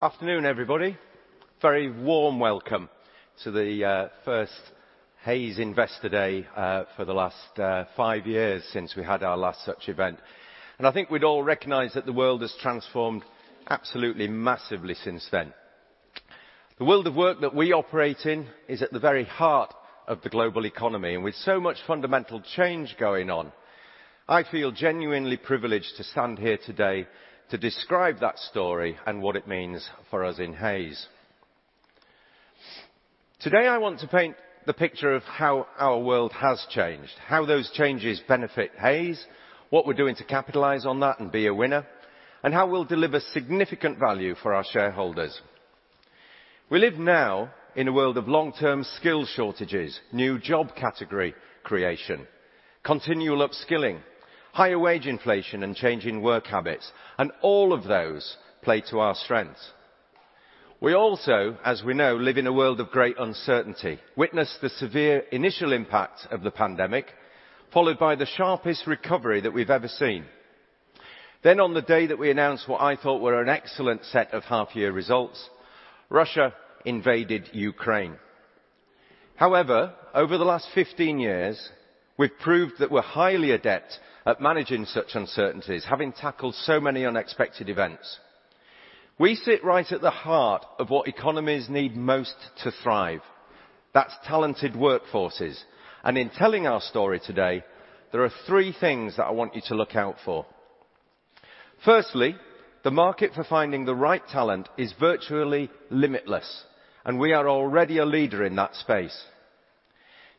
Afternoon, everybody. Very warm welcome to the first Hays Investor Day for the last five years since we had our last such event. I think we'd all recognize that the world has transformed absolutely massively since then. The world of work that we operate in is at the very heart of the global economy. With so much fundamental change going on, I feel genuinely privileged to stand here today to describe that story and what it means for us in Hays. Today, I want to paint the picture of how our world has changed, how those changes benefit Hays, what we're doing to capitalize on that and be a winner, and how we'll deliver significant value for our shareholders. We live now in a world of long-term skill shortages, new job category creation, continual upskilling, higher wage inflation, and changing work habits, and all of those play to our strengths. We also, as we know, live in a world of great uncertainty. Witness the severe initial impact of the pandemic, followed by the sharpest recovery that we've ever seen. Then on the day that we announced what I thought were an excellent set of half-year results, Russia invaded Ukraine. However, over the last 15 years, we've proved that we're highly adept at managing such uncertainties, having tackled so many unexpected events. We sit right at the heart of what economies need most to thrive. That's talented workforces. In telling our story today, there are three things that I want you to look out for. Firstly, the market for finding the right talent is virtually limitless, and we are already a leader in that space.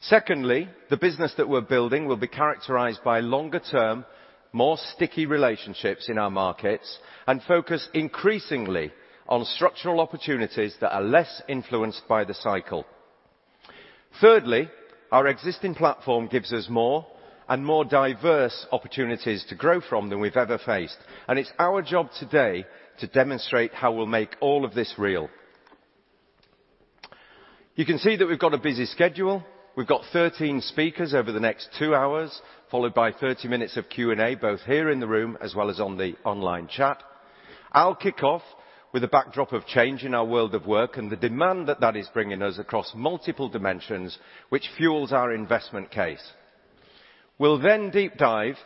Secondly, the business that we're building will be characterized by longer-term, more sticky relationships in our markets and focus increasingly on structural opportunities that are less influenced by the cycle. Thirdly, our existing platform gives us more and more diverse opportunities to grow from than we've ever faced, and it's our job today to demonstrate how we'll make all of this real. You can see that we've got a busy schedule. We've got 13 speakers over the next two hours, followed by 30 minutes of Q&A, both here in the room as well as on the online chat. I'll kick off with a backdrop of change in our world of work and the demand that that is bringing us across multiple dimensions, which fuels our investment case. We'll then deep dive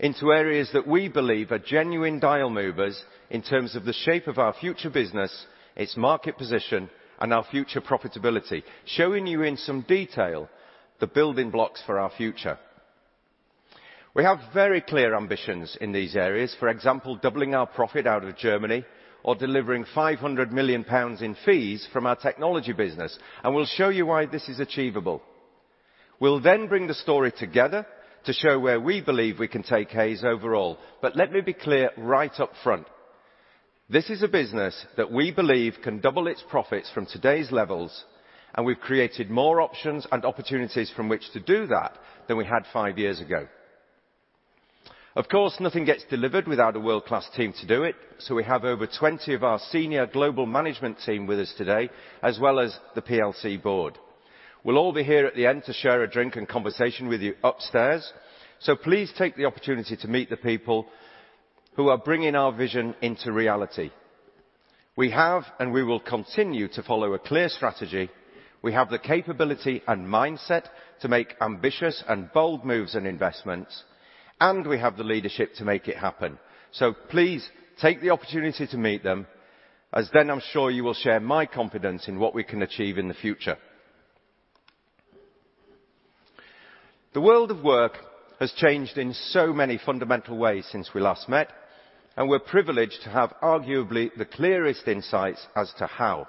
into areas that we believe are genuine dial movers in terms of the shape of our future business, its market position, and our future profitability, showing you in some detail the building blocks for our future. We have very clear ambitions in these areas, for example, doubling our profit out of Germany or delivering 500 million pounds in fees from our technology business, and we'll show you why this is achievable. We'll then bring the story together to show where we believe we can take Hays overall. Let me be clear right up front. This is a business that we believe can double its profits from today's levels, and we've created more options and opportunities from which to do that than we had five years ago. Of course, nothing gets delivered without a world-class team to do it, so we have over 20 of our senior global management team with us today, as well as the PLC board. We'll all be here at the end to share a drink and conversation with you upstairs, so please take the opportunity to meet the people who are bringing our vision into reality. We have, and we will continue to follow a clear strategy. We have the capability and mindset to make ambitious and bold moves and investments, and we have the leadership to make it happen. Please take the opportunity to meet them and then I'm sure you will share my confidence in what we can achieve in the future. The world of work has changed in so many fundamental ways since we last met, and we're privileged to have arguably the clearest insights as to how?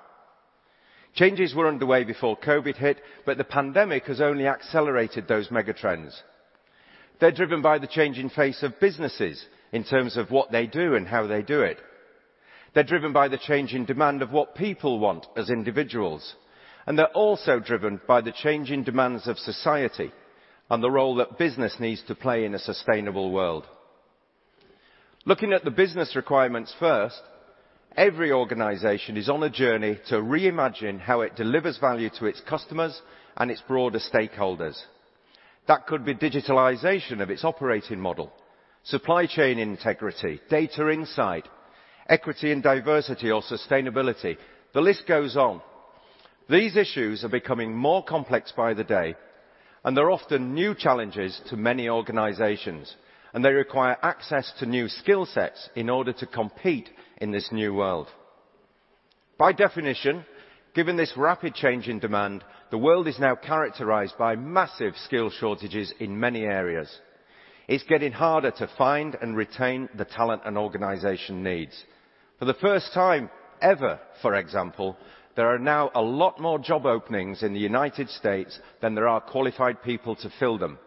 Changes were underway before COVID hit, but the pandemic has only accelerated those mega trends. They're driven by the changing face of businesses in terms of what they do and how they do it. They're driven by the changing demand of what people want as individuals, and they're also driven by the changing demands of society and the role that business needs to play in a sustainable world. Looking at the business requirements first, every organization is on a journey to reimagine how it delivers value to its customers and its broader stakeholders. That could be digitalization of its operating model, supply chain integrity, data insight, equity and diversity, or sustainability. The list goes on. These issues are becoming more complex by the day, and they're often new challenges to many organizations, and they require access to new skill sets in order to compete in this new world. By definition, given this rapid change in demand, the world is now characterized by massive skill shortages in many areas. It's getting harder to find and retain the talent an organization needs. For the first time ever, for example, there are now a lot more job openings in the United States than there are qualified people to fill them.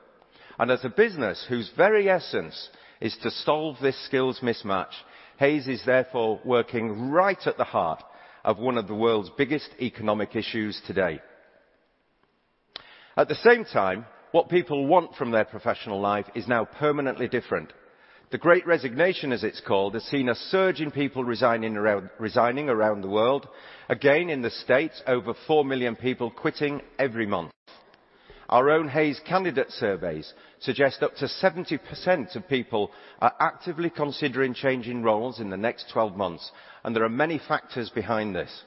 As a business whose very essence is to solve this skills mismatch, Hays is therefore working right at the heart of one of the world's biggest economic issues today. At the same time, what people want from their professional life is now permanently different. The Great Resignation, as it's called, has seen a surge in people resigning around the world. Again, in the States, over 4 million people quitting every month. Our own Hays candidate surveys suggest up to 70% of people are actively considering changing roles in the next 12 months, and there are many factors behind this.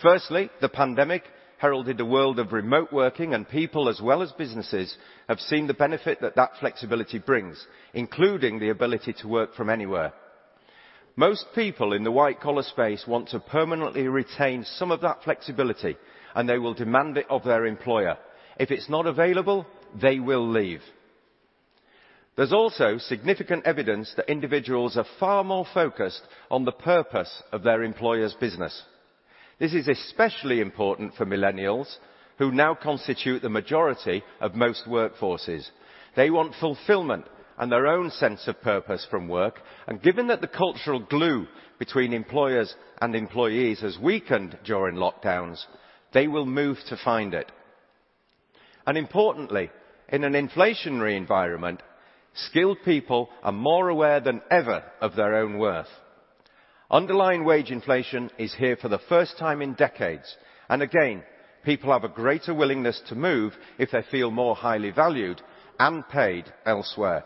Firstly, the pandemic heralded a world of remote working and people as well as businesses have seen the benefit that that flexibility brings, including the ability to work from anywhere. Most people in the white-collar space want to permanently retain some of that flexibility, and they will demand it of their employer. If it's not available, they will leave. There's also significant evidence that individuals are far more focused on the purpose of their employer's business. This is especially important for millennials who now constitute the majority of most workforces. They want fulfillment and their own sense of purpose from work, and given that the cultural glue between employers and employees has weakened during lockdowns, they will move to find it. Importantly, in an inflationary environment, skilled people are more aware than ever of their own worth. Underlying wage inflation is here for the first time in decades, and again, people have a greater willingness to move if they feel more highly valued and paid elsewhere.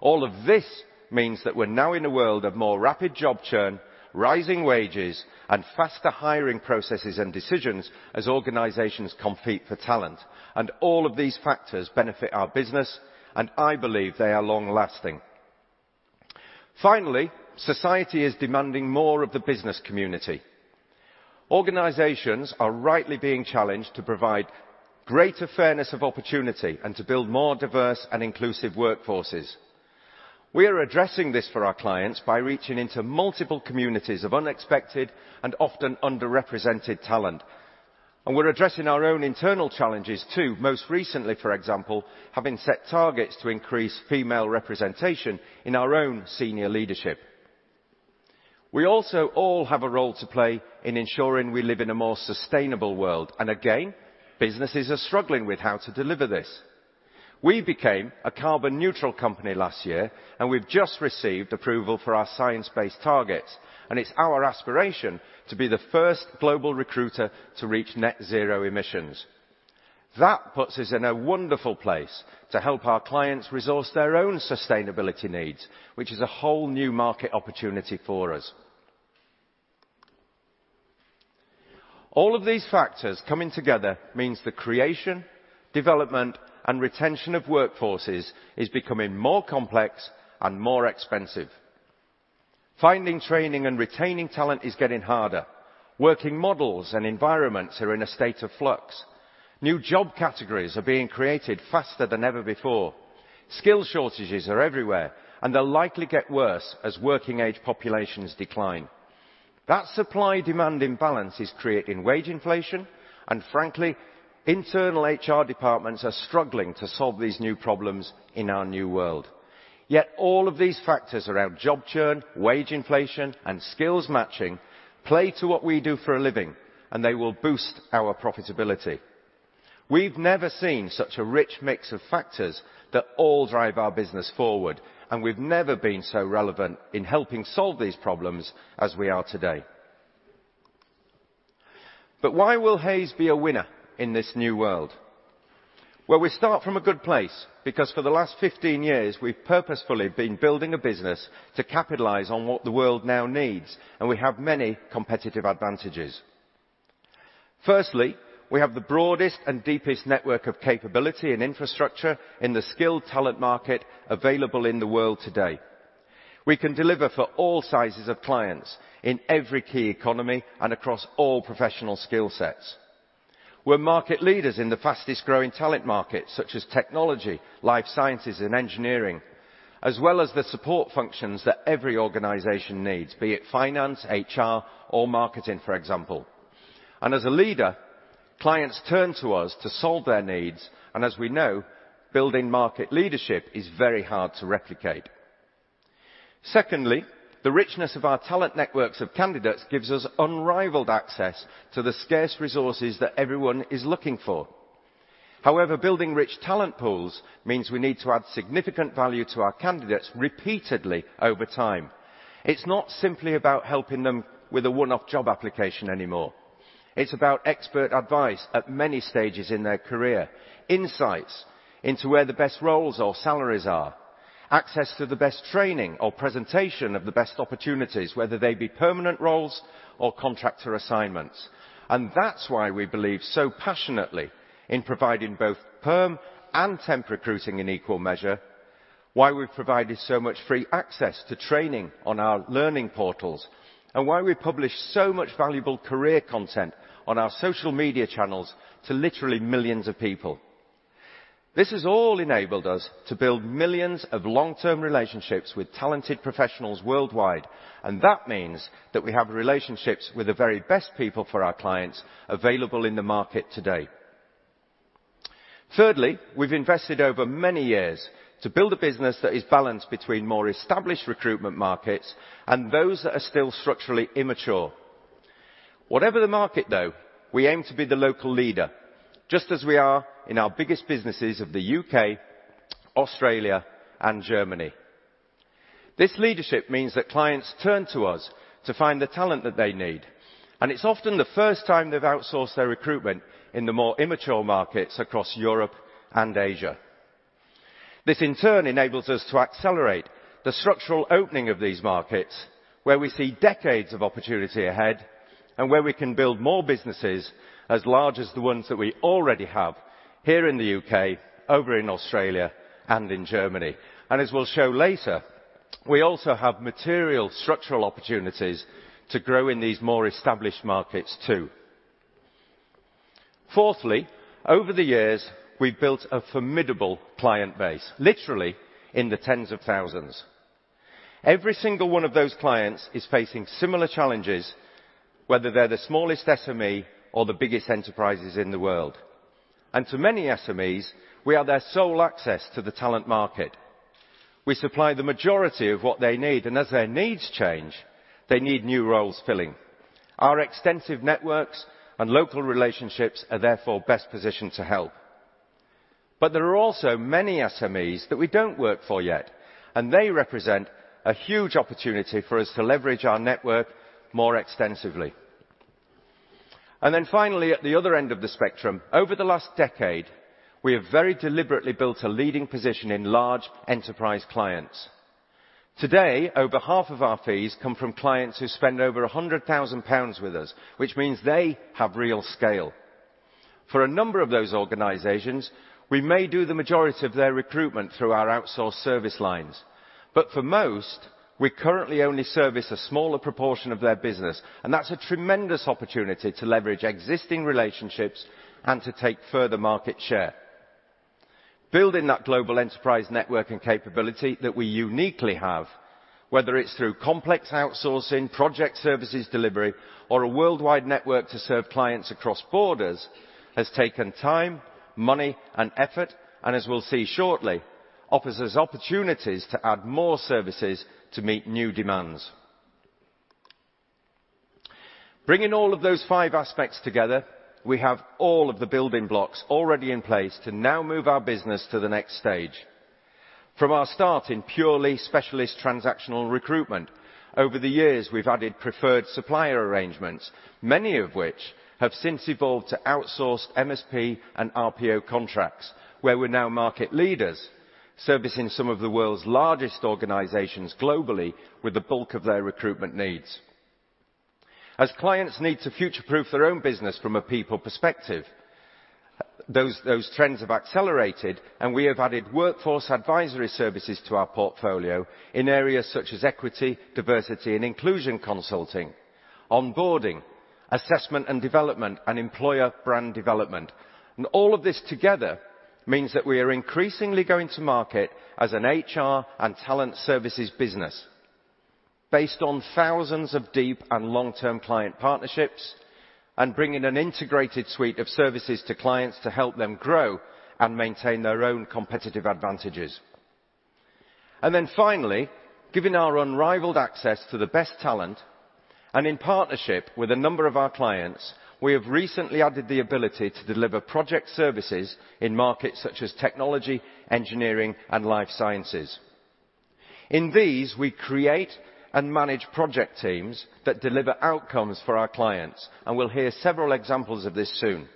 All of this means that we're now in a world of more rapid job churn, rising wages, and faster hiring processes and decisions as organizations compete for talent. All of these factors benefit our business, and I believe they are long-lasting. Finally, society is demanding more of the business community. Organizations are rightly being challenged to provide greater fairness of opportunity and to build more diverse and inclusive workforces. We are addressing this for our clients by reaching into multiple communities of unexpected and often underrepresented talent. We're addressing our own internal challenges too. Most recently, for example, having set targets to increase female representation in our own senior leadership. We also all have a role to play in ensuring we live in a more sustainable world. Again, businesses are struggling with how to deliver this. We became a carbon neutral company last year, and we've just received approval for our science-based targets, and it's our aspiration to be the first global recruiter to reach net zero emissions. That puts us in a wonderful place to help our clients resource their own sustainability needs, which is a whole new market opportunity for us. All of these factors coming together means the creation, development, and retention of workforces is becoming more complex and more expensive. Finding training and retaining talent is getting harder. Working models and environments are in a state of flux. New job categories are being created faster than ever before. Skill shortages are everywhere, and they'll likely get worse as working age populations decline. That supply-demand imbalance is creating wage inflation, and frankly, internal HR departments are struggling to solve these new problems in our new world. Yet all of these factors around job churn, wage inflation, and skills matching play to what we do for a living, and they will boost our profitability. We've never seen such a rich mix of factors that all drive our business forward, and we've never been so relevant in helping solve these problems as we are today. Why will Hays be a winner in this new world? Well, we start from a good place because for the last 15 years, we've purposefully been building a business to capitalize on what the world now needs, and we have many competitive advantages. Firstly, we have the broadest and deepest network of capability and infrastructure in the skilled talent market available in the world today. We can deliver for all sizes of clients in every key economy and across all professional skill sets. We're market leaders in the fastest-growing talent markets such as technology, life sciences, and engineering, as well as the support functions that every organization needs, be it finance, HR, or marketing, for example. As a leader, clients turn to us to solve their needs, and as we know, building market leadership is very hard to replicate. Secondly, the richness of our talent networks of candidates gives us unrivaled access to the scarce resources that everyone is looking for. However, building rich talent pools means we need to add significant value to our candidates repeatedly over time. It's not simply about helping them with a one-off job application anymore. It's about expert advice at many stages in their career, insights into where the best roles or salaries are, access to the best training or presentation of the best opportunities, whether they be permanent roles or contractor assignments. That's why we believe so passionately in providing both perm and temp recruiting in equal measure, why we've provided so much free access to training on our learning portals, and why we publish so much valuable career content on our social media channels to literally millions of people. This has all enabled us to build millions of long-term relationships with talented professionals worldwide, and that means that we have relationships with the very best people for our clients available in the market today. Thirdly, we've invested over many years to build a business that is balanced between more established recruitment markets and those that are still structurally immature. Whatever the market though, we aim to be the local leader, just as we are in our biggest businesses of the U.K., Australia, and Germany. This leadership means that clients turn to us to find the talent that they need, and it's often the first time they've outsourced their recruitment in the more immature markets across Europe and Asia. This, in turn, enables us to accelerate the structural opening of these markets, where we see decades of opportunity ahead and where we can build more businesses as large as the ones that we already have here in the U.K., over in Australia, and in Germany. As we'll show later, we also have material structural opportunities to grow in these more established markets too. Fourthly, over the years, we've built a formidable client base, literally in the tens of thousands. Every single one of those clients is facing similar challenges, whether they're the smallest SME or the biggest enterprises in the world. To many SMEs, we are their sole access to the talent market. We supply the majority of what they need, and as their needs change, they need new roles filling. Our extensive networks and local relationships are therefore best positioned to help. There are also many SMEs that we don't work for yet, and they represent a huge opportunity for us to leverage our network more extensively. Then finally, at the other end of the spectrum, over the last decade, we have very deliberately built a leading position in large enterprise clients. Today, over half of our fees come from clients who spend over 100,000 pounds with us, which means they have real scale. For a number of those organizations, we may do the majority of their recruitment through our outsourced service lines, but for most, we currently only service a smaller proportion of their business, and that's a tremendous opportunity to leverage existing relationships and to take further market share. Building that global enterprise network and capability that we uniquely have, whether it's through complex outsourcing, project services delivery, or a worldwide network to serve clients across borders, has taken time, money and effort, and as we'll see shortly, offers us opportunities to add more services to meet new demands. Bringing all of those five aspects together, we have all of the building blocks already in place to now move our business to the next stage. From our start in purely specialist transactional recruitment, over the years we've added preferred supplier arrangements, many of which have since evolved to outsourced MSP and RPO contracts, where we're now market leaders, servicing some of the world's largest organizations globally with the bulk of their recruitment needs. As clients need to future-proof their own business from a people perspective, those trends have accelerated and we have added workforce advisory services to our portfolio in areas such as equity, diversity and inclusion consulting, onboarding, assessment and development, and employer brand development. All of this together means that we are increasingly going to market as an HR and talent services business based on thousands of deep and long-term client partnerships and bringing an integrated suite of services to clients to help them grow and maintain their own competitive advantages. Finally, given our unrivaled access to the best talent, and in partnership with a number of our clients, we have recently added the ability to deliver project services in markets such as technology, engineering, and life sciences. In these, we create and manage project teams that deliver outcomes for our clients, and we'll hear several examples of this soon.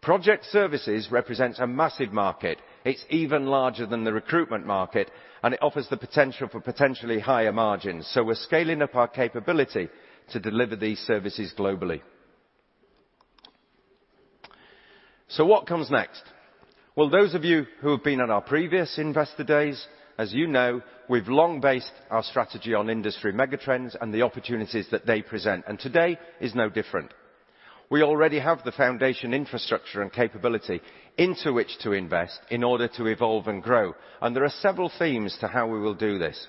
Project services represents a massive market. It's even larger than the recruitment market, and it offers the potential for potentially higher margins. We're scaling up our capability to deliver these services globally. What comes next? Well, those of you who have been on our previous investor days, as you know, we've long based our strategy on industry megatrends and the opportunities that they present, and today is no different. We already have the foundation, infrastructure, and capability into which to invest in order to evolve and grow, and there are several themes to how we will do this.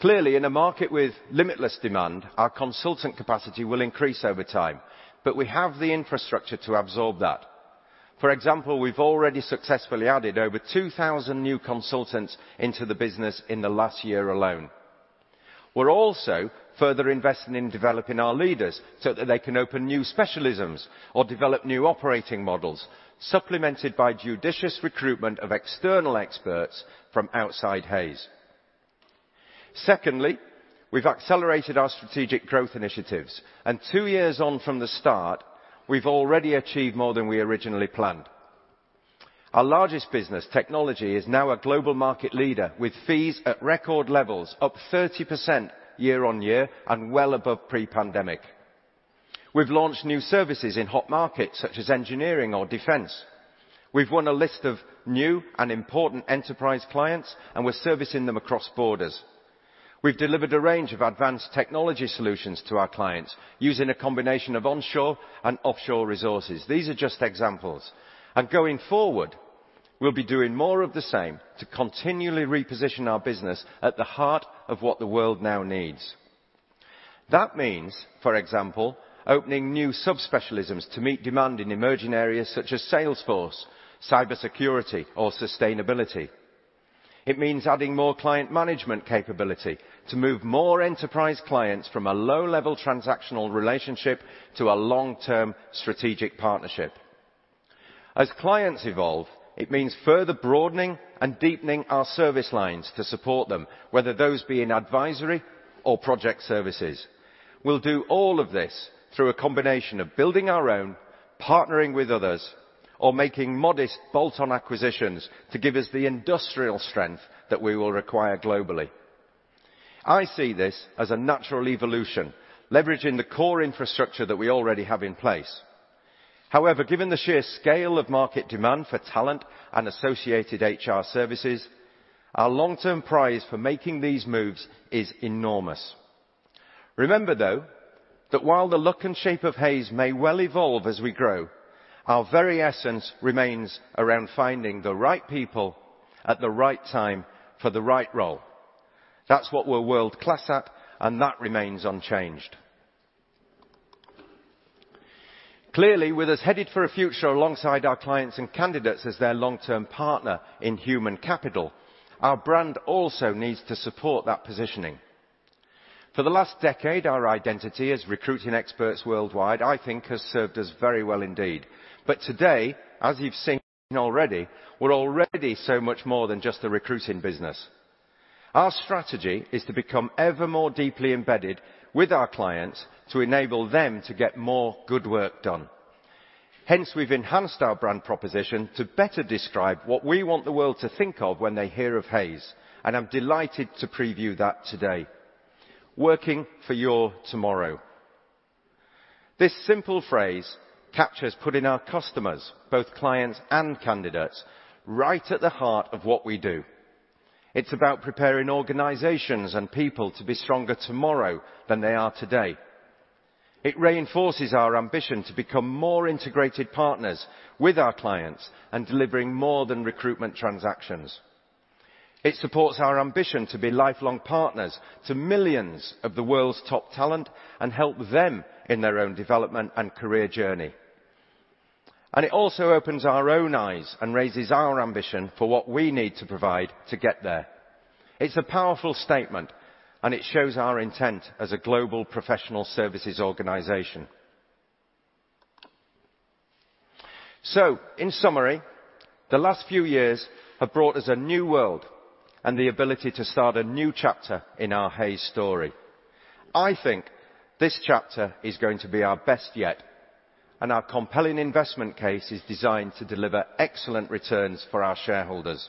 Clearly, in a market with limitless demand, our consultant capacity will increase over time, but we have the infrastructure to absorb that. For example, we've already successfully added over 2,000 new consultants into the business in the last year alone. We're also further investing in developing our leaders so that they can open new specialisms or develop new operating models, supplemented by judicious recruitment of external experts from outside Hays. Secondly, we've accelerated our strategic growth initiatives, and two years on from the start, we've already achieved more than we originally planned. Our largest business, technology, is now a global market leader with fees at record levels up 30% year-on-year and well above pre-pandemic. We've launched new services in hot markets such as engineering or defense. We've won a list of new and important enterprise clients, and we're servicing them across borders. We've delivered a range of advanced technology solutions to our clients using a combination of onshore and offshore resources. These are just examples, and going forward, we'll be doing more of the same to continually reposition our business at the heart of what the world now needs. That means, for example, opening new subspecialisms to meet demand in emerging areas such as Salesforce, cybersecurity, or sustainability. It means adding more client management capability to move more enterprise clients from a low-level transactional relationship to a long-term strategic partnership. As clients evolve, it means further broadening and deepening our service lines to support them, whether those be in advisory or project services. We'll do all of this through a combination of building our own, partnering with others, or making modest bolt-on acquisitions to give us the industrial strength that we will require globally. I see this as a natural evolution, leveraging the core infrastructure that we already have in place. However, given the sheer scale of market demand for talent and associated HR services, our long-term prize for making these moves is enormous. Remember, though, that while the look and shape of Hays may well evolve as we grow, our very essence remains around finding the right people at the right time for the right role. That's what we're world-class at, and that remains unchanged. Clearly, with us headed for a future alongside our clients and candidates as their long-term partner in human capital, our brand also needs to support that positioning. For the last decade, our identity as recruiting experts worldwide, I think, has served us very well indeed. But today, as you've seen already, we're already so much more than just a recruiting business. Our strategy is to become ever more deeply embedded with our clients to enable them to get more good work done. Hence, we've enhanced our brand proposition to better describe what we want the world to think of when they hear of Hays, and I'm delighted to preview that today. Working for your tomorrow. This simple phrase captures putting our customers, both clients and candidates, right at the heart of what we do. It's about preparing organizations and people to be stronger tomorrow than they are today. It reinforces our ambition to become more integrated partners with our clients and delivering more than recruitment transactions. It supports our ambition to be lifelong partners to millions of the world's top talent and help them in their own development and career journey. It also opens our own eyes and raises our ambition for what we need to provide to get there. It's a powerful statement, and it shows our intent as a global professional services organization. In summary, the last few years have brought us a new world and the ability to start a new chapter in our Hays story. I think this chapter is going to be our best yet, and our compelling investment case is designed to deliver excellent returns for our shareholders.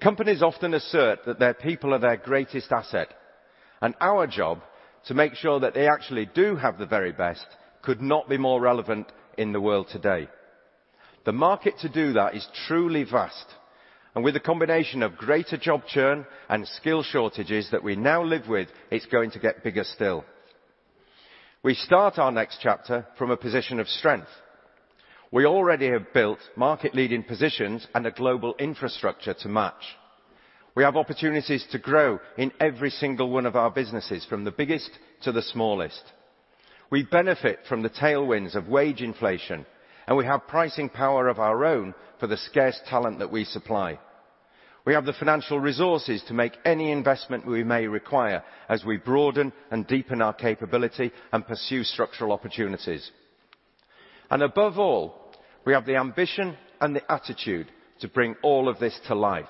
Companies often assert that their people are their greatest asset, and our job to make sure that they actually do have the very best could not be more relevant in the world today. The market to do that is truly vast, and with a combination of greater job churn and skill shortages that we now live with, it's going to get bigger still. We start our next chapter from a position of strength. We already have built market-leading positions and a global infrastructure to match. We have opportunities to grow in every single one of our businesses, from the biggest to the smallest. We benefit from the tailwinds of wage inflation, and we have pricing power of our own for the scarce talent that we supply. We have the financial resources to make any investment we may require as we broaden and deepen our capability and pursue structural opportunities. Above all, we have the ambition and the attitude to bring all of this to life.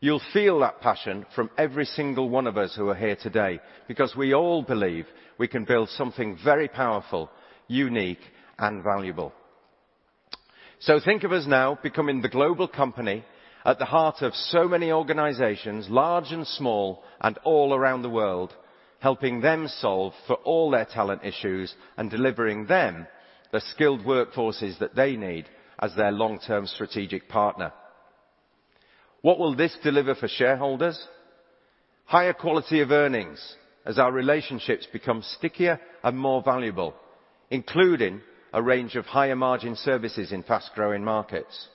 You'll feel that passion from every single one of us who are here today because we all believe we can build something very powerful, unique, and valuable. Think of us now becoming the global company at the heart of so many organizations, large and small, and all around the world, helping them solve for all their talent issues and delivering them the skilled workforces that they need as their long-term strategic partner. What will this deliver for shareholders? Higher quality of earnings as our relationships become stickier and more valuable, including a range of higher margin services in fast-growing markets.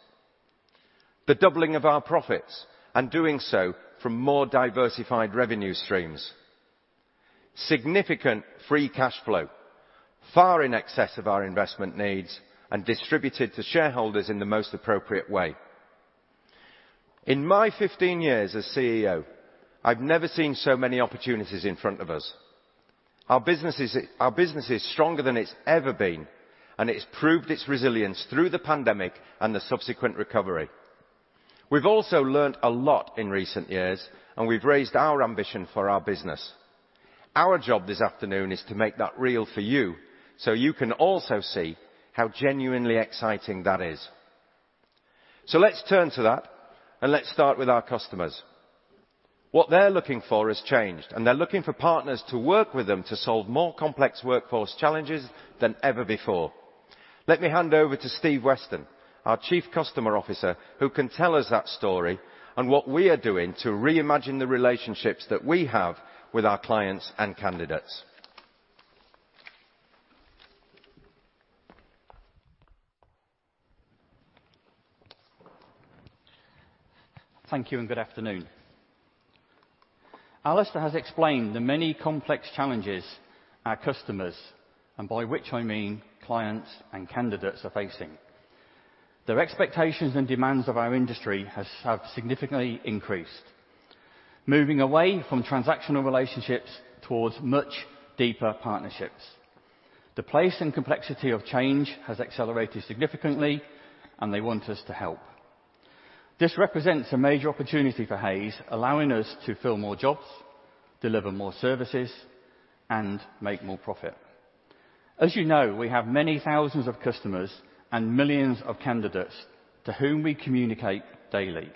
The doubling of our profits and doing so from more diversified revenue streams. Significant free cash flow, far in excess of our investment needs, and distributed to shareholders in the most appropriate way. In my 15 years as CEO, I've never seen so many opportunities in front of us. Our business is stronger than it's ever been, and it's proved its resilience through the pandemic and the subsequent recovery. We've also learned a lot in recent years, and we've raised our ambition for our business. Our job this afternoon is to make that real for you so you can also see how genuinely exciting that is. Let's turn to that, and let's start with our customers. What they're looking for has changed, and they're looking for partners to work with them to solve more complex workforce challenges than ever before. Let me hand over to Steve Weston, our Chief Customer Officer, who can tell us that story on what we are doing to reimagine the relationships that we have with our clients and candidates. Thank you and good afternoon. Alistair has explained the many complex challenges our customers, and by which I mean clients and candidates, are facing. Their expectations and demands of our industry have significantly increased. Moving away from transactional relationships towards much deeper partnerships. The pace and complexity of change has accelerated significantly, and they want us to help. This represents a major opportunity for Hays, allowing us to fill more jobs, deliver more services, and make more profit. As you know, we have many thousands of customers and millions of candidates to whom we communicate daily.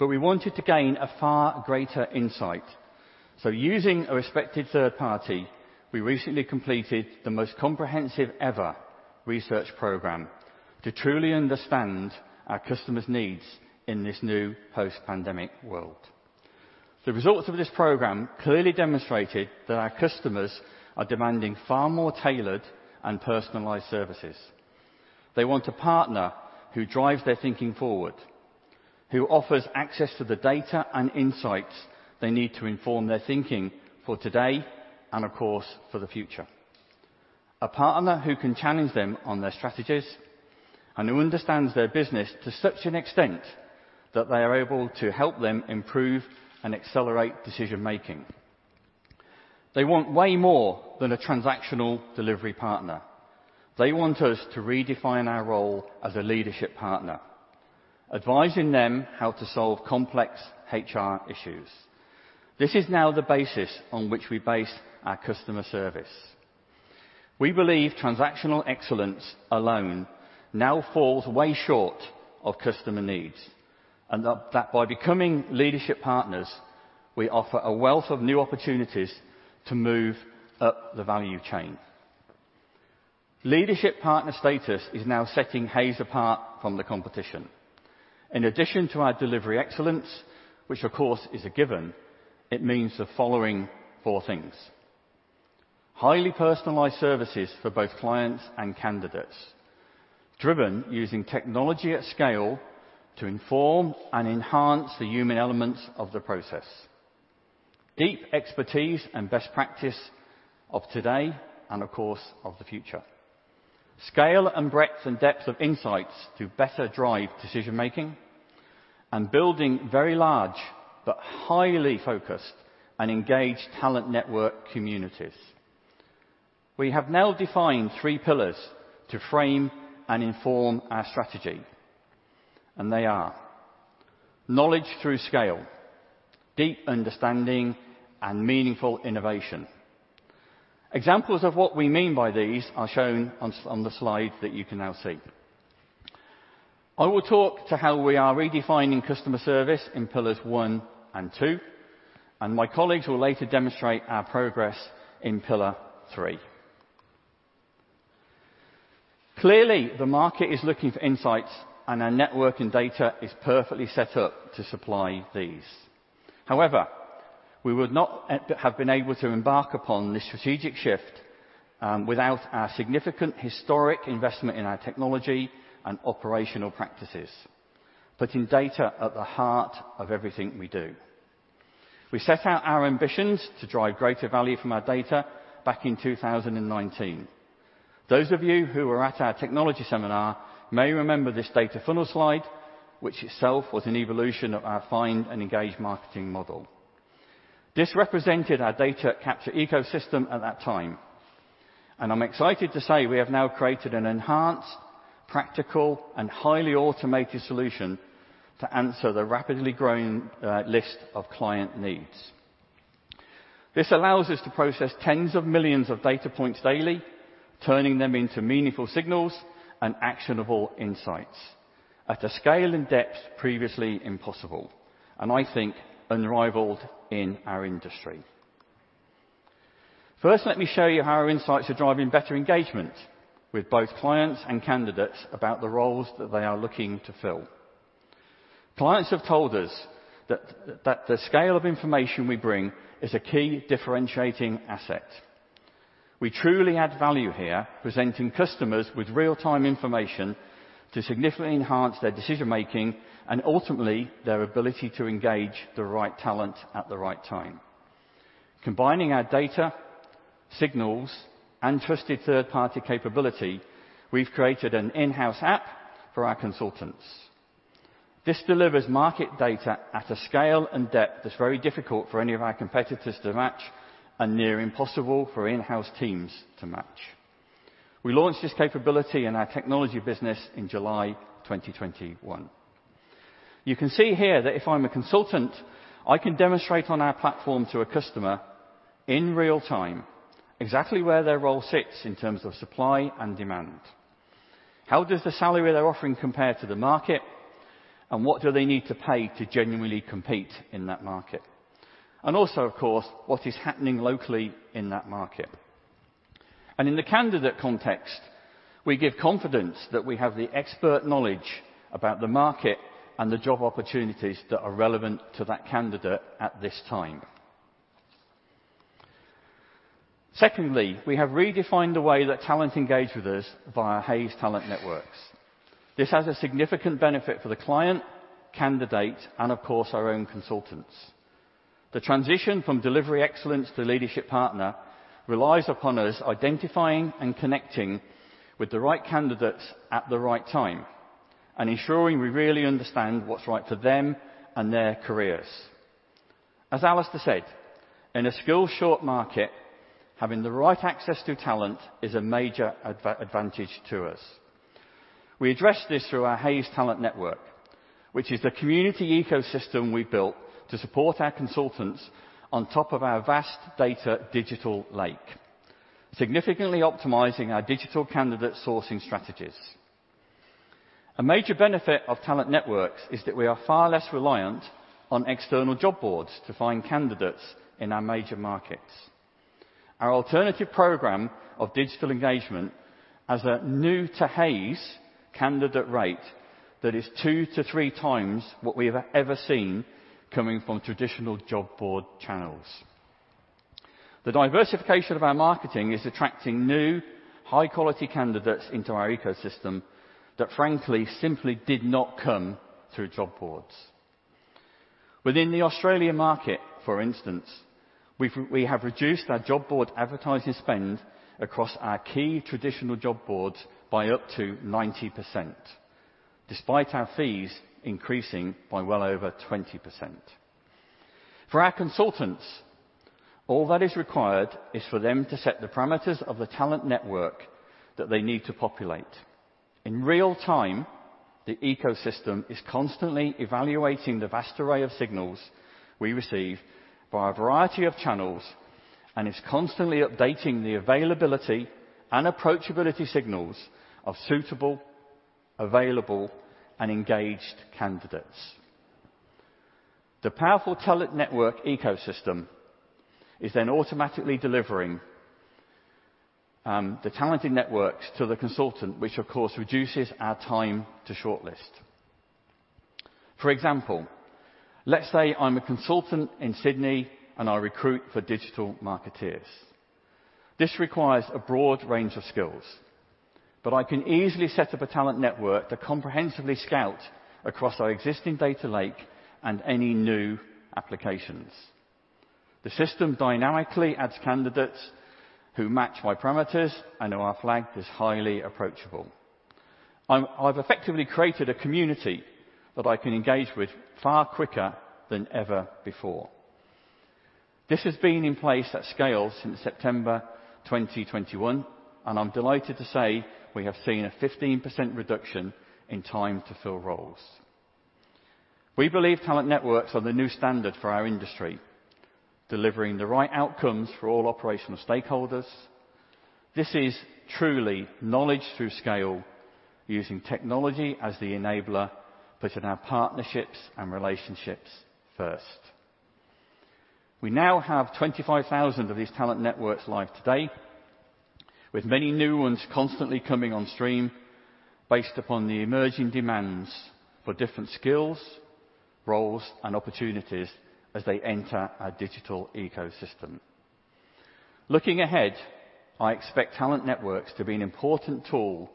We wanted to gain a far greater insight. Using a respected third party, we recently completed the most comprehensive ever research program to truly understand our customers' needs in this new post-pandemic world. The results of this program clearly demonstrated that our customers are demanding far more tailored and personalized services. They want a partner who drives their thinking forward, who offers access to the data and insights they need to inform their thinking for today and, of course, for the future. A partner who can challenge them on their strategies and who understands their business to such an extent that they are able to help them improve and accelerate decision-making. They want way more than a transactional delivery partner. They want us to redefine our role as a leadership partner, advising them how to solve complex HR issues. This is now the basis on which we base our customer service. We believe transactional excellence alone now falls way short of customer needs, and that by becoming leadership partners, we offer a wealth of new opportunities to move up the value chain. Leadership partner status is now setting Hays apart from the competition. In addition to our delivery excellence, which of course is a given, it means the following four things, highly personalized services for both clients and candidates, driven using technology at scale to inform and enhance the human elements of the process, deep expertise and best practice of today and of course of the future, scale and breadth and depth of insights to better drive decision-making, and building very large but highly focused and engaged talent network communities. We have now defined three pillars to frame and inform our strategy, and they are knowledge through scale, deep understanding, and meaningful innovation. Examples of what we mean by these are shown on the slide that you can now see. I will talk to how we are redefining customer service in pillars one and two, and my colleagues will later demonstrate our progress in pillar three. Clearly, the market is looking for insights, and our network and data is perfectly set up to supply these. However, we would not have been able to embark upon this strategic shift without our significant historic investment in our technology and operational practices, putting data at the heart of everything we do. We set out our ambitions to drive greater value from our data back in 2019. Those of you who were at our technology seminar may remember this data funnel slide, which itself was an evolution of our find and engage marketing model. This represented our data capture ecosystem at that time. I'm excited to say we have now created an enhanced, practical, and highly automated solution to answer the rapidly growing list of client needs. This allows us to process tens of millions of data points daily, turning them into meaningful signals and actionable insights at a scale and depth previously impossible, and I think unrivaled in our industry. First, let me show you how our insights are driving better engagement with both clients and candidates about the roles that they are looking to fill. Clients have told us that the scale of information we bring is a key differentiating asset. We truly add value here, presenting customers with real-time information to significantly enhance their decision-making and ultimately their ability to engage the right talent at the right time. Combining our data, signals, and trusted third-party capability, we've created an in-house app for our consultants. This delivers market data at a scale and depth that's very difficult for any of our competitors to match and near impossible for in-house teams to match. We launched this capability in our technology business in July 2021. You can see here that if I'm a consultant, I can demonstrate on our platform to a customer in real time exactly where their role sits in terms of supply and demand. How does the salary they're offering compare to the market, and what do they need to pay to genuinely compete in that market? And also, of course, what is happening locally in that market. In the candidate context, we give confidence that we have the expert knowledge about the market and the job opportunities that are relevant to that candidate at this time. Secondly, we have redefined the way that talent engage with us via Hays Talent Networks. This has a significant benefit for the client, candidate, and of course, our own consultants. The transition from delivery excellence to leadership partner relies upon us identifying and connecting with the right candidates at the right time. Ensuring we really understand what's right for them and their careers. As Alistair said, in a skills-short market, having the right access to talent is a major advantage to us. We address this through our Hays Talent Network, which is the community ecosystem we built to support our consultants on top of our vast digital data lake, significantly optimizing our digital candidate sourcing strategies. A major benefit of Talent Networks is that we are far less reliant on external job boards to find candidates in our major markets. Our alternative program of digital engagement has a new-to-Hays candidate rate that is two to three times what we have ever seen coming from traditional job board channels. The diversification of our marketing is attracting new, high-quality candidates into our ecosystem that frankly simply did not come through job boards. Within the Australian market, for instance, we have reduced our job board advertising spend across our key traditional job boards by up to 90% despite our fees increasing by well over 20%. For our consultants, all that is required is for them to set the parameters of the talent network that they need to populate. In real time, the ecosystem is constantly evaluating the vast array of signals we receive via a variety of channels and is constantly updating the availability and approachability signals of suitable, available, and engaged candidates. The powerful Talent Networks ecosystem is then automatically delivering the Talent Networks to the consultant, which of course reduces our time to shortlist. For example, let's say I'm a consultant in Sydney and I recruit for digital marketeers. This requires a broad range of skills, but I can easily set up a Talent Network to comprehensively scout across our existing data lake and any new applications. The system dynamically adds candidates who match my parameters and who are flagged as highly approachable. I've effectively created a community that I can engage with far quicker than ever before. This has been in place at scale since September 2021, and I'm delighted to say we have seen a 15% reduction in time to fill roles. We believe Talent Networks are the new standard for our industry, delivering the right outcomes for all operational stakeholders. This is truly knowledge through scale using technology as the enabler, putting our partnerships and relationships first. We now have 25,000 of these Talent Networks live today, with many new ones constantly coming on stream based upon the emerging demands for different skills, roles, and opportunities as they enter our digital ecosystem. Looking ahead, I expect Talent Networks to be an important tool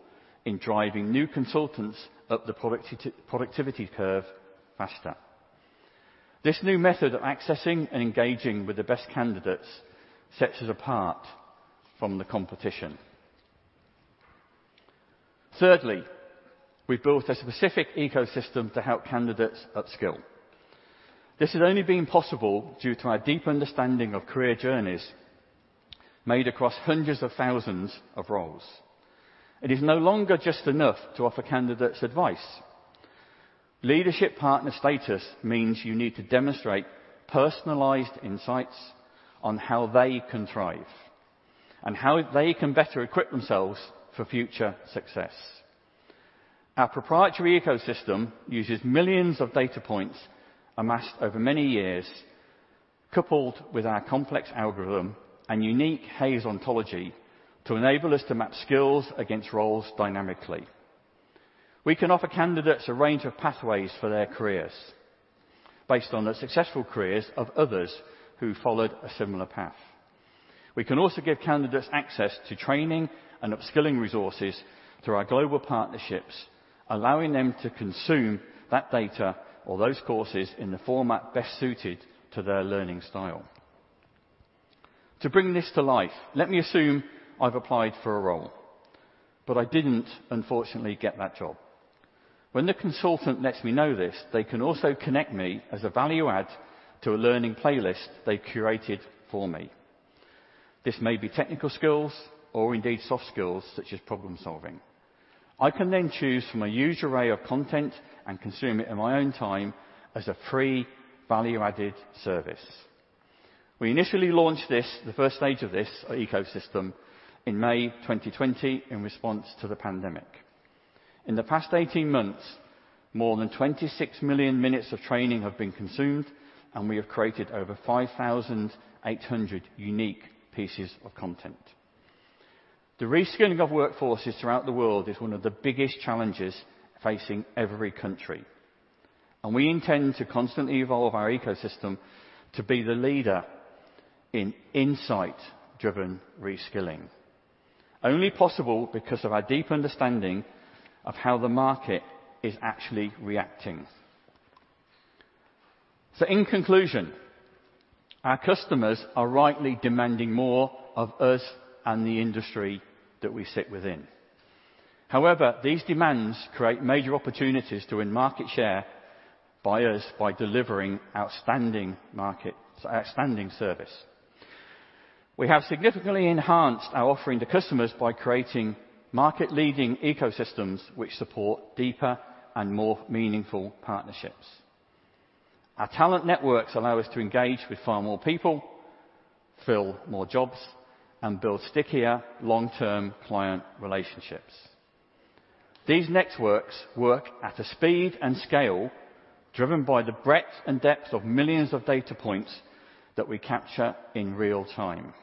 in driving new consultants up the productivity curve faster. This new method of accessing and engaging with the best candidates sets us apart from the competition. Thirdly, we built a specific ecosystem to help candidates upskill. This has only been possible due to our deep understanding of career journeys made across hundreds of thousands of roles. It is no longer just enough to offer candidates advice. Leadership partner status means you need to demonstrate personalized insights on how they can thrive and how they can better equip themselves for future success. Our proprietary ecosystem uses millions of data points amassed over many years, coupled with our complex algorithm and unique Hays ontology to enable us to map skills against roles dynamically. We can offer candidates a range of pathways for their careers based on the successful careers of others who followed a similar path. We can also give candidates access to training and upskilling resources through our global partnerships, allowing them to consume that data or those courses in the format best suited to their learning style. To bring this to life, let me assume I've applied for a role, but I didn't unfortunately get that job. When the consultant lets me know this, they can also connect me as a value add to a learning playlist they curated for me. This may be technical skills or indeed soft skills such as problem-solving. I can then choose from a huge array of content and consume it in my own time as a free value-added service. We initially launched this, the first stage of this ecosystem, in May 2020 in response to the pandemic. In the past 18 months, more than 26 million minutes of training have been consumed, and we have created over 5,800 unique pieces of content. The reskilling of workforces throughout the world is one of the biggest challenges facing every country, and we intend to constantly evolve our ecosystem to be the leader in insight-driven reskilling. Only possible because of our deep understanding of how the market is actually reacting. In conclusion, our customers are rightly demanding more of us and the industry that we sit within. However, these demands create major opportunities to win market share by us by delivering outstanding market, outstanding service. We have significantly enhanced our offering to customers by creating market-leading ecosystems which support deeper and more meaningful partnerships. Our Talent Networks allow us to engage with far more people, fill more jobs, and build stickier long-term client relationships. These networks work at a speed and scale driven by the breadth and depth of millions of data points that we capture in real time.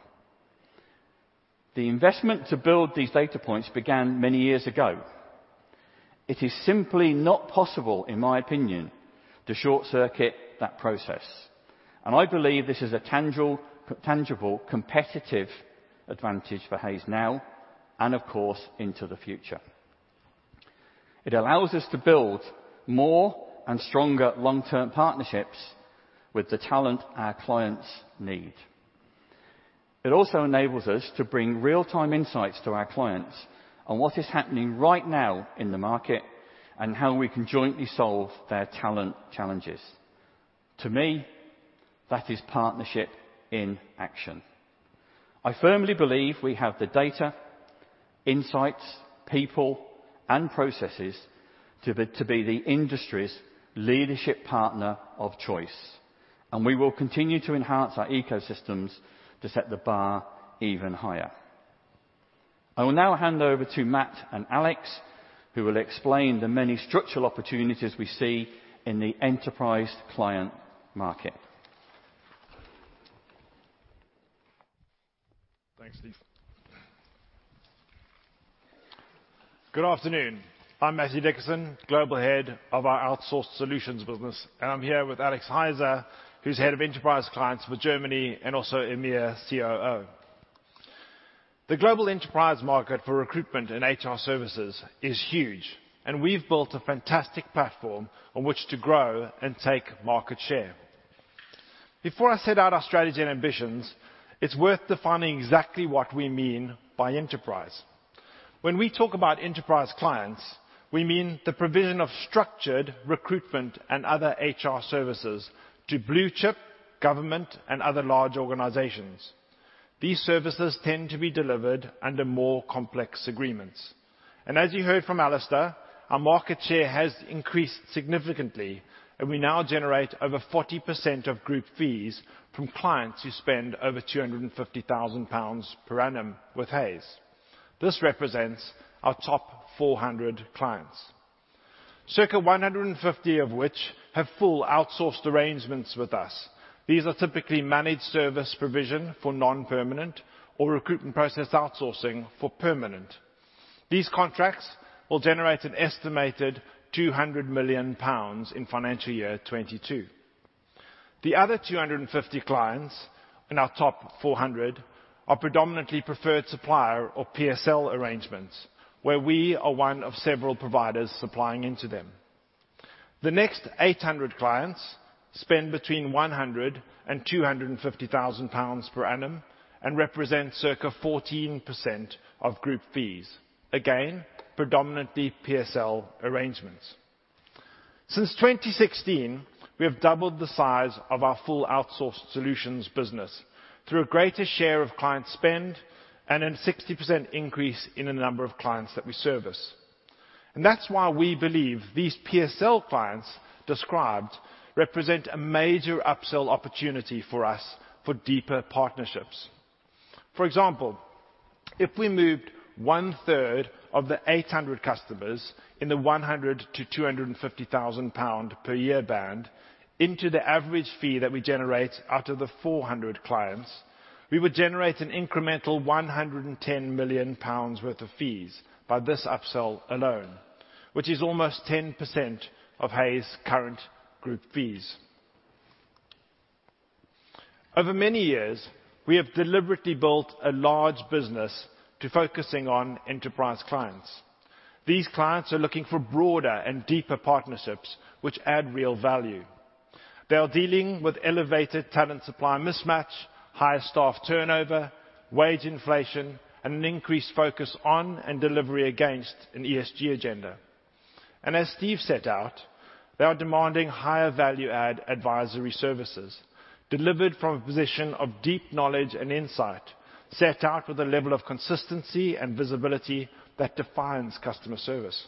The investment to build these data points began many years ago. It is simply not possible, in my opinion, to short-circuit that process, and I believe this is a tangible competitive advantage for Hays now and of course, into the future. It allows us to build more and stronger long-term partnerships with the talent our clients need. It also enables us to bring real-time insights to our clients on what is happening right now in the market and how we can jointly solve their talent challenges. To me, that is partnership in action. I firmly believe we have the data, insights, people, and processes to be the industry's leadership partner of choice, and we will continue to enhance our ecosystems to set the bar even higher. I will now hand over to Matt and Alex, who will explain the many structural opportunities we see in the enterprise client market. Thanks, Steve. Good afternoon. I'm Matthew Dickason, global head of our outsourced solutions business, and I'm here with Alex Heise, who's head of enterprise clients for Germany and also EMEA COO. The global enterprise market for recruitment and HR services is huge, and we've built a fantastic platform on which to grow and take market share. Before I set out our strategy and ambitions, it's worth defining exactly what we mean by enterprise. When we talk about enterprise clients, we mean the provision of structured recruitment and other HR services to blue chip government and other large organizations. These services tend to be delivered under more complex agreements. As you heard from Alastair, our market share has increased significantly, and we now generate over 40% of group fees from clients who spend over 250,000 pounds per annum with Hays. This represents our top 400 clients, circa 150 of which have full outsourced arrangements with us. These are typically managed service provision for non-permanent or recruitment process outsourcing for permanent. These contracts will generate an estimated 200 million pounds in financial year 2022. The other 250 clients in our top 400 are predominantly preferred supplier or PSL arrangements where we are one of several providers supplying into them. The next 800 clients spend between 100,000 and 250,000 pounds per annum and represent circa 14% of group fees. Again, predominantly PSL arrangements. Since 2016, we have doubled the size of our full outsourced solutions business through a greater share of client spend and a 60% increase in the number of clients that we service. That's why we believe these PSL clients described represent a major upsell opportunity for us for deeper partnerships. For example, if we moved 1/3 of the 800 customers in the 100,000 pound-GBP 250,000per year band into the average fee that we generate out of the 400 clients, we would generate an incremental 110 million pounds worth of fees by this upsell alone, which is almost 10% of Hays current group fees. Over many years, we have deliberately built a large business to focusing on enterprise clients. These clients are looking for broader and deeper partnerships which add real value. They are dealing with elevated talent supply mismatch, higher staff turnover, wage inflation, and an increased focus on and delivery against an ESG agenda. As Steve set out, they are demanding higher value add advisory services delivered from a position of deep knowledge and insight, set out with a level of consistency and visibility that defines customer service,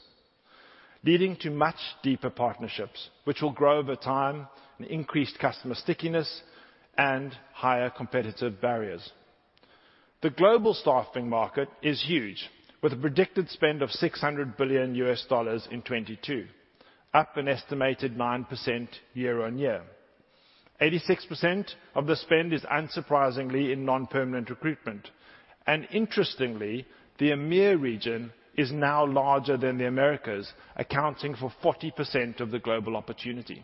leading to much deeper partnerships which will grow over time, and increased customer stickiness and higher competitive barriers. The global staffing market is huge, with a predicted spend of $600 billion in 2022, up an estimated 9% year-over-year. 86% of the spend is unsurprisingly in non-permanent recruitment. Interestingly, the EMEA region is now larger than the Americas, accounting for 40% of the global opportunity.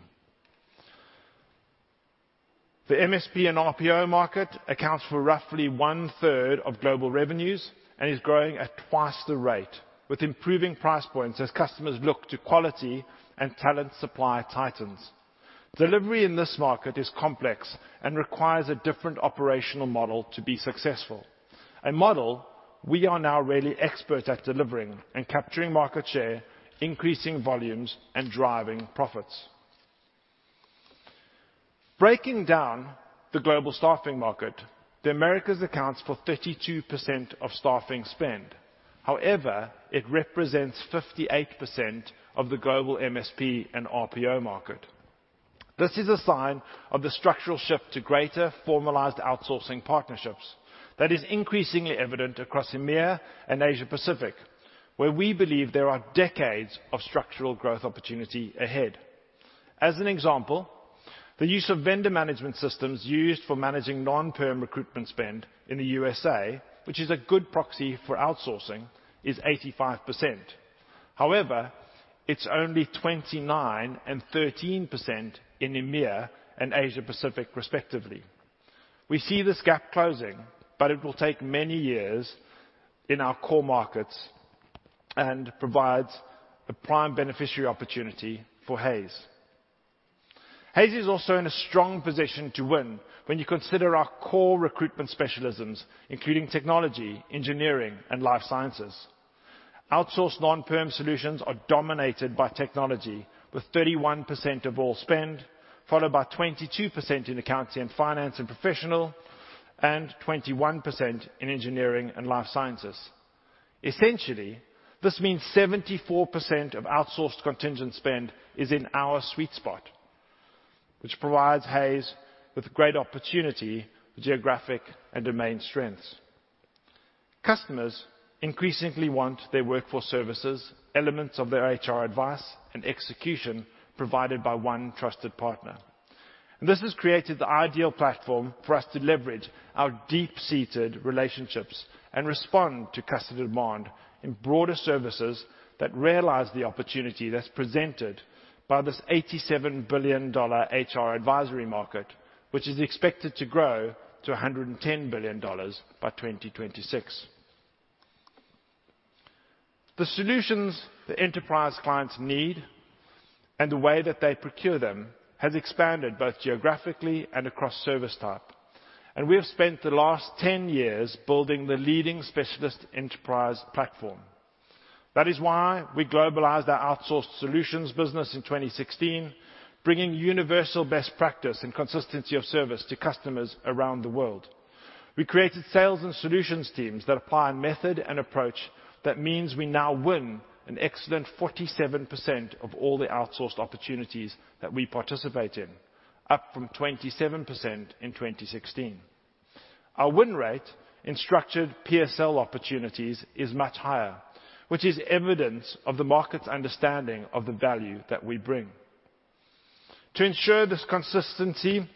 The MSP and RPO market accounts for roughly 1/3 of global revenues and is growing at twice the rate with improving price points as customers look to quality and talent supply tightens. Delivery in this market is complex and requires a different operational model to be successful. A model we are now really expert at delivering and capturing market share, increasing volumes and driving profits. Breaking down the global staffing market, the Americas accounts for 32% of staffing spend. However, it represents 58% of the global MSP and RPO market. This is a sign of the structural shift to greater formalized outsourcing partnerships that is increasingly evident across EMEA and Asia Pacific, where we believe there are decades of structural growth opportunity ahead. As an example, the use of vendor management systems used for managing non-perm recruitment spend in the U.S.A., which is a good proxy for outsourcing, is 85%. However, it's only 29% and 13% in EMEA and Asia Pacific respectively. We see this gap closing, but it will take many years in our core markets and provides a prime beneficiary opportunity for Hays. Hays is also in a strong position to win when you consider our core recruitment specialisms, including technology, engineering, and life sciences. Outsourced non-perm solutions are dominated by technology with 31% of all spend, followed by 22% in accounting and finance and professional, and 21% in engineering and life sciences. Essentially, this means 74% of outsourced contingent spend is in our sweet spot, which provides Hays with great opportunity, geographic and domain strengths. Customers increasingly want their workforce services, elements of their HR advice and execution provided by one trusted partner. This has created the ideal platform for us to leverage our deep-seated relationships and respond to customer demand in broader services that realize the opportunity that's presented by this $87 billion HR advisory market, which is expected to grow to $110 billion by 2026. The solutions the enterprise clients need and the way that they procure them has expanded both geographically and across service type. We have spent the last 10 years building the leading specialist enterprise platform. That is why we globalized our outsourced solutions business in 2016, bringing universal best practice and consistency of service to customers around the world. We created sales and solutions teams that apply a method and approach that means we now win an excellent 47% of all the outsourced opportunities that we participate in, up from 27% in 2016. Our win rate in structured PSL opportunities is much higher, which is evidence of the market's understanding of the value that we bring. To ensure this consistency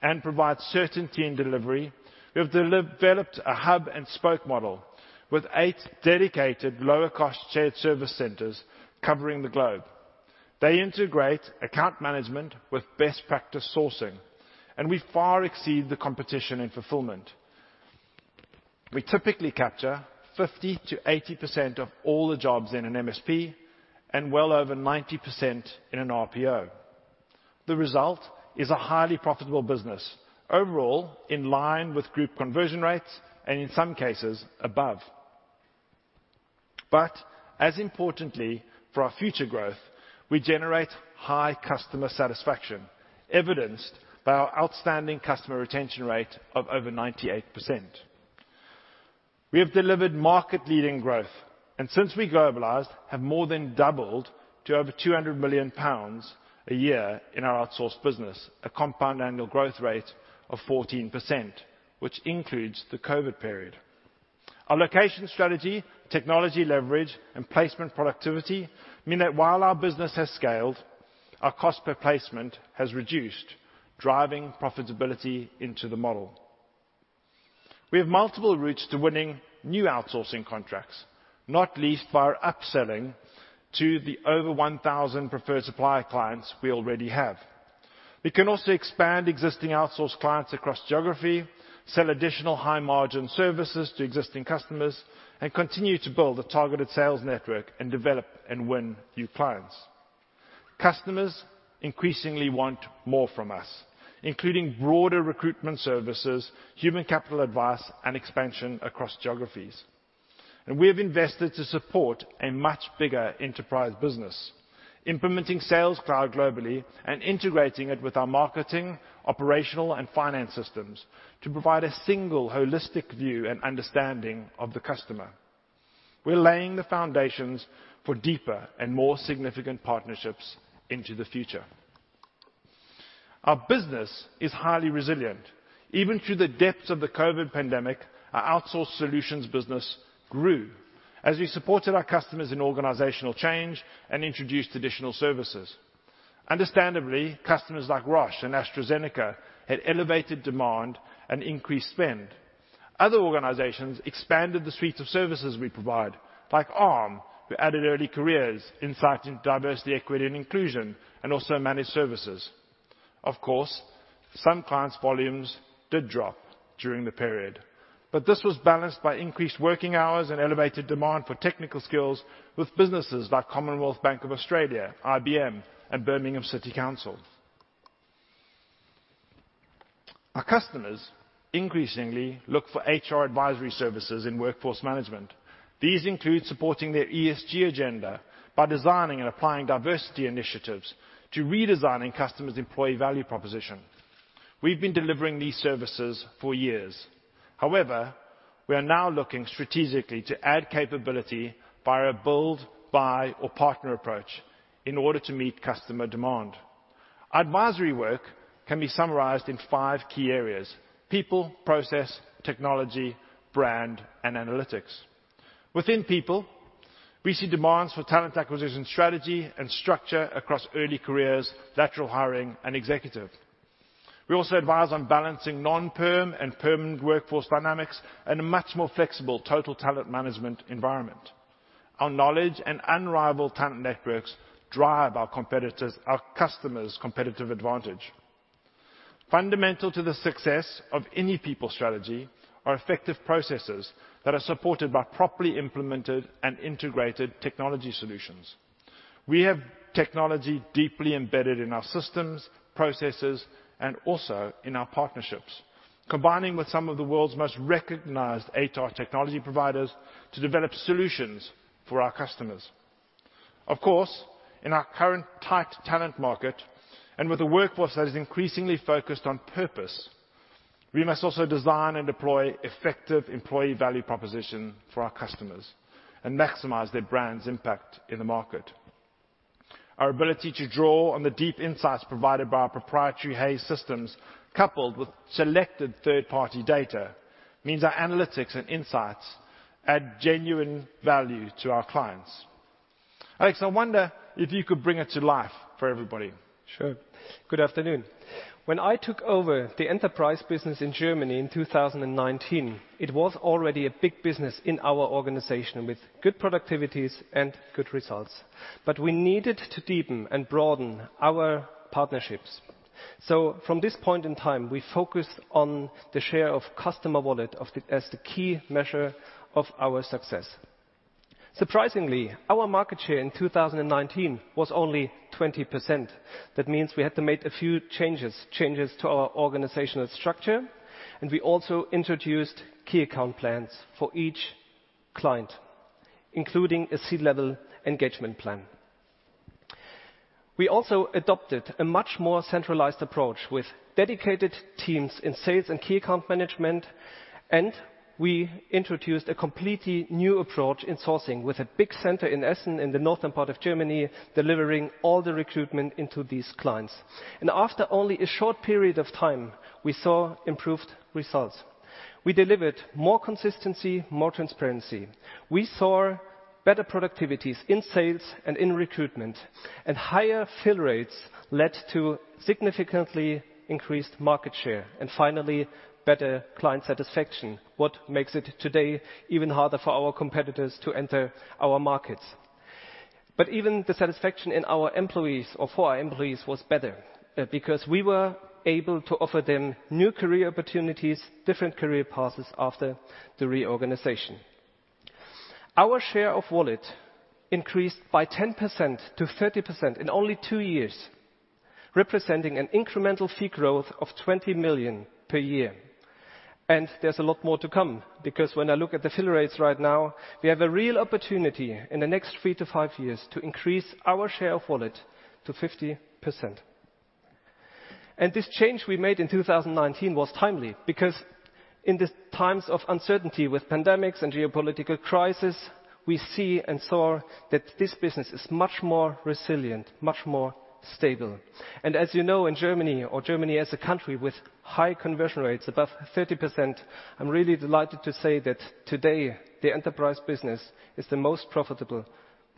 and provide certainty in delivery, we have developed a hub and spoke model with eight dedicated lower cost shared service centers covering the globe. They integrate account management with best practice sourcing, and we far exceed the competition in fulfillment. We typically capture 50%-80% of all the jobs in an MSP and well over 90% in an RPO. The result is a highly profitable business, overall in line with group conversion rates and in some cases above. As importantly for our future growth, we generate high customer satisfaction evidenced by our outstanding customer retention rate of over 98%. We have delivered market-leading growth, and since we globalized, have more than doubled to over 200 million pounds a year in our outsourced business, a compound annual growth rate of 14%, which includes the COVID period. Our location strategy, technology leverage, and placement productivity mean that while our business has scaled, our cost per placement has reduced, driving profitability into the model. We have multiple routes to winning new outsourcing contracts, not least by upselling to the over 1,000 preferred supplier clients we already have. We can also expand existing outsourced clients across geography, sell additional high-margin services to existing customers, and continue to build a targeted sales network and develop and win new clients. Customers increasingly want more from us, including broader recruitment services, human capital advice, and expansion across geographies. We have invested to support a much bigger enterprise business. Implementing Sales Cloud globally and integrating it with our marketing, operational, and finance systems to provide a single holistic view and understanding of the customer. We're laying the foundations for deeper and more significant partnerships into the future. Our business is highly resilient. Even through the depths of the COVID pandemic, our outsourced solutions business grew as we supported our customers in organizational change and introduced additional services. Understandably, customers like Roche and AstraZeneca had elevated demand and increased spend. Other organizations expanded the suite of services we provide, like Arm, who added early careers, insight into diversity, equity, and inclusion, and also managed services. Of course, some clients' volumes did drop during the period, but this was balanced by increased working hours and elevated demand for technical skills with businesses like Commonwealth Bank of Australia, IBM, and Birmingham City Council. Our customers increasingly look for HR advisory services in workforce management. These include supporting their ESG agenda by designing and applying diversity initiatives to redesigning customers' employee value proposition. We've been delivering these services for years. However, we are now looking strategically to add capability via build, buy, or partner approach in order to meet customer demand. Advisory work can be summarized in five key areas, people, process, technology, brand, and analytics. Within people, we see demands for talent acquisition strategy and structure across early careers, lateral hiring, and executive. We also advise on balancing non-perm and permanent workforce dynamics in a much more flexible total talent management environment. Our knowledge and unrivaled talent networks drive our customers' competitive advantage. Fundamental to the success of any people strategy are effective processes that are supported by properly implemented and integrated technology solutions. We have technology deeply embedded in our systems, processes, and also in our partnerships, combining with some of the world's most recognized HR technology providers to develop solutions for our customers. Of course, in our current tight talent market, and with a workforce that is increasingly focused on purpose, we must also design and deploy effective employee value proposition for our customers and maximize their brand's impact in the market. Our ability to draw on the deep insights provided by our proprietary Hays systems, coupled with selected third-party data, means our analytics and insights add genuine value to our clients. Alex, I wonder if you could bring it to life for everybody. Sure. Good afternoon. When I took over the enterprise business in Germany in 2019, it was already a big business in our organization with good productivities and good results. We needed to deepen and broaden our partnerships. From this point in time, we focused on the share of customer wallet as the key measure of our success. Surprisingly, our market share in 2019 was only 20%. That means we had to make a few changes to our organizational structure, and we also introduced key account plans for each client, including a C-level engagement plan. We also adopted a much more centralized approach with dedicated teams in sales and key account management, and we introduced a completely new approach in sourcing with a big center in Essen in the northern part of Germany, delivering all the recruitment into these clients. After only a short period of time, we saw improved results. We delivered more consistency, more transparency. We saw better productivities in sales and in recruitment. Higher fill rates led to significantly increased market share and finally better client satisfaction, what makes it today even harder for our competitors to enter our markets. Even the satisfaction in our employees or for our employees was better, because we were able to offer them new career opportunities, different career paths after the reorganization. Our share of wallet increased by 10% to 30% in only two years, representing an incremental fee growth of 20 million per year. There's a lot more to come because when I look at the fill rates right now, we have a real opportunity in the next three to five years to increase our share of wallet to 50%. This change we made in 2019 was timely because in the times of uncertainty with pandemics and geopolitical crisis, we see and saw that this business is much more resilient, much more stable. As you know, in Germany or Germany as a country with high conversion rates above 30%, I'm really delighted to say that today the enterprise business is the most profitable,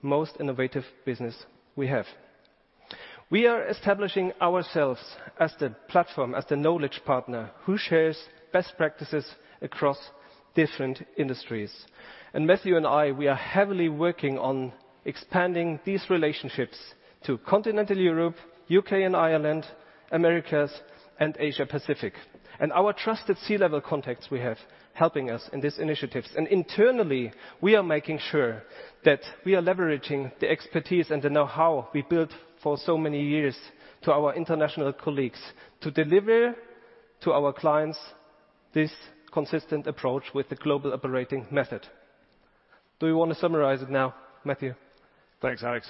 most innovative business we have. We are establishing ourselves as the platform, as the knowledge partner who shares best practices across different industries. Matthew and I, we are heavily working on expanding these relationships to Continental Europe, U.K. and Ireland, Americas, and Asia Pacific. Our trusted C-level contacts we have helping us in these initiatives. Internally, we are making sure that we are leveraging the expertise and the know-how we built for so many years to our international colleagues to deliver to our clients this consistent approach with the global operating method. Do you wanna summarize it now, Matthew? Thanks, Alex.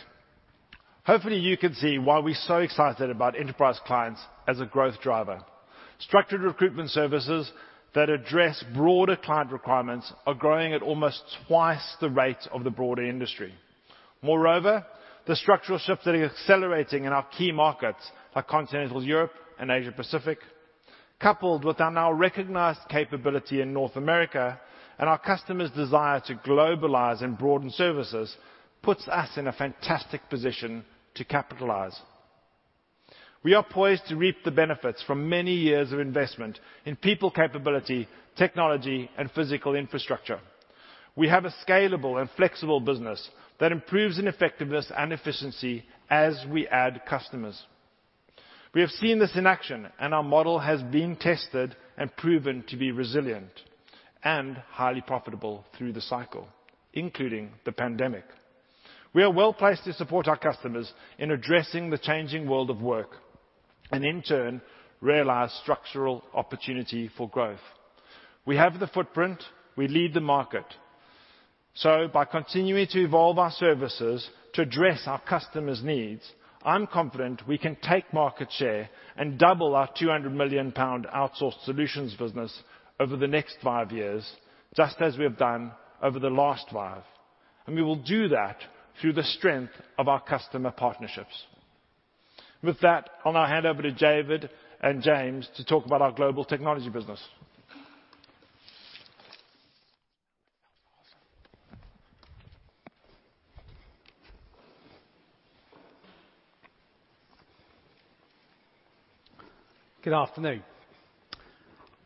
Hopefully, you can see why we're so excited about enterprise clients as a growth driver. Structured recruitment services that address broader client requirements are growing at almost twice the rate of the broader industry. Moreover, the structural shifts that are accelerating in our key markets, like Continental Europe and Asia Pacific, coupled with our now recognized capability in North America and our customers' desire to globalize and broaden services, puts us in a fantastic position to capitalize. We are poised to reap the benefits from many years of investment in people capability, technology, and physical infrastructure. We have a scalable and flexible business that improves in effectiveness and efficiency as we add customers. We have seen this in action, and our model has been tested and proven to be resilient and highly profitable through the cycle, including the pandemic. We are well-placed to support our customers in addressing the changing world of work and in turn realize structural opportunity for growth. We have the footprint, we lead the market. By continuing to evolve our services to address our customers' needs, I'm confident we can take market share and double our 200 million pound outsource solutions business over the next five years, just as we have done over the last five. We will do that through the strength of our customer partnerships. With that, I'll now hand over to David and James to talk about our global technology business. Good afternoon.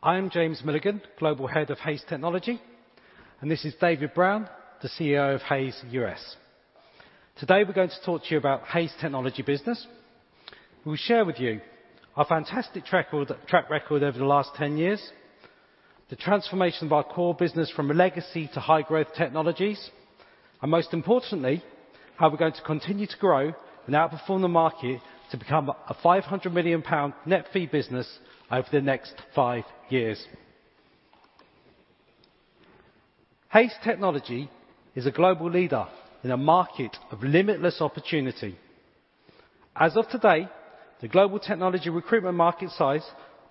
I am James Milligan, Global Head of Hays Technology, and this is David Brown, the CEO of Hays US. Today, we're going to talk to you about Hays Technology business. We'll share with you our fantastic track record over the last 10 years, the transformation of our core business from a legacy to high-growth technologies, and most importantly, how we're going to continue to grow and outperform the market to become a 500 million pound net fee business over the next five years. Hays Technology is a global leader in a market of limitless opportunity. As of today, the global technology recruitment market size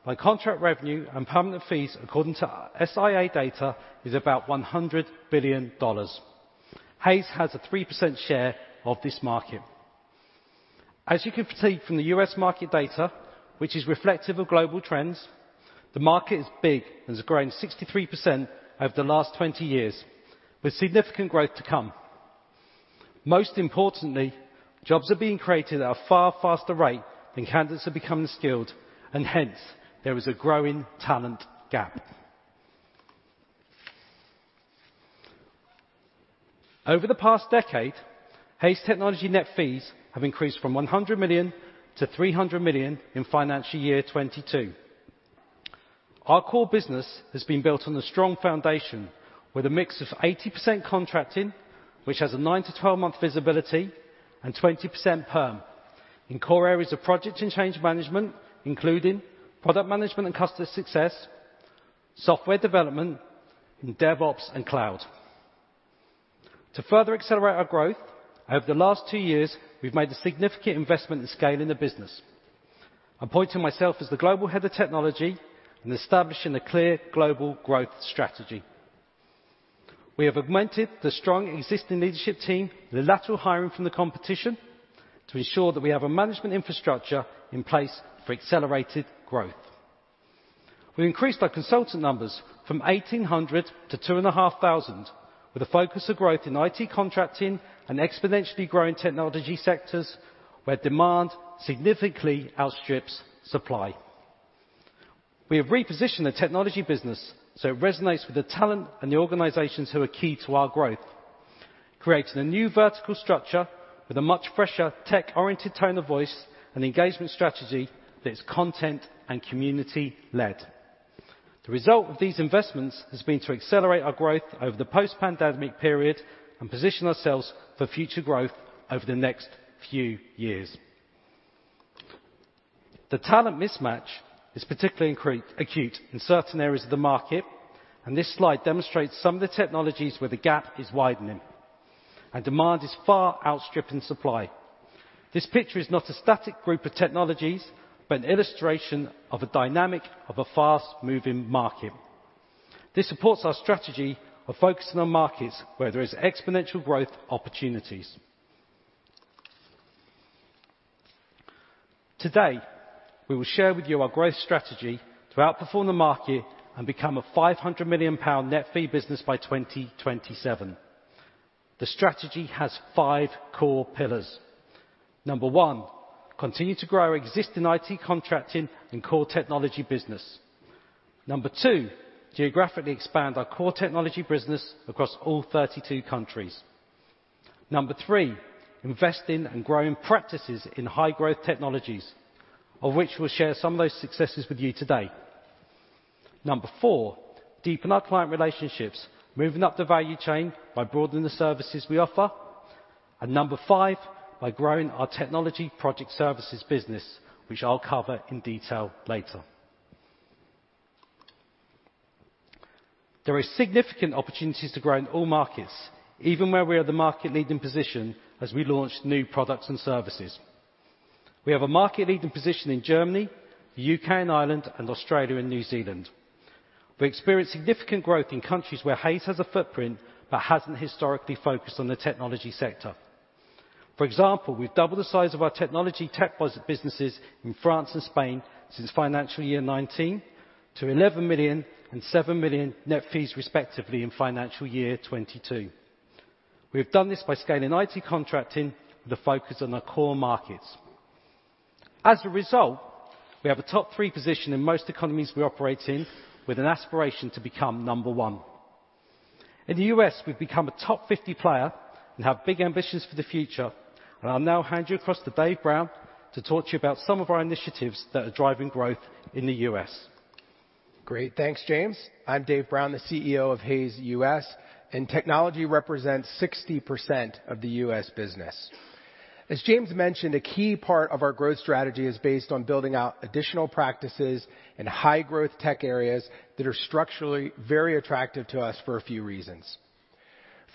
by contract revenue and permanent fees, according to SIA data, is about $100 billion. Hays has a 3% share of this market. As you can see from the U.S. market data, which is reflective of global trends, the market is big and has grown 63% over the last 20 years, with significant growth to come. Most importantly, jobs are being created at a far faster rate than candidates are becoming skilled, and hence there is a growing talent gap. Over the past decade, Hays Technology net fees have increased from 100 million to 300 million in financial year 2022. Our core business has been built on a strong foundation with a mix of 80% contracting, which has a nine to 12 month visibility and 20% perm in core areas of project and change management, including product management and customer success, software development in DevOps and cloud. To further accelerate our growth, over the last two years, we've made a significant investment in scaling the business. I appointed myself as the global head of technology and establishing a clear global growth strategy. We have augmented the strong existing leadership team with a lateral hiring from the competition to ensure that we have a management infrastructure in place for accelerated growth. We increased our consultant numbers from 1,800 to 2,500, with a focus of growth in IT contracting and exponentially growing technology sectors where demand significantly outstrips supply. We have repositioned the technology business so it resonates with the talent and the organizations who are key to our growth, creating a new vertical structure with a much fresher tech-oriented tone of voice and engagement strategy that is content and community-led. The result of these investments has been to accelerate our growth over the post-pandemic period and position ourselves for future growth over the next few years. The talent mismatch is particularly acute in certain areas of the market, and this slide demonstrates some of the technologies where the gap is widening and demand is far outstripping supply. This picture is not a static group of technologies, but an illustration of a dynamic of a fast-moving market. This supports our strategy of focusing on markets where there is exponential growth opportunities. Today, we will share with you our growth strategy to outperform the market and become a 500 million pound net fee business by 2027. The strategy has five core pillars. Number one, continue to grow our existing IT contracting and core technology business. Number two, geographically expand our core technology business across all 32 countries. Number three, investing and growing practices in high growth technologies, of which we'll share some of those successes with you today. Number four, deepen our client relationships, moving up the value chain by broadening the services we offer. Number five, by growing our technology project services business, which I'll cover in detail later. There are significant opportunities to grow in all markets, even where we are the market-leading position as we launch new products and services. We have a market-leading position in Germany, the U.K. and Ireland, and Australia and New Zealand. We experience significant growth in countries where Hays has a footprint but hasn't historically focused on the technology sector. For example, we've doubled the size of our technology tech business in France and Spain since financial year 2019 to 11 million and 7 million net fees, respectively, in financial year 2022. We have done this by scaling IT contracting with a focus on our core markets. As a result, we have a top three position in most economies we operate in, with an aspiration to become number one. In the U.S., we've become a top fifty player and have big ambitions for the future. I'll now hand you across to Dave Brown to talk to you about some of our initiatives that are driving growth in the US. Great. Thanks, James. I'm Dave Brown, the CEO of Hays U.S., and technology represents 60% of the U.S. business. As James mentioned, a key part of our growth strategy is based on building out additional practices in high-growth tech areas that are structurally very attractive to us for a few reasons.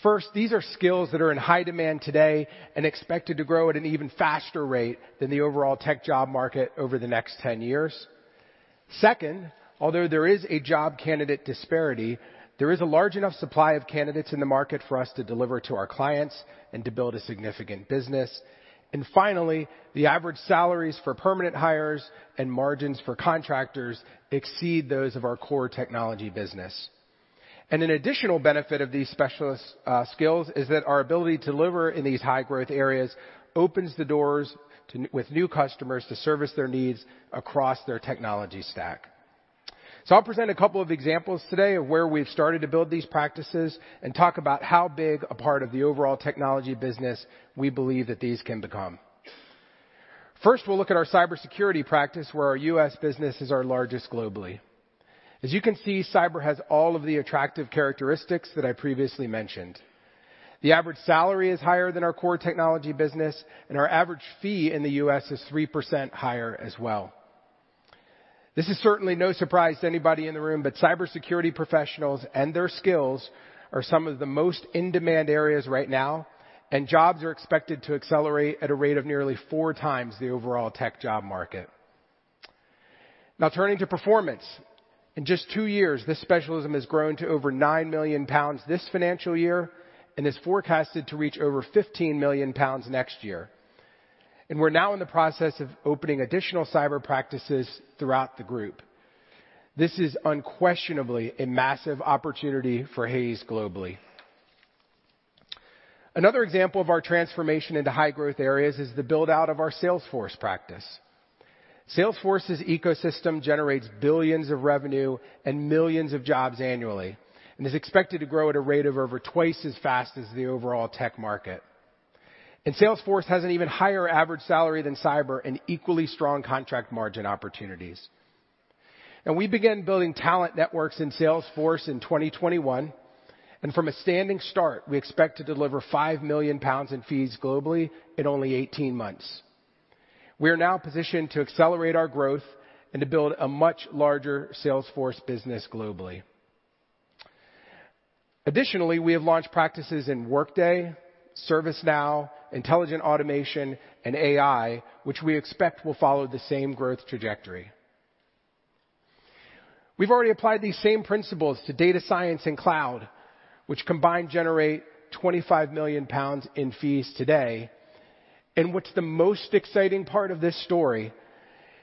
First, these are skills that are in high demand today and expected to grow at an even faster rate than the overall tech job market over the next 10 years. Second, although there is a job candidate disparity, there is a large enough supply of candidates in the market for us to deliver to our clients and to build a significant business. Finally, the average salaries for permanent hires and margins for contractors exceed those of our core technology business. An additional benefit of these specialist skills is that our ability to deliver in these high-growth areas opens the doors to new customers to service their needs across their technology stack. I'll present a couple of examples today of where we've started to build these practices and talk about how big a part of the overall technology business we believe that these can become. First, we'll look at our cybersecurity practice, where our U.S. business is our largest globally. As you can see, cyber has all of the attractive characteristics that I previously mentioned. The average salary is higher than our core technology business, and our average fee in the U.S. is 3% higher as well. This is certainly no surprise to anybody in the room, but cybersecurity professionals and their skills are some of the most in-demand areas right now, and jobs are expected to accelerate at a rate of nearly four times the overall tech job market. Now turning to performance. In just two years, this specialism has grown to over 9 million pounds this financial year and is forecasted to reach over 15 million pounds next year. We're now in the process of opening additional cyber practices throughout the group. This is unquestionably a massive opportunity for Hays globally. Another example of our transformation into high-growth areas is the build-out of our Salesforce practice. Salesforce's ecosystem generates billions of revenue and millions of jobs annually and is expected to grow at a rate of over twice as fast as the overall tech market. Salesforce has an even higher average salary than cyber and equally strong contract margin opportunities. We began building talent networks in Salesforce in 2021, and from a standing start, we expect to deliver 5 million pounds in fees globally in only 18 months. We are now positioned to accelerate our growth and to build a much larger Salesforce business globally. Additionally, we have launched practices in Workday, ServiceNow, intelligent automation, and AI, which we expect will follow the same growth trajectory. We've already applied these same principles to data science and cloud, which combined generate 25 million pounds in fees today. What's the most exciting part of this story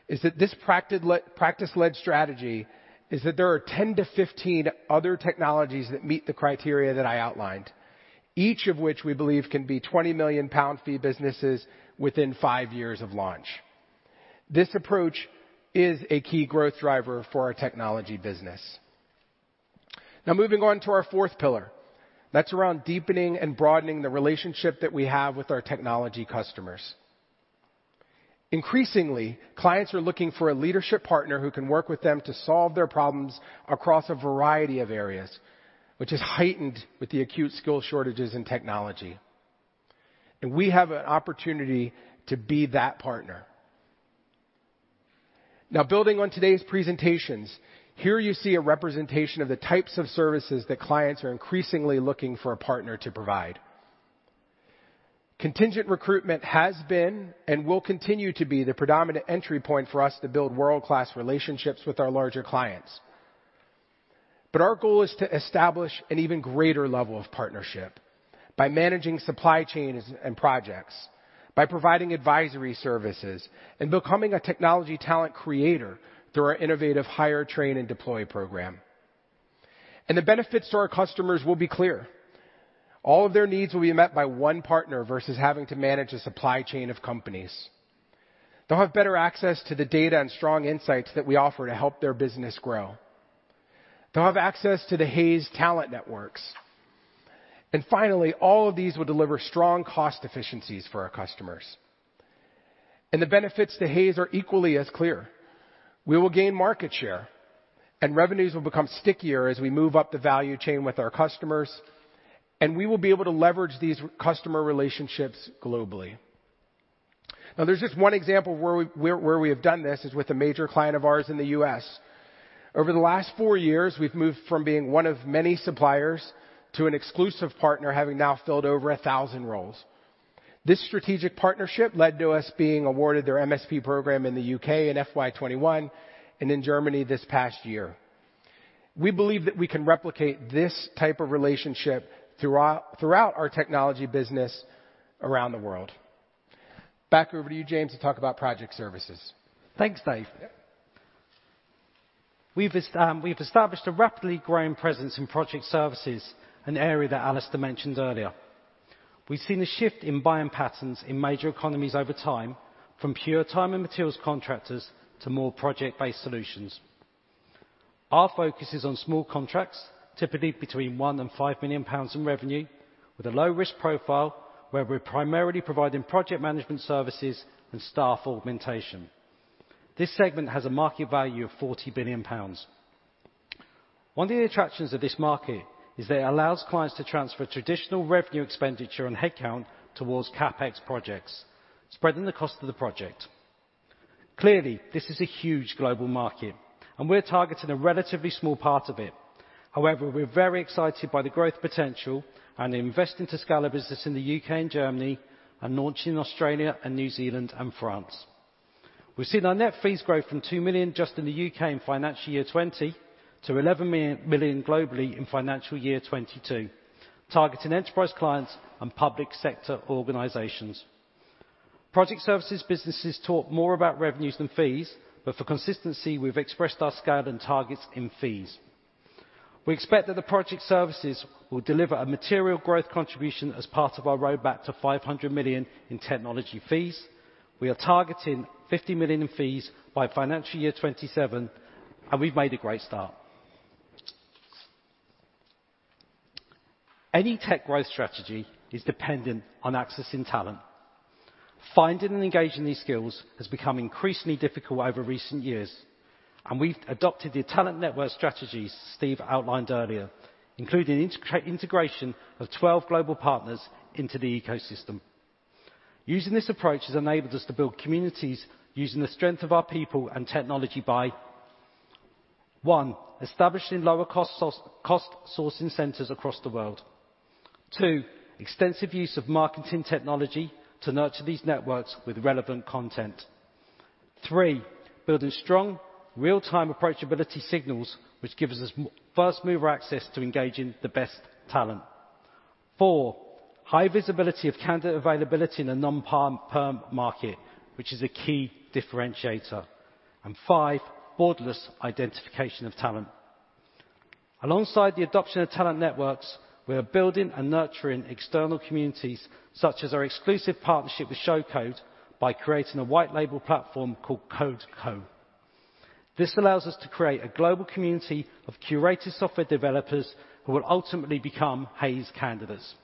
is that this practice led strategy is that there are 10-15 other technologies that meet the criteria that I outlined, each of which we believe can be 20 million pound fee businesses within five years of launch. This approach is a key growth driver for our technology business. Now moving on to our fourth pillar, that's around deepening and broadening the relationship that we have with our technology customers. Increasingly, clients are looking for a leadership partner who can work with them to solve their problems across a variety of areas, which is heightened with the acute skill shortages in technology. We have an opportunity to be that partner. Now, building on today's presentations, here you see a representation of the types of services that clients are increasingly looking for a partner to provide. Contingent recruitment has been and will continue to be the predominant entry point for us to build world-class relationships with our larger clients. Our goal is to establish an even greater level of partnership by managing supply chains and projects, by providing advisory services, and becoming a technology talent creator through our innovative Hire Train Deploy program. The benefits to our customers will be clear. All of their needs will be met by one partner versus having to manage a supply chain of companies. They'll have better access to the data and strong insights that we offer to help their business grow. They'll have access to the Hays Talent Networks. Finally, all of these will deliver strong cost efficiencies for our customers. The benefits to Hays are equally as clear. We will gain market share, and revenues will become stickier as we move up the value chain with our customers, and we will be able to leverage these customer relationships globally. Now, there's just one example where we have done this is with a major client of ours in the U.S. Over the last four years, we've moved from being one of many suppliers to an exclusive partner, having now filled over 1,000 roles. This strategic partnership led to us being awarded their MSP program in the U.K. in FY 2021 and in Germany this past year. We believe that we can replicate this type of relationship throughout our technology business around the world. Back over to you, James, to talk about project services. Thanks, Dave. We've established a rapidly growing presence in project services, an area that Alistair mentioned earlier. We've seen a shift in buying patterns in major economies over time from pure time and materials contractors to more project-based solutions. Our focus is on small contracts, typically between GBP 1 million and GBP 5 million in revenue with a low risk profile where we're primarily providing project management services and staff augmentation. This segment has a market value of 40 billion pounds. One of the attractions of this market is that it allows clients to transfer traditional revenue expenditure and headcount towards CapEx projects, spreading the cost of the project. Clearly, this is a huge global market, and we're targeting a relatively small part of it. However, we're very excited by the growth potential and investing to scale a business in the U.K. and Germany and launching in Australia and New Zealand and France. We've seen our net fees grow from 2 million just in the U.K. in financial year 2020 to 11 million globally in financial year 2022, targeting enterprise clients and public sector organizations. Project services businesses talk more about revenues than fees, but for consistency, we've expressed our scale and targets in fees. We expect that the project services will deliver a material growth contribution as part of our roadmap to 500 million in technology fees. We are targeting 50 million in fees by financial year 2027, and we've made a great start. Any tech growth strategy is dependent on accessing talent. Finding and engaging these skills has become increasingly difficult over recent years, and we've adopted the talent network strategies Steve outlined earlier, including integration of 12 global partners into the ecosystem. Using this approach has enabled us to build communities using the strength of our people and technology by one, establishing lower cost sourcing centers across the world. Two, Extensive use of marketing technology to nurture these networks with relevant content. Three, Building strong real-time approachability signals which gives us first mover access to engaging the best talent. Four, High visibility of candidate availability in the non-perm, perm market, which is a key differentiator. Five, Borderless identification of talent. Alongside the adoption of talent networks, we are building and nurturing external communities such as our exclusive partnership with Showcode by creating a white label platform called CodeCo. This allows us to create a global community of curated software developers who will ultimately become Hays candidates.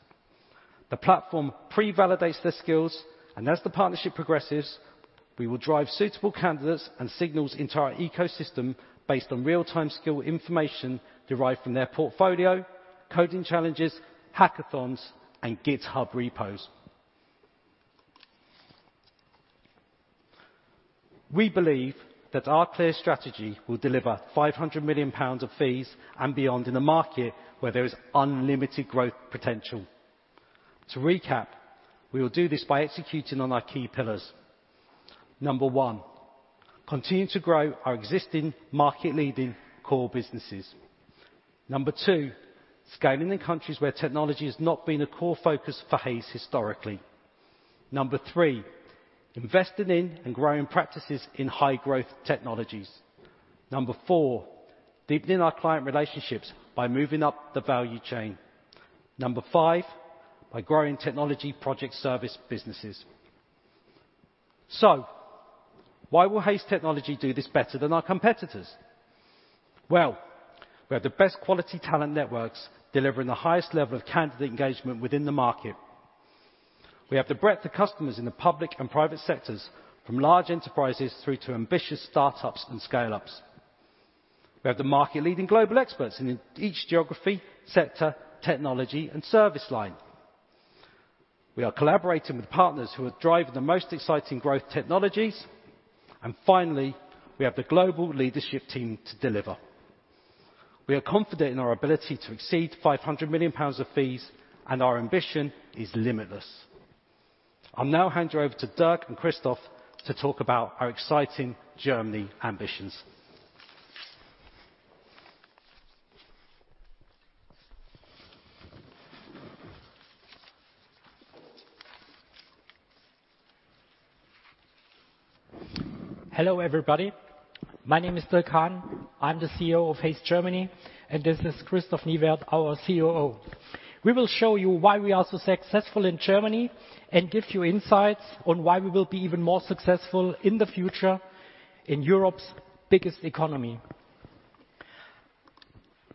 The platform pre-validates their skills, and as the partnership progresses, we will drive suitable candidates and signals into our ecosystem based on real-time skill information derived from their portfolio, coding challenges, hackathons, and GitHub repos. We believe that our clear strategy will deliver 500 million pounds of fees and beyond in a market where there is unlimited growth potential. To recap, we will do this by executing on our key pillars. Number one, continue to grow our existing market-leading core businesses. Number two, scaling in countries where technology has not been a core focus for Hays historically. Number three, investing in and growing practices in high growth technologies. Number four, deepening our client relationships by moving up the value chain. Number five, by growing technology project service businesses. Why will Hays Technology do this better than our competitors? Well, we have the best quality talent networks delivering the highest level of candidate engagement within the market. We have the breadth of customers in the public and private sectors from large enterprises through to ambitious startups and scale-ups. We have the market-leading global experts in each geography, sector, technology, and service line. We are collaborating with partners who are driving the most exciting growth technologies. Finally, we have the global leadership team to deliver. We are confident in our ability to exceed 500 million pounds of fees, and our ambition is limitless. I'll now hand you over to Dirk and Christoph to talk about our exciting Germany ambitions. Hello, everybody. My name is Dirk Hahn. I'm the CEO of Hays Germany, and this is Christoph Niewerth, our COO. We will show you why we are so successful in Germany and give you insights on why we will be even more successful in the future in Europe's biggest economy.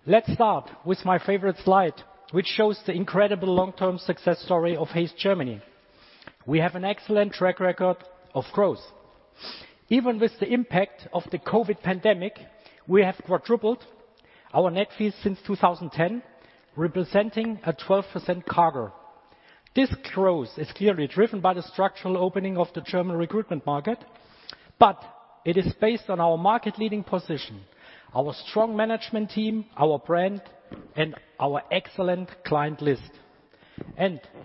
Let's start with my favorite slide, which shows the incredible long-term success story of Hays Germany. We have an excellent track record of growth. Even with the impact of the COVID pandemic, we have quadrupled our net fees since 2010, representing a 12% CAGR. This growth is clearly driven by the structural opening of the German recruitment market, but it is based on our market-leading position, our strong management team, our brand, and our excellent client list.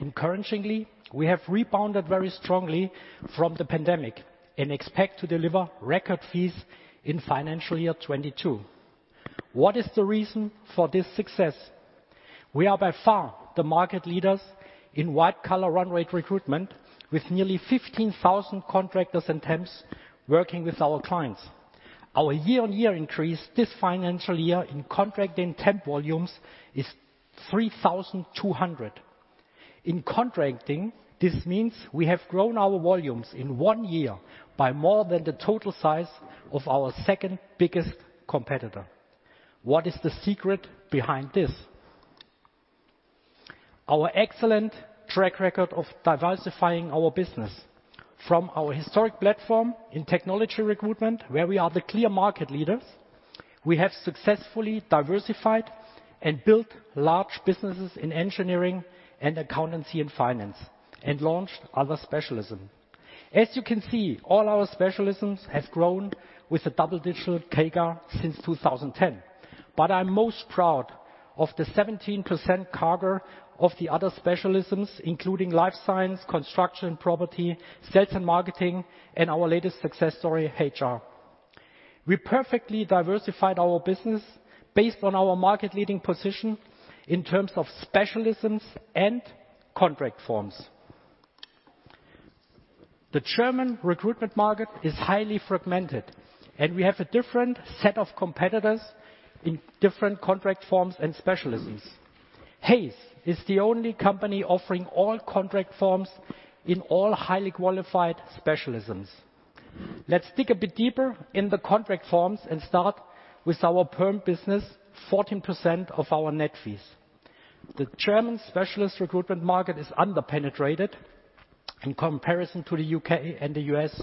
Encouragingly, we have rebounded very strongly from the pandemic and expect to deliver record fees in financial year 2022. What is the reason for this success? We are by far the market leaders in white-collar run rate recruitment with nearly 15,000 contractors and temps working with our clients. Our year-on-year increase this financial year in contract and temp volumes is 3,200. In contracting, this means we have grown our volumes in one year by more than the total size of our second biggest competitor. What is the secret behind this? Our excellent track record of diversifying our business from our historic platform in technology recruitment, where we are the clear market leaders. We have successfully diversified and built large businesses in engineering and accountancy and finance and launched other specialism. As you can see, all our specialisms have grown with a double-digit CAGR since 2010. I'm most proud of the 17% CAGR of the other specialisms, including life science, construction, property, sales and marketing, and our latest success story, HR. We perfectly diversified our business based on our market-leading position in terms of specialisms and contract forms. The German recruitment market is highly fragmented, and we have a different set of competitors in different contract forms and specialisms. Hays is the only company offering all contract forms in all highly qualified specialisms. Let's dig a bit deeper in the contract forms and start with our perm business, 14% of our net fees. The German specialist recruitment market is under-penetrated in comparison to the U.K. and the U.S..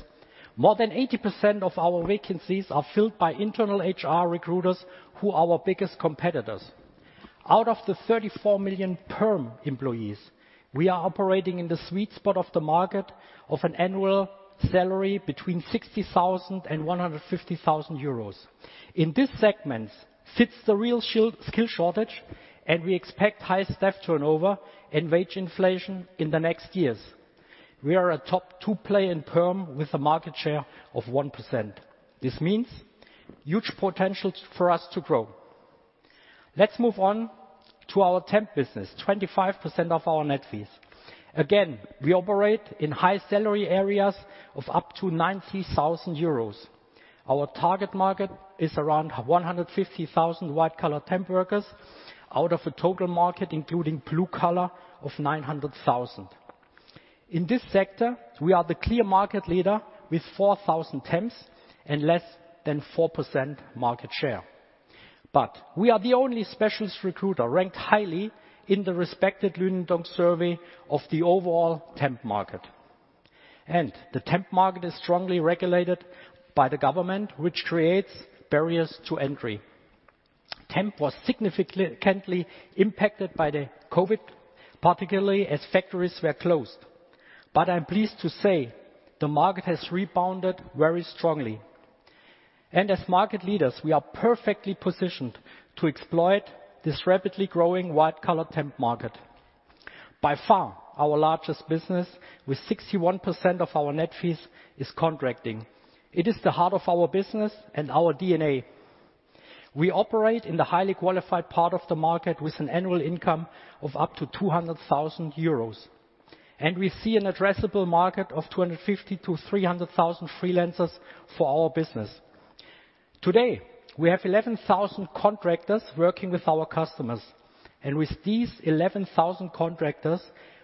More than 80% of our vacancies are filled by internal HR recruiters who are our biggest competitors. Out of the 34 million perm employees, we are operating in the sweet spot of the market of an annual salary between 60,000 and 150,000 euros. In this segment sits the real skill shortage, and we expect high staff turnover and wage inflation in the next years. We are a top two player in perm with a market share of 1%. This means huge potential for us to grow. Let's move on to our temp business, 25% of our net fees. Again, we operate in high salary areas of up to 90,000 euros. Our target market is around 150,000 white collar temp workers out of a total market, including blue collar, of 900,000. In this sector, we are the clear market leader with 4,000 temps and less than 4% market share. We are the only specialist recruiter ranked highly in the respected Lünendonk survey of the overall temp market. The temp market is strongly regulated by the government, which creates barriers to entry. Temp was significantly impacted by the COVID, particularly as factories were closed. I'm pleased to say the market has rebounded very strongly. As market leaders, we are perfectly positioned to exploit this rapidly growing white collar temp market. By far, our largest business with 61% of our net fees is contracting. It is the heart of our business and our DNA. We operate in the highly qualified part of the market with an annual income of up to 200,000 euros, and we see an addressable market of 250,000-300,000 freelancers for our business. Today, we have 11,000 contractors working with our customers, and with these 11,000 contractors,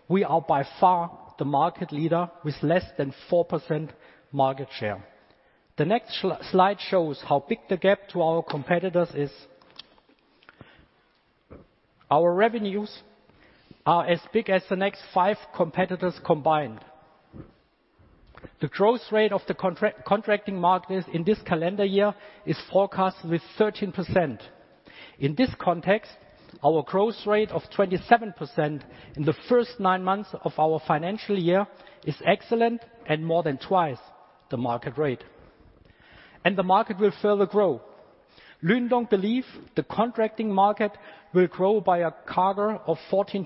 we are by far the market leader with less than 4% market share. The next slide shows how big the gap to our competitors is. Our revenues are as big as the next five competitors combined. The growth rate of the contracting markets in this calendar year is forecast with 13%. In this context, our growth rate of 27% in the first nine months of our financial year is excellent and more than twice the market rate. The market will further grow. Lünendonk believes the contracting market will grow by a CAGR of 14%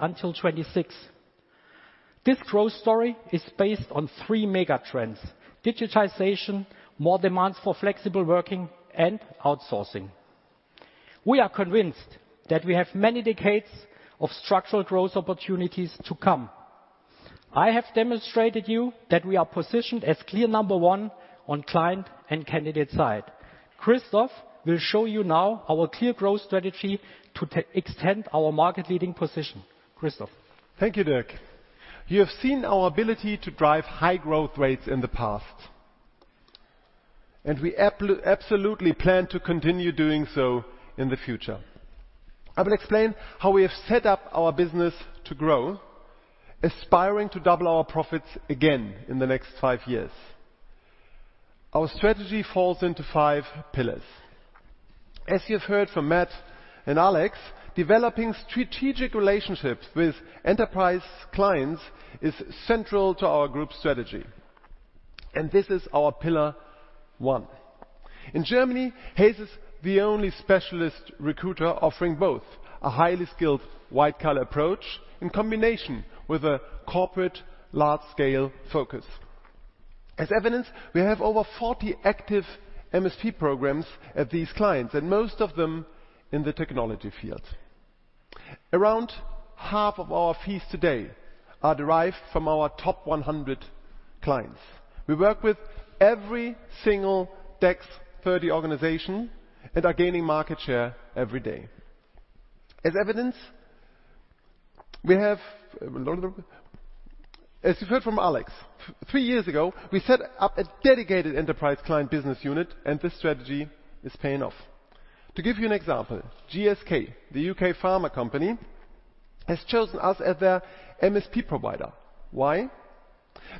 until 2026. This growth story is based on three megatrends, digitization, more demands for flexible working, and outsourcing. We are convinced that we have many decades of structural growth opportunities to come. I have demonstrated to you that we are positioned as clear number one on client and candidate side. Christoph will show you now our clear growth strategy to extend our market-leading position. Christoph. Thank you, Dirk. You have seen our ability to drive high growth rates in the past. We absolutely plan to continue doing so in the future. I will explain how we have set up our business to grow, aspiring to double our profits again in the next five years. Our strategy falls into five pillars. As you have heard from Matt and Alex, developing strategic relationships with enterprise clients is central to our group strategy. This is our pillar one. In Germany, Hays is the only specialist recruiter offering both a highly skilled white collar approach in combination with a corporate large scale focus. As evidence, we have over 40 active MSP programs at these clients, and most of them in the technology field. Around half of our fees today are derived from our top 100 clients. We work with every single DAX 30 organization and are gaining market share every day. As evidence, we have, as you heard from Alex, three years ago, we set up a dedicated enterprise client business unit, and this strategy is paying off. To give you an example, GSK, the U.K. pharma company, has chosen us as their MSP provider. Why?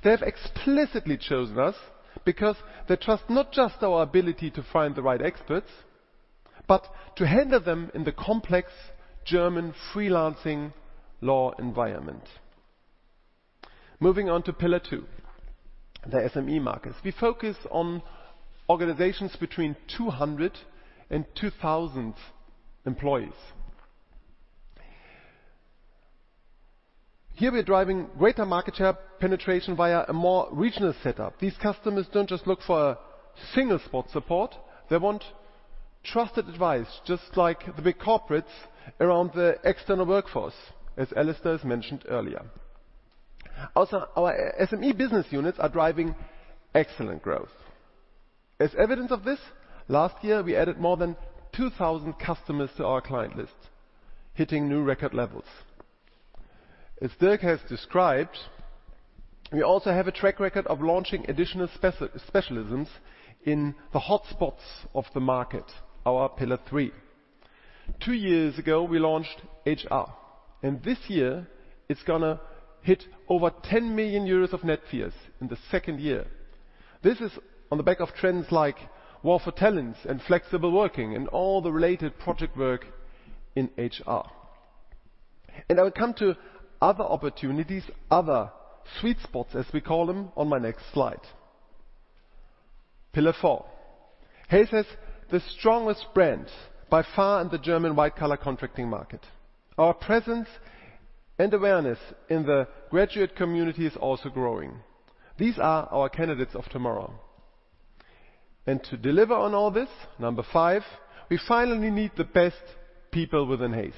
They have explicitly chosen us because they trust not just our ability to find the right experts, but to handle them in the complex German freelancing law environment. Moving on to pillar two, the SME markets. We focus on organizations between 200 and 2,000 employees. Here we are driving greater market share penetration via a more regional setup. These customers don't just look for a single spot support. They want trusted advice, just like the big corporates around the external workforce, as Alistair has mentioned earlier. Also, our SME business units are driving excellent growth. As evidence of this, last year we added more than 2,000 customers to our client list, hitting new record levels. As Dirk has described, we also have a track record of launching additional specialisms in the hotspots of the market, our pillar three. Two years ago, we launched HR, and this year it's gonna hit over 10 million euros of net fees in the second year. This is on the back of trends like war for talents and flexible working and all the related project work in HR. I will come to other opportunities, other sweet spots, as we call them, on my next slide. Pillar four. Hays has the strongest brands by far in the German white-collar contracting market. Our presence and awareness in the graduate community is also growing. These are our candidates of tomorrow. To deliver on all this, number five, we finally need the best people within Hays.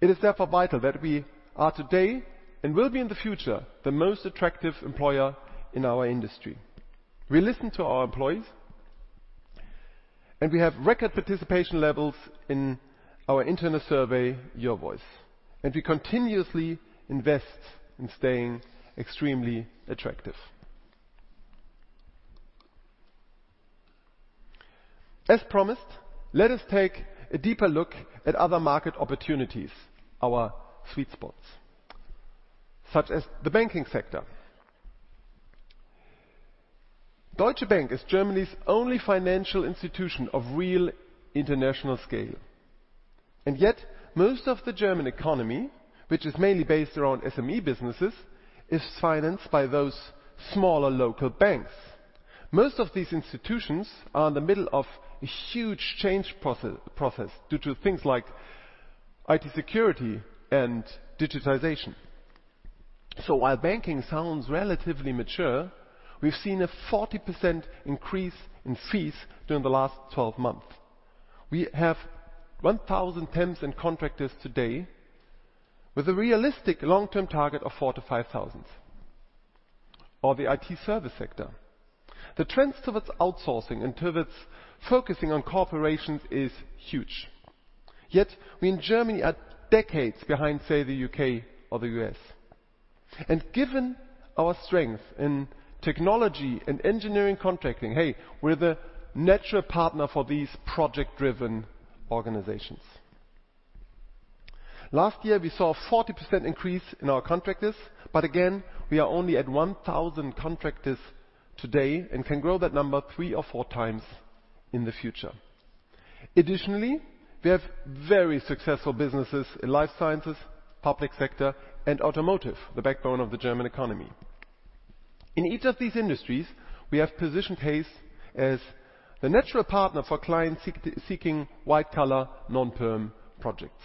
It is therefore vital that we are today and will be in the future the most attractive employer in our industry. We listen to our employees, and we have record participation levels in our internal survey, Your Voice. We continuously invest in staying extremely attractive. As promised, let us take a deeper look at other market opportunities, our sweet spots, such as the banking sector. Deutsche Bank is Germany's only financial institution of real international scale. Yet most of the German economy, which is mainly based around SME businesses, is financed by those smaller local banks. Most of these institutions are in the middle of a huge change process due to things like IT security and digitization. While banking sounds relatively mature, we've seen a 40% increase in fees during the last 12 months. We have 1,000 temps and contractors today with a realistic long-term target of 4,000-5,000 of the IT service sector. The trends towards outsourcing and towards focusing on corporations is huge. Yet we in Germany are decades behind, say, the U.K. or the U.S. Given our strength in technology and engineering contracting, hey, we're the natural partner for these project-driven organizations. Last year we saw a 40% increase in our contractors, but again, we are only at 1,000 contractors today and can grow that number three or four times in the future. Additionally, we have very successful businesses in life sciences, public sector, and automotive, the backbone of the German economy. In each of these industries, we have positioned Hays as the natural partner for clients seeking white-collar non-perm projects.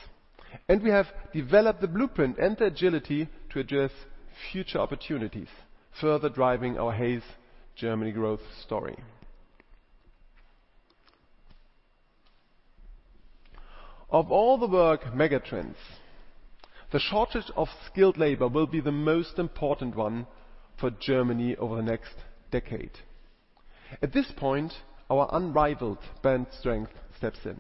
We have developed the blueprint and the agility to address future opportunities, further driving our Hays Germany growth story. Of all the work megatrends, the shortage of skilled labor will be the most important one for Germany over the next decade. At this point, our unrivaled brand strength steps in.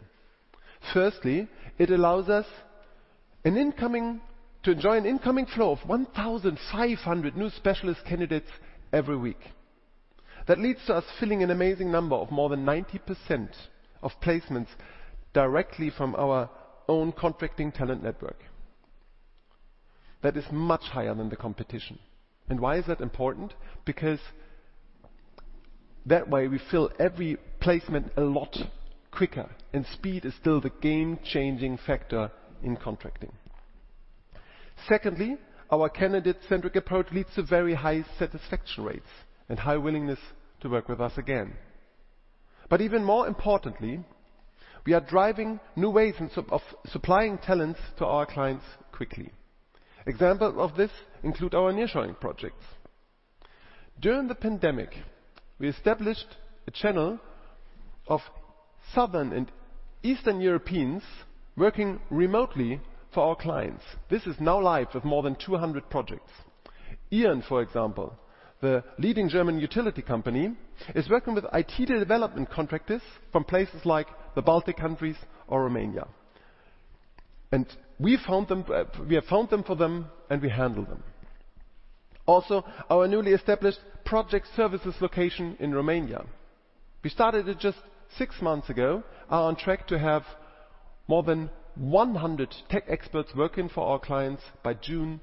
It allows us to enjoy an incoming flow of 1,500 new specialist candidates every week. That leads to us filling an amazing number of more than 90% of placements directly from our own contracting talent network. That is much higher than the competition. Why is that important? Because that way we fill every placement a lot quicker, and speed is still the game-changing factor in contracting. Secondly, our candidate-centric approach leads to very high satisfaction rates and high willingness to work with us again. Even more importantly, we are driving new ways of supplying talents to our clients quickly. Example of this include our nearshoring projects. During the pandemic, we established a channel of Southern and Eastern Europeans working remotely for our clients. This is now live with more than 200 projects. E.ON, for example, the leading German utility company, is working with IT development contractors from places like the Baltic countries or Romania. We have found them for them, and we handle them. Also, our newly established project services location in Romania. We started it just six months ago, are on track to have more than 100 tech experts working for our clients by June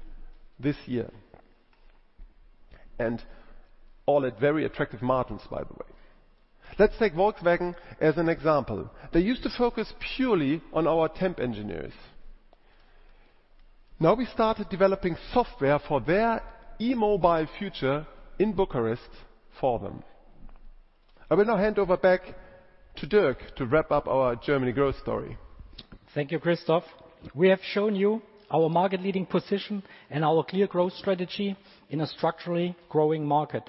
this year. All at very attractive margins, by the way. Let's take Volkswagen as an example. They used to focus purely on our temp engineers. Now we started developing software for their e-mobile future in Bucharest for them. I will now hand over back to Dirk to wrap up our Germany growth story. Thank you, Christoph. We have shown you our market-leading position and our clear growth strategy in a structurally growing market.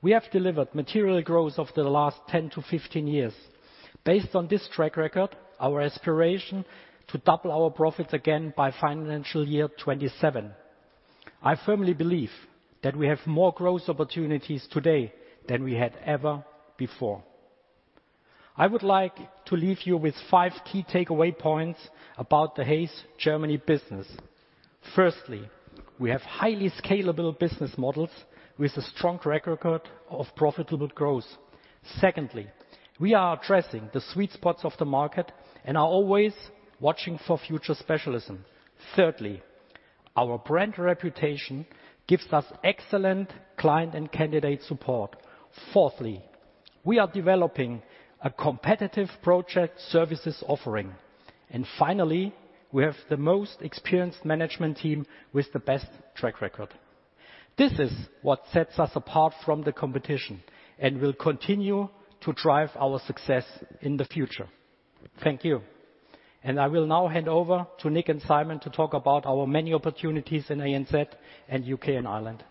We have delivered material growth over the last 10-15 years. Based on this track record, our aspiration to double our profits again by financial year 2027. I firmly believe that we have more growth opportunities today than we had ever before. I would like to leave you with five key takeaway points about the Hays Germany business. Firstly, we have highly scalable business models with a strong track record of profitable growth. Secondly, we are addressing the sweet spots of the market and are always watching for future specialism. Thirdly, our brand reputation gives us excellent client and candidate support. Fourthly, we are developing a competitive project services offering. Finally, we have the most experienced management team with the best track record. This is what sets us apart from the competition and will continue to drive our success in the future. Thank you. I will now hand over to Nick and Simon to talk about our many opportunities in ANZ and U.K. and Ireland.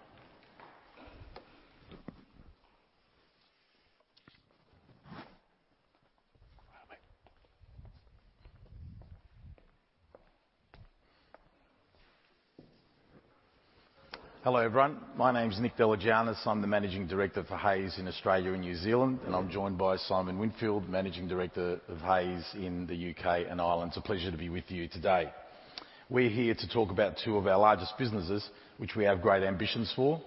Hello, everyone. My name is Nick Deligiannis. I'm the managing director for Hays in Australia and New Zealand, and I'm joined by Simon Winfield, Managing Director of Hays in the U.K. and Ireland. It's a pleasure to be with you today. We're here to talk about two of our largest businesses, which we have great ambitions for,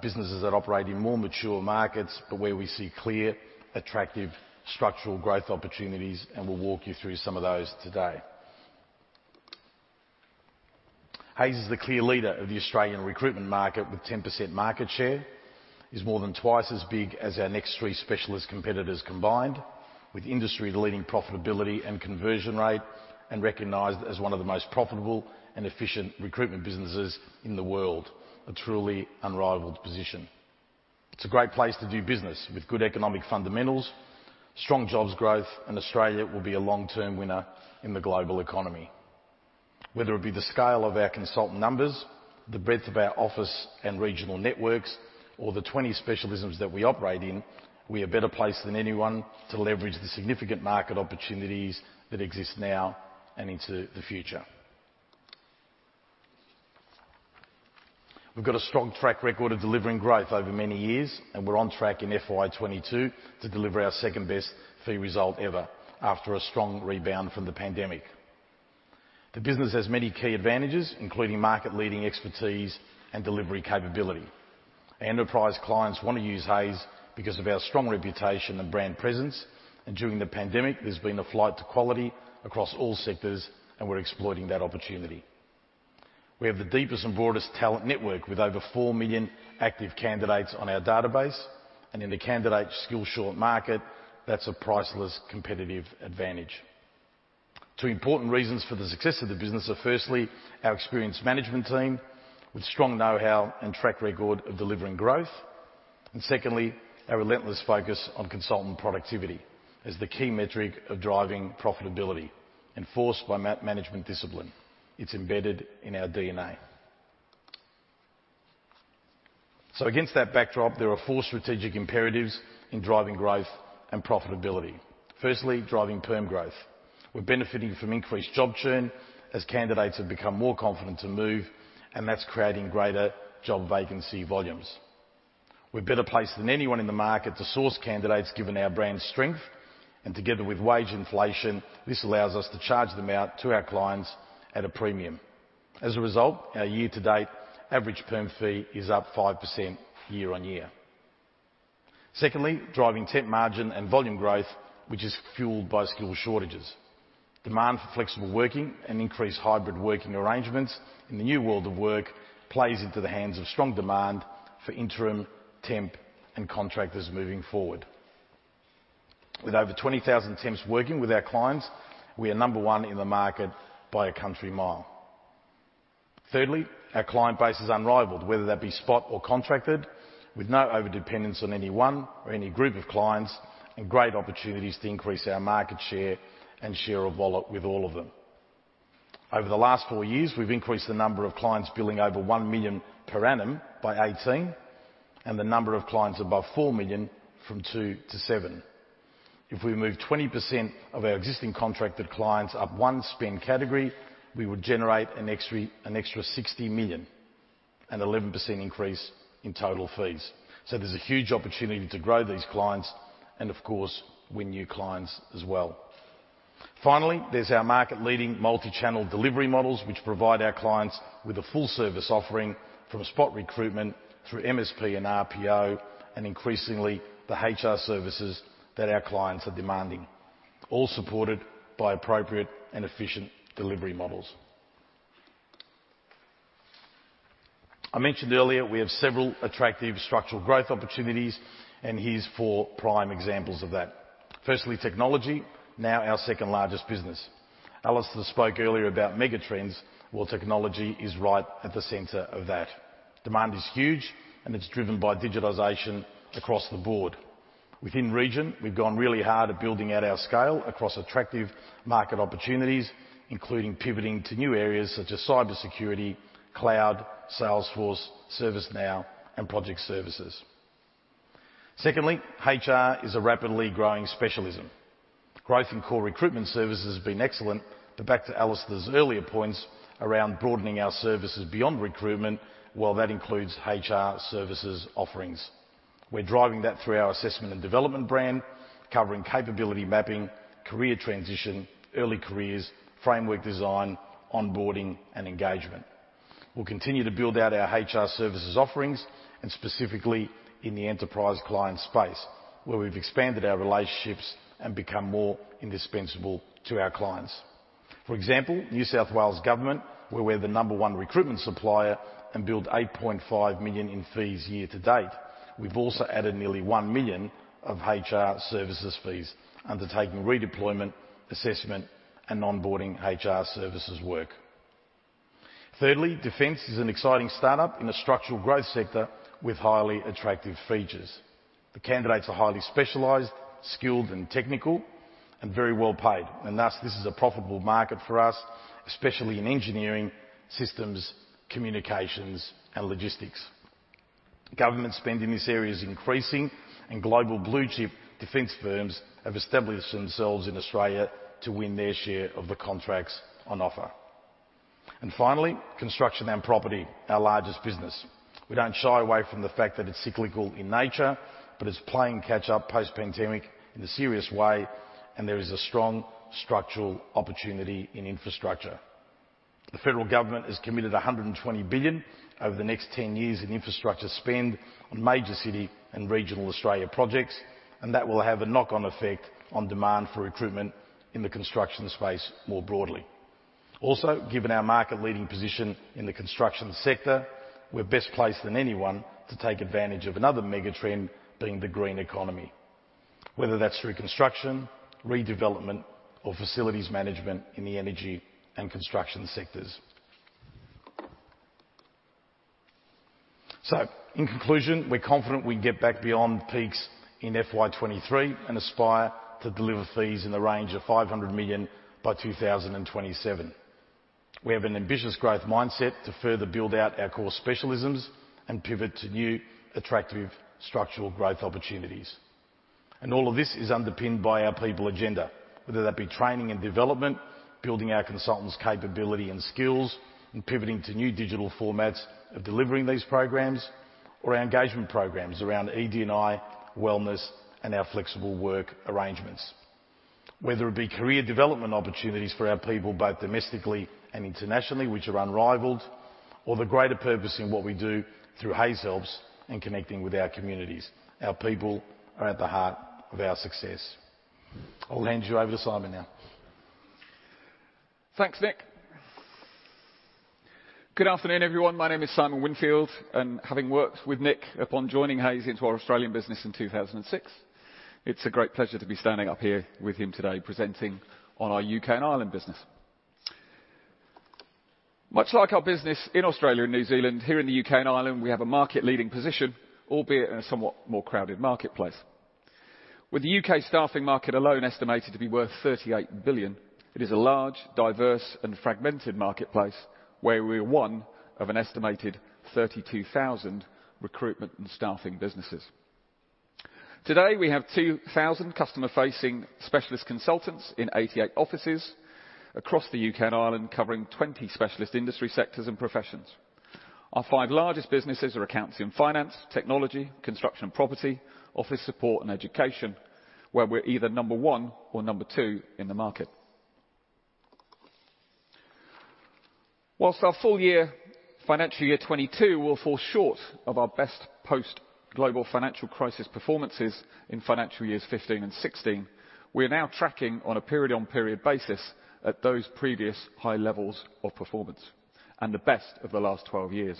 businesses that operate in more mature markets, but where we see clear, attractive structural growth opportunities, and we'll walk you through some of those today. Hays is the clear leader of the Australian recruitment market with 10% market share. It is more than twice as big as our next three specialist competitors combined, with industry-leading profitability and conversion rate, and recognized as one of the most profitable and efficient recruitment businesses in the world. A truly unrivaled position. It's a great place to do business with good economic fundamentals, strong jobs growth, and Australia will be a long-term winner in the global economy. Whether it be the scale of our consultant numbers, the breadth of our office and regional networks, or the 20 specialisms that we operate in, we are better placed than anyone to leverage the significant market opportunities that exist now and into the future. We've got a strong track record of delivering growth over many years, and we're on track in FY 2022 to deliver our second-best fee result ever after a strong rebound from the pandemic. The business has many key advantages, including market-leading expertise and delivery capability. Enterprise clients wanna use Hays because of our strong reputation and brand presence. During the pandemic, there's been a flight to quality across all sectors, and we're exploiting that opportunity. We have the deepest and broadest talent network with over 4 million active candidates on our database. In the candidate skills-short market, that's a priceless competitive advantage. Two important reasons for the success of the business are, firstly, our experienced management team with strong know-how and track record of delivering growth. Secondly, our relentless focus on consultant productivity as the key metric of driving profitability enforced by man-management discipline. It's embedded in our DNA. Against that backdrop, there are four strategic imperatives in driving growth and profitability. Firstly, driving perm growth. We're benefiting from increased job churn as candidates have become more confident to move, and that's creating greater job vacancy volumes. We're better placed than anyone in the market to source candidates given our brand strength, and together with wage inflation, this allows us to charge them out to our clients at a premium. As a result, our year-to-date average perm fee is up 5% year-on-year. Secondly, driving temp margin and volume growth, which is fueled by skill shortages. Demand for flexible working and increased hybrid working arrangements in the new world of work plays into the hands of strong demand for interim temp and contractors moving forward. With over 20,000 temps working with our clients, we are number one in the market by a country mile. Thirdly, our client base is unrivaled, whether that be spot or contracted, with no overdependence on any one or any group of clients, and great opportunities to increase our market share and share of wallet with all of them. Over the last four years, we've increased the number of clients billing over 1 million per annum by 18, and the number of clients above 4 million from two to seven. If we move 20% of our existing contracted clients up one spend category, we would generate an extra 60 million and 11% increase in total fees. There's a huge opportunity to grow these clients and, of course, win new clients as well. Finally, there's our market-leading multi-channel delivery models, which provide our clients with a full service offering from a spot recruitment through MSP and RPO, and increasingly, the HR services that our clients are demanding, all supported by appropriate and efficient delivery models. I mentioned earlier we have several attractive structural growth opportunities, and here's four prime examples of that. Firstly, technology, now our second-largest business. Alistair spoke earlier about megatrends. Well, technology is right at the center of that. Demand is huge, and it's driven by digitization across the board. Within region, we've gone really hard at building out our scale across attractive market opportunities, including pivoting to new areas such as cybersecurity, cloud, Salesforce, ServiceNow, and project services. Secondly, HR is a rapidly growing specialism. Growth in core recruitment services has been excellent, but back to Alistair's earlier points around broadening our services beyond recruitment, well, that includes HR services offerings. We're driving that through our assessment and development brand, covering capability mapping, career transition, early careers, framework design, onboarding, and engagement. We'll continue to build out our HR services offerings and specifically in the enterprise client space, where we've expanded our relationships and become more indispensable to our clients. For example, New South Wales Government, where we're the number one recruitment supplier and build 8.5 million in fees year to date. We've also added nearly 1 million of HR services fees, undertaking redeployment, assessment, and onboarding HR services work. Thirdly, defense is an exciting startup in a structural growth sector with highly attractive features. The candidates are highly specialized, skilled and technical, and very well-paid. Thus, this is a profitable market for us, especially in engineering, systems, communications, and logistics. Government spend in this area is increasing, and global blue-chip defense firms have established themselves in Australia to win their share of the contracts on offer. Finally, construction and property, our largest business. We don't shy away from the fact that it's cyclical in nature, but it's playing catch-up post-pandemic in a serious way, and there is a strong structural opportunity in infrastructure. The federal government has committed 120 billion over the next 10 years in infrastructure spend on major city and regional Australia projects, and that will have a knock-on effect on demand for recruitment in the construction space more broadly. Also, given our market-leading position in the construction sector, we're better placed than anyone to take advantage of another mega-trend being the green economy, whether that's through construction, redevelopment, or facilities management in the energy and construction sectors. In conclusion, we're confident we can get back beyond peaks in FY 2023 and aspire to deliver fees in the range of 500 million by 2027. We have an ambitious growth mindset to further build out our core specialisms and pivot to new attractive structural growth opportunities. All of this is underpinned by our people agenda, whether that be training and development, building our consultants' capability and skills, and pivoting to new digital formats of delivering these programs, or our engagement programs around ED&I, wellness, and our flexible work arrangements. Whether it be career development opportunities for our people, both domestically and internationally, which are unrivaled, or the greater purpose in what we do through Hays Helps and connecting with our communities. Our people are at the heart of our success. I'll hand you over to Simon now. Thanks, Nick. Good afternoon, everyone. My name is Simon Winfield, and having worked with Nick upon joining Hays into our Australian business in 2006, it's a great pleasure to be standing up here with him today presenting on our U.K. and Ireland business. Much like our business in Australia and New Zealand, here in the U.K. and Ireland, we have a market-leading position, albeit in a somewhat more crowded marketplace. With the U.K. staffing market alone estimated to be worth 38 billion, it is a large, diverse, and fragmented marketplace where we are one of an estimated 32,000 recruitment and staffing businesses. Today, we have 2,000 customer-facing specialist consultants in 88 offices across the U.K. and Ireland, covering 20 specialist industry sectors and professions. Our 5 largest businesses are accounts and finance, technology, construction and property, office support, and education, where we're either number one or number two in the market. While our full year financial year 2022 will fall short of our best post global financial crisis performances in financial years 2015 and 2016, we are now tracking on a period-on-period basis at those previous high levels of performance and the best of the last 12 years,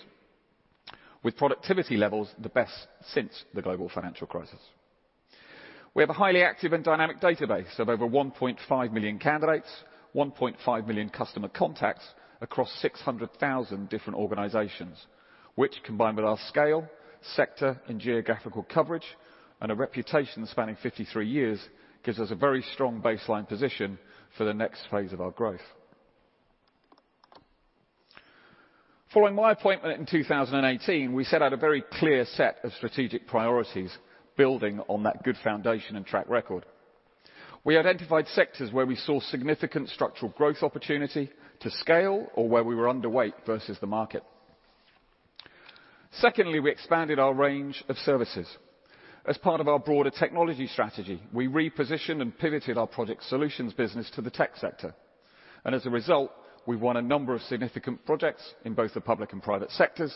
with productivity levels the best since the global financial crisis. We have a highly active and dynamic database of over 1.5 million candidates, 1.5 million customer contacts across 600,000 different organizations, which combined with our scale, sector, and geographical coverage and a reputation spanning 53 years gives us a very strong baseline position for the next phase of our growth. Following my appointment in 2018, we set out a very clear set of strategic priorities, building on that good foundation and track record. We identified sectors where we saw significant structural growth opportunity to scale or where we were underweight versus the market. Secondly, we expanded our range of services. As part of our broader technology strategy, we repositioned and pivoted our product solutions business to the tech sector. As a result, we've won a number of significant projects in both the public and private sectors,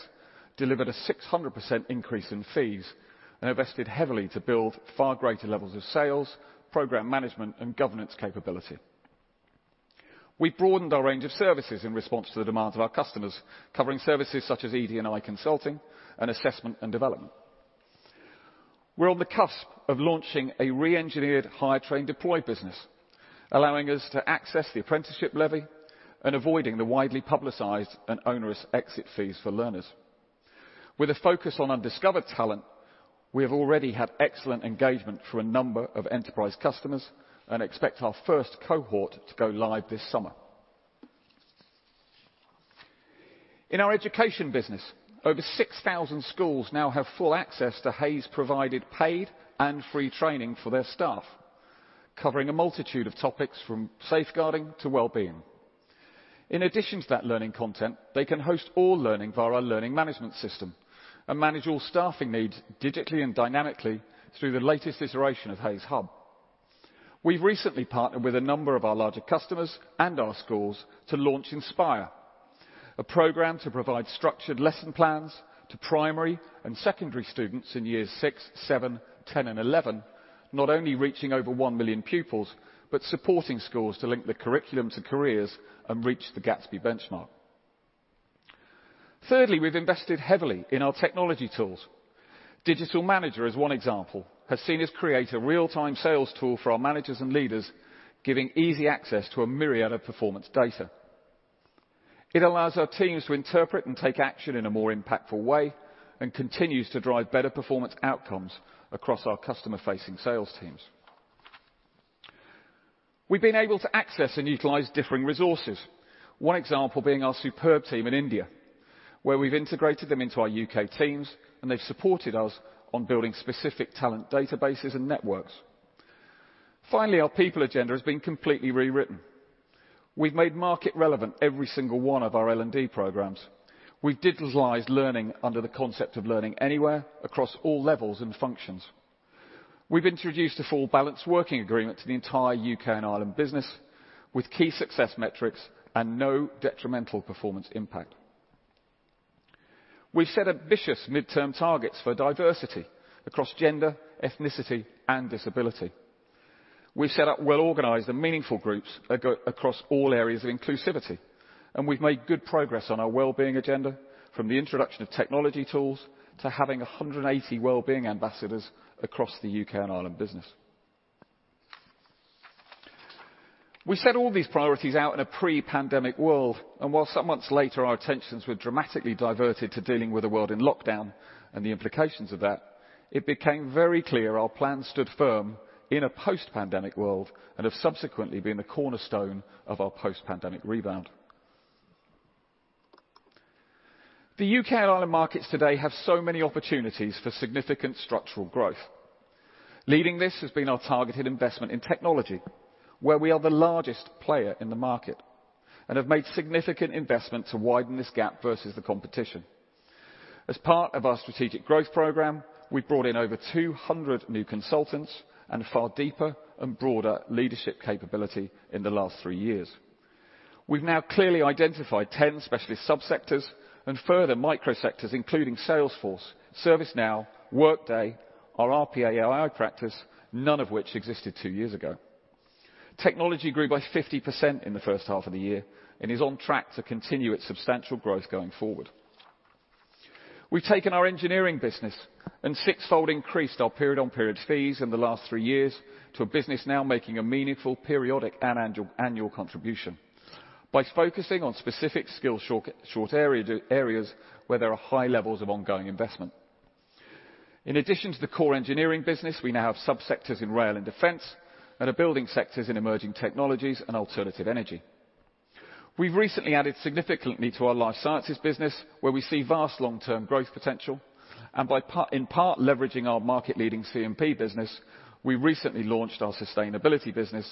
delivered a 600% increase in fees, and invested heavily to build far greater levels of sales, program management, and governance capability. We broadened our range of services in response to the demands of our customers, covering services such as ED&I consulting and assessment and development. We're on the cusp of launching a re-engineered Hire Train Deploy business, allowing us to access the apprenticeship levy and avoiding the widely publicized and onerous exit fees for learners. With a focus on undiscovered talent, we have already had excellent engagement for a number of enterprise customers and expect our first cohort to go live this summer. In our education business, over 6,000 schools now have full access to Hays-provided paid and free training for their staff, covering a multitude of topics from safeguarding to wellbeing. In addition to that learning content, they can host all learning via our learning management system and manage all staffing needs digitally and dynamically through the latest iteration of Hays Hub. We've recently partnered with a number of our larger customers and our schools to launch Inspire, a program to provide structured lesson plans to primary and secondary students in years six, seven, 10, and 11, not only reaching over 1 million pupils, but supporting schools to link the curriculum to careers and reach the Gatsby Benchmarks. Thirdly, we've invested heavily in our technology tools. Digital Manager is one example, has seen us create a real-time sales tool for our managers and leaders, giving easy access to a myriad of performance data. It allows our teams to interpret and take action in a more impactful way and continues to drive better performance outcomes across our customer-facing sales teams. We've been able to access and utilize differing resources. One example being our superb team in India, where we've integrated them into our U.K. teams, and they've supported us on building specific talent databases and networks. Finally, our people agenda has been completely rewritten. We've made market relevant every single one of our L&D programs. We've digitalized learning under the concept of learning anywhere across all levels and functions. We've introduced a full balanced working agreement to the entire U.K. and Ireland business with key success metrics and no detrimental performance impact. We set ambitious midterm targets for diversity across gender, ethnicity, and disability. We set up well-organized and meaningful groups across all areas of inclusivity, and we've made good progress on our wellbeing agenda from the introduction of technology tools to having 180 wellbeing ambassadors across the U.K. and Ireland business. We set all these priorities out in a pre-pandemic world, and while some months later our attentions were dramatically diverted to dealing with the world in lockdown and the implications of that, it became very clear our plan stood firm in a post-pandemic world and have subsequently been the cornerstone of our post-pandemic rebound. The U.K. and Ireland markets today have so many opportunities for significant structural growth. Leading this has been our targeted investment in technology, where we are the largest player in the market and have made significant investment to widen this gap versus the competition. As part of our strategic growth program, we brought in over 200 new consultants and far deeper and broader leadership capability in the last three years. We've now clearly identified 10 specialist subsectors and further microsectors, including Salesforce, ServiceNow, Workday, our RPA/AI practice, none of which existed two years ago. Technology grew by 50% in the first half of the year and is on track to continue its substantial growth going forward. We've taken our engineering business and sixfold increased our period-on-period fees in the last three years to a business now making a meaningful, periodic, and annual contribution by focusing on specific skill shortage areas where there are high levels of ongoing investment. In addition to the core engineering business, we now have subsectors in rail and defense and are building sectors in emerging technologies and alternative energy. We've recently added significantly to our life sciences business, where we see vast long-term growth potential. In part, leveraging our market-leading C&P business, we recently launched our sustainability business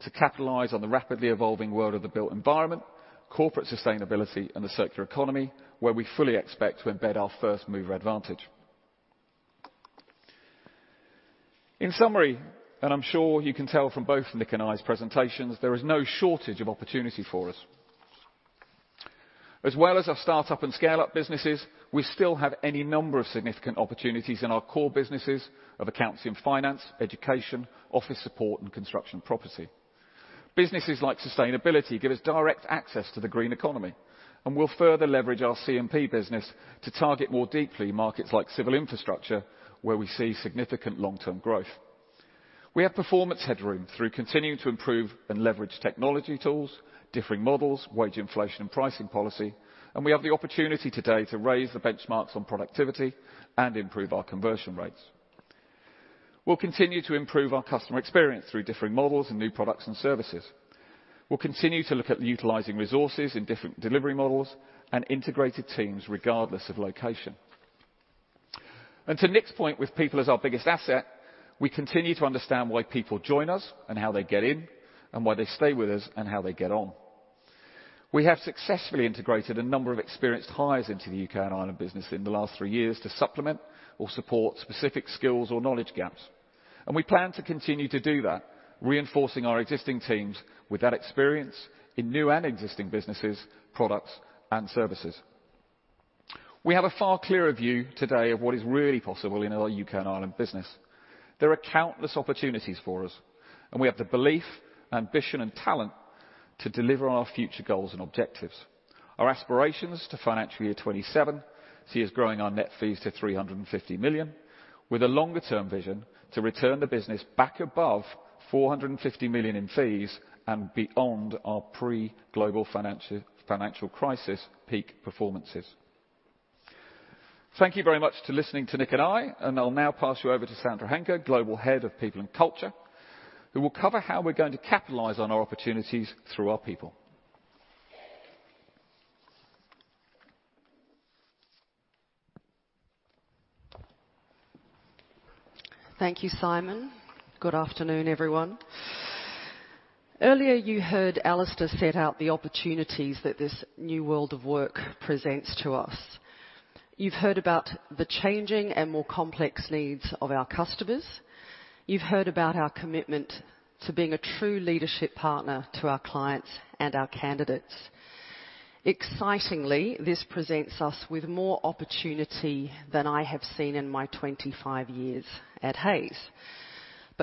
to capitalize on the rapidly evolving world of the built environment, corporate sustainability, and the circular economy, where we fully expect to embed our first-mover advantage. In summary, and I'm sure you can tell from both Nick and I's presentations, there is no shortage of opportunity for us. As well as our start-up and scale-up businesses, we still have any number of significant opportunities in our core businesses of accounts and finance, education, office support, and construction property. Businesses like sustainability give us direct access to the green economy, and we'll further leverage our C&P business to target more deeply markets like civil infrastructure, where we see significant long-term growth. We have performance headroom through continuing to improve and leverage technology tools, different models, wage inflation and pricing policy, and we have the opportunity today to raise the benchmarks on productivity and improve our conversion rates. We'll continue to improve our customer experience through different models and new products and services. We'll continue to look at utilizing resources in different delivery models and integrated teams, regardless of location. To Nick's point, with people as our biggest asset, we continue to understand why people join us and how they get in, and why they stay with us and how they get on. We have successfully integrated a number of experienced hires into the U.K. and Ireland business in the last three years to supplement or support specific skills or knowledge gaps, and we plan to continue to do that, reinforcing our existing teams with that experience in new and existing businesses, products, and services. We have a far clearer view today of what is really possible in our U.K. and Ireland business. There are countless opportunities for us, and we have the belief, ambition, and talent to deliver on our future goals and objectives. Our aspirations to financial year 27 see us growing our net fees to 350 million, with a longer-term vision to return the business back above 450 million in fees and beyond our pre-global financial crisis peak performances. Thank you very much for listening to Nick and me, and I'll now pass you over to Sandra Henke, Global Head of People and Culture, who will cover how we're going to capitalize on our opportunities through our people. Thank you, Simon. Good afternoon, everyone. Earlier, you heard Alistair set out the opportunities that this new world of work presents to us. You've heard about the changing and more complex needs of our customers. You've heard about our commitment to being a true leadership partner to our clients and our candidates. Excitingly, this presents us with more opportunity than I have seen in my 25 years at Hays.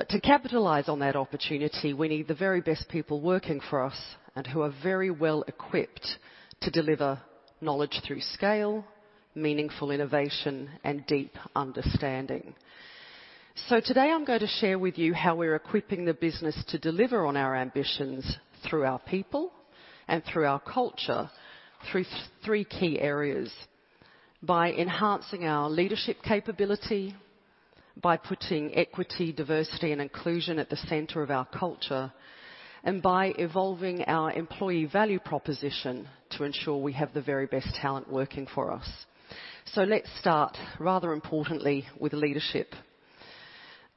To capitalize on that opportunity, we need the very best people working for us and who are very well equipped to deliver knowledge through scale, meaningful innovation, and deep understanding. Today I'm going to share with you how we're equipping the business to deliver on our ambitions through our people and through our culture through three key areas. By enhancing our leadership capability, by putting equity, diversity, and inclusion at the center of our culture, and by evolving our employee value proposition to ensure we have the very best talent working for us. Let's start, rather importantly, with leadership.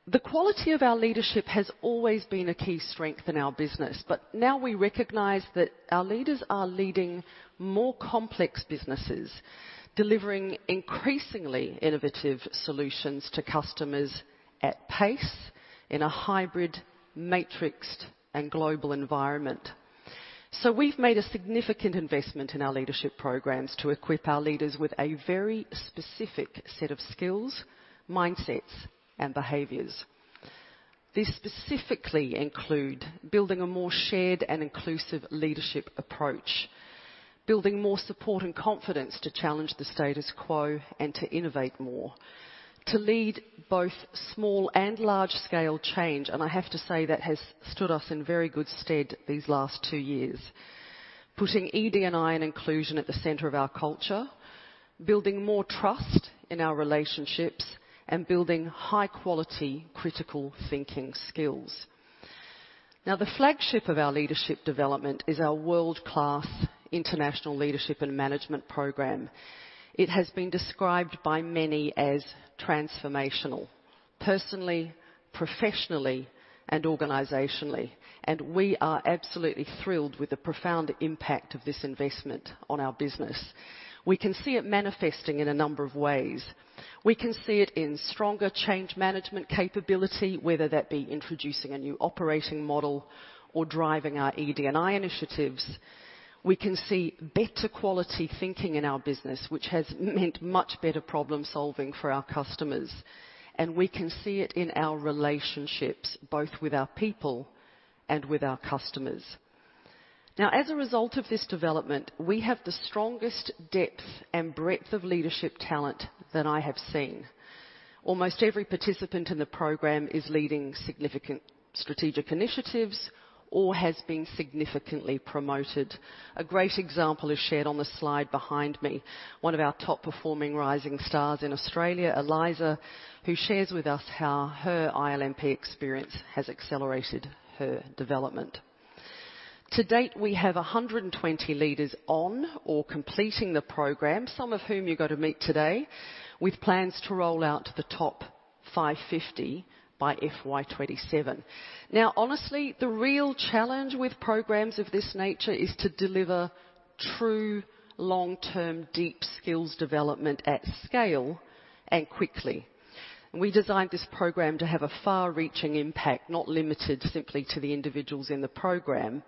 The quality of our leadership has always been a key strength in our business, but now we recognize that our leaders are leading more complex businesses, delivering increasingly innovative solutions to customers at pace in a hybrid matrixed and global environment. We've made a significant investment in our leadership programs to equip our leaders with a very specific set of skills, mindsets, and behaviors. These specifically include building a more shared and inclusive leadership approach, building more support and confidence to challenge the status quo and to innovate more, to lead both small and large scale change, and I have to say that has stood us in very good stead these last two years. Putting ED&I and inclusion at the center of our culture, building more trust in our relationships, and building high-quality critical thinking skills. Now, the flagship of our leadership development is our world-class international leadership and management program. It has been described by many as transformational, personally, professionally, and organizationally, and we are absolutely thrilled with the profound impact of this investment on our business. We can see it manifesting in a number of ways. We can see it in stronger change management capability, whether that be introducing a new operating model or driving our ED&I initiatives. We can see better quality thinking in our business, which has meant much better problem-solving for our customers, and we can see it in our relationships, both with our people and with our customers. Now, as a result of this development, we have the strongest depth and breadth of leadership talent than I have seen. Almost every participant in the program is leading significant strategic initiatives or has been significantly promoted. A great example is shared on the slide behind me. One of our top performing rising stars in Australia, Eliza, who shares with us how her ILMP experience has accelerated her development. To date, we have 120 leaders on or completing the program, some of whom you're going to meet today, with plans to roll out the top 550 by FY 2027. Now, honestly, the real challenge with programs of this nature is to deliver true long-term, deep skills development at scale and quickly. We designed this program to have a far-reaching impact, not limited simply to the individuals in the program.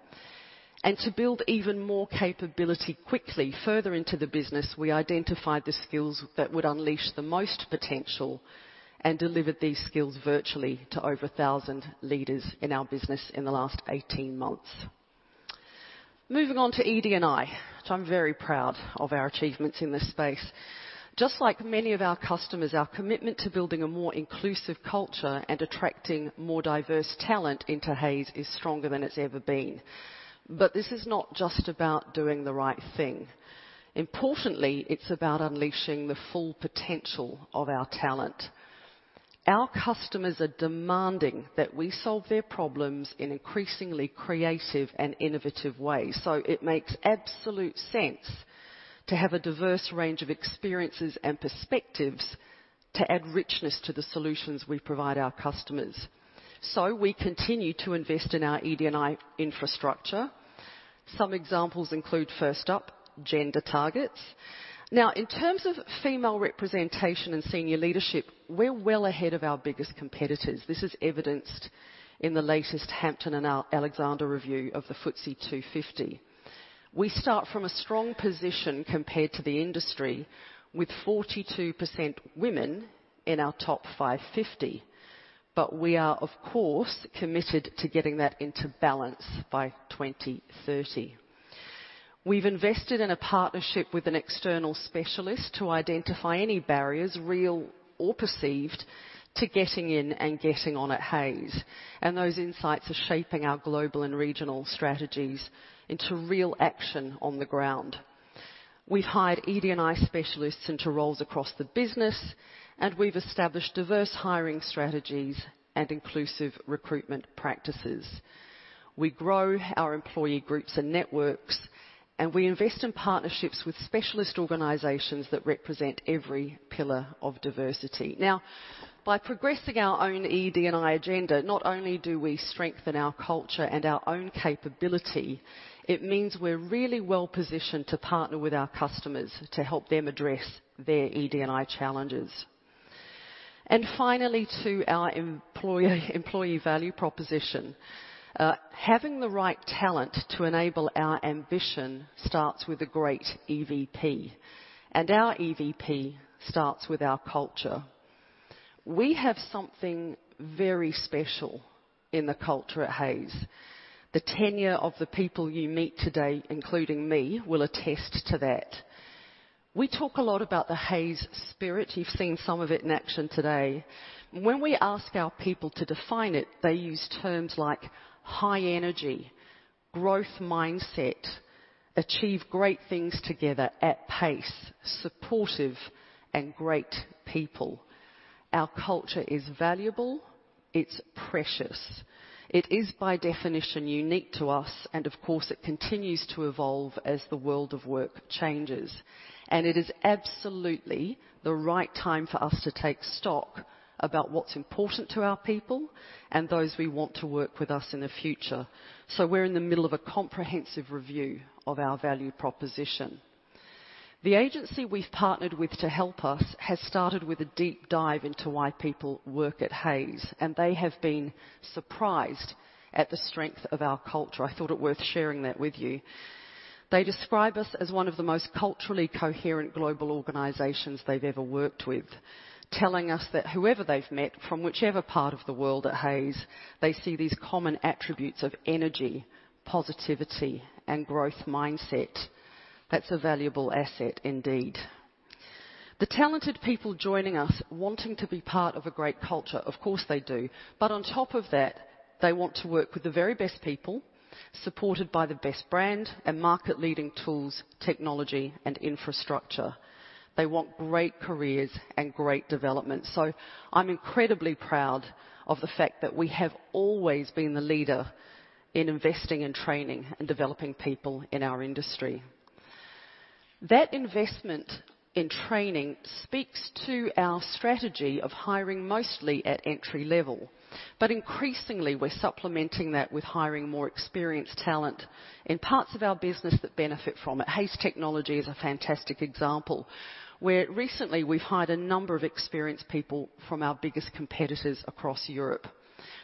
To build even more capability quickly further into the business, we identified the skills that would unleash the most potential and delivered these skills virtually to over 1,000 leaders in our business in the last 18 months. Moving on to ED&I, which I'm very proud of our achievements in this space. Just like many of our customers, our commitment to building a more inclusive culture and attracting more diverse talent into Hays is stronger than it's ever been. This is not just about doing the right thing. Importantly, it's about unleashing the full potential of our talent. Our customers are demanding that we solve their problems in increasingly creative and innovative ways. It makes absolute sense to have a diverse range of experiences and perspectives to add richness to the solutions we provide our customers. We continue to invest in our ED&I infrastructure. Some examples include, first up, gender targets. Now in terms of female representation and senior leadership, we're well ahead of our biggest competitors. This is evidenced in the latest Hampton-Alexander review of the FTSE 250. We start from a strong position compared to the industry with 42% women in our top 550, but we are of course, committed to getting that into balance by 2030. We've invested in a partnership with an external specialist to identify any barriers, real or perceived, to getting in and getting on at Hays, and those insights are shaping our global and regional strategies into real action on the ground. We've hired ED&I specialists into roles across the business, and we've established diverse hiring strategies and inclusive recruitment practices. We grow our employee groups and networks, and we invest in partnerships with specialist organizations that represent every pillar of diversity. Now, by progressing our own ED&I agenda, not only do we strengthen our culture and our own capability, it means we're really well-positioned to partner with our customers to help them address their ED&I challenges. Finally, to our employee value proposition. Having the right talent to enable our ambition starts with a great EVP, and our EVP starts with our culture. We have something very special in the culture at Hays. The tenure of the people you meet today, including me, will attest to that. We talk a lot about the Hays spirit. You've seen some of it in action today. When we ask our people to define it, they use terms like high energy, growth mindset, achieve great things together at pace, supportive and great people. Our culture is valuable, it's precious. It is by definition unique to us, and of course, it continues to evolve as the world of work changes. It is absolutely the right time for us to take stock about what's important to our people and those we want to work with us in the future. We're in the middle of a comprehensive review of our value proposition. The agency we've partnered with to help us has started with a deep dive into why people work at Hays, and they have been surprised at the strength of our culture. I thought it worth sharing that with you. They describe us as one of the most culturally coherent global organizations they've ever worked with, telling us that whoever they've met from whichever part of the world at Hays, they see these common attributes of energy, positivity and growth mindset. That's a valuable asset indeed. The talented people joining us wanting to be part of a great culture, of course they do. On top of that, they want to work with the very best people, supported by the best brand and market-leading tools, technology and infrastructure. They want great careers and great development. I'm incredibly proud of the fact that we have always been the leader in investing in training and developing people in our industry. That investment in training speaks to our strategy of hiring mostly at entry-level. Increasingly, we're supplementing that with hiring more experienced talent in parts of our business that benefit from it. Hays Technology is a fantastic example, where recently we've hired a number of experienced people from our biggest competitors across Europe.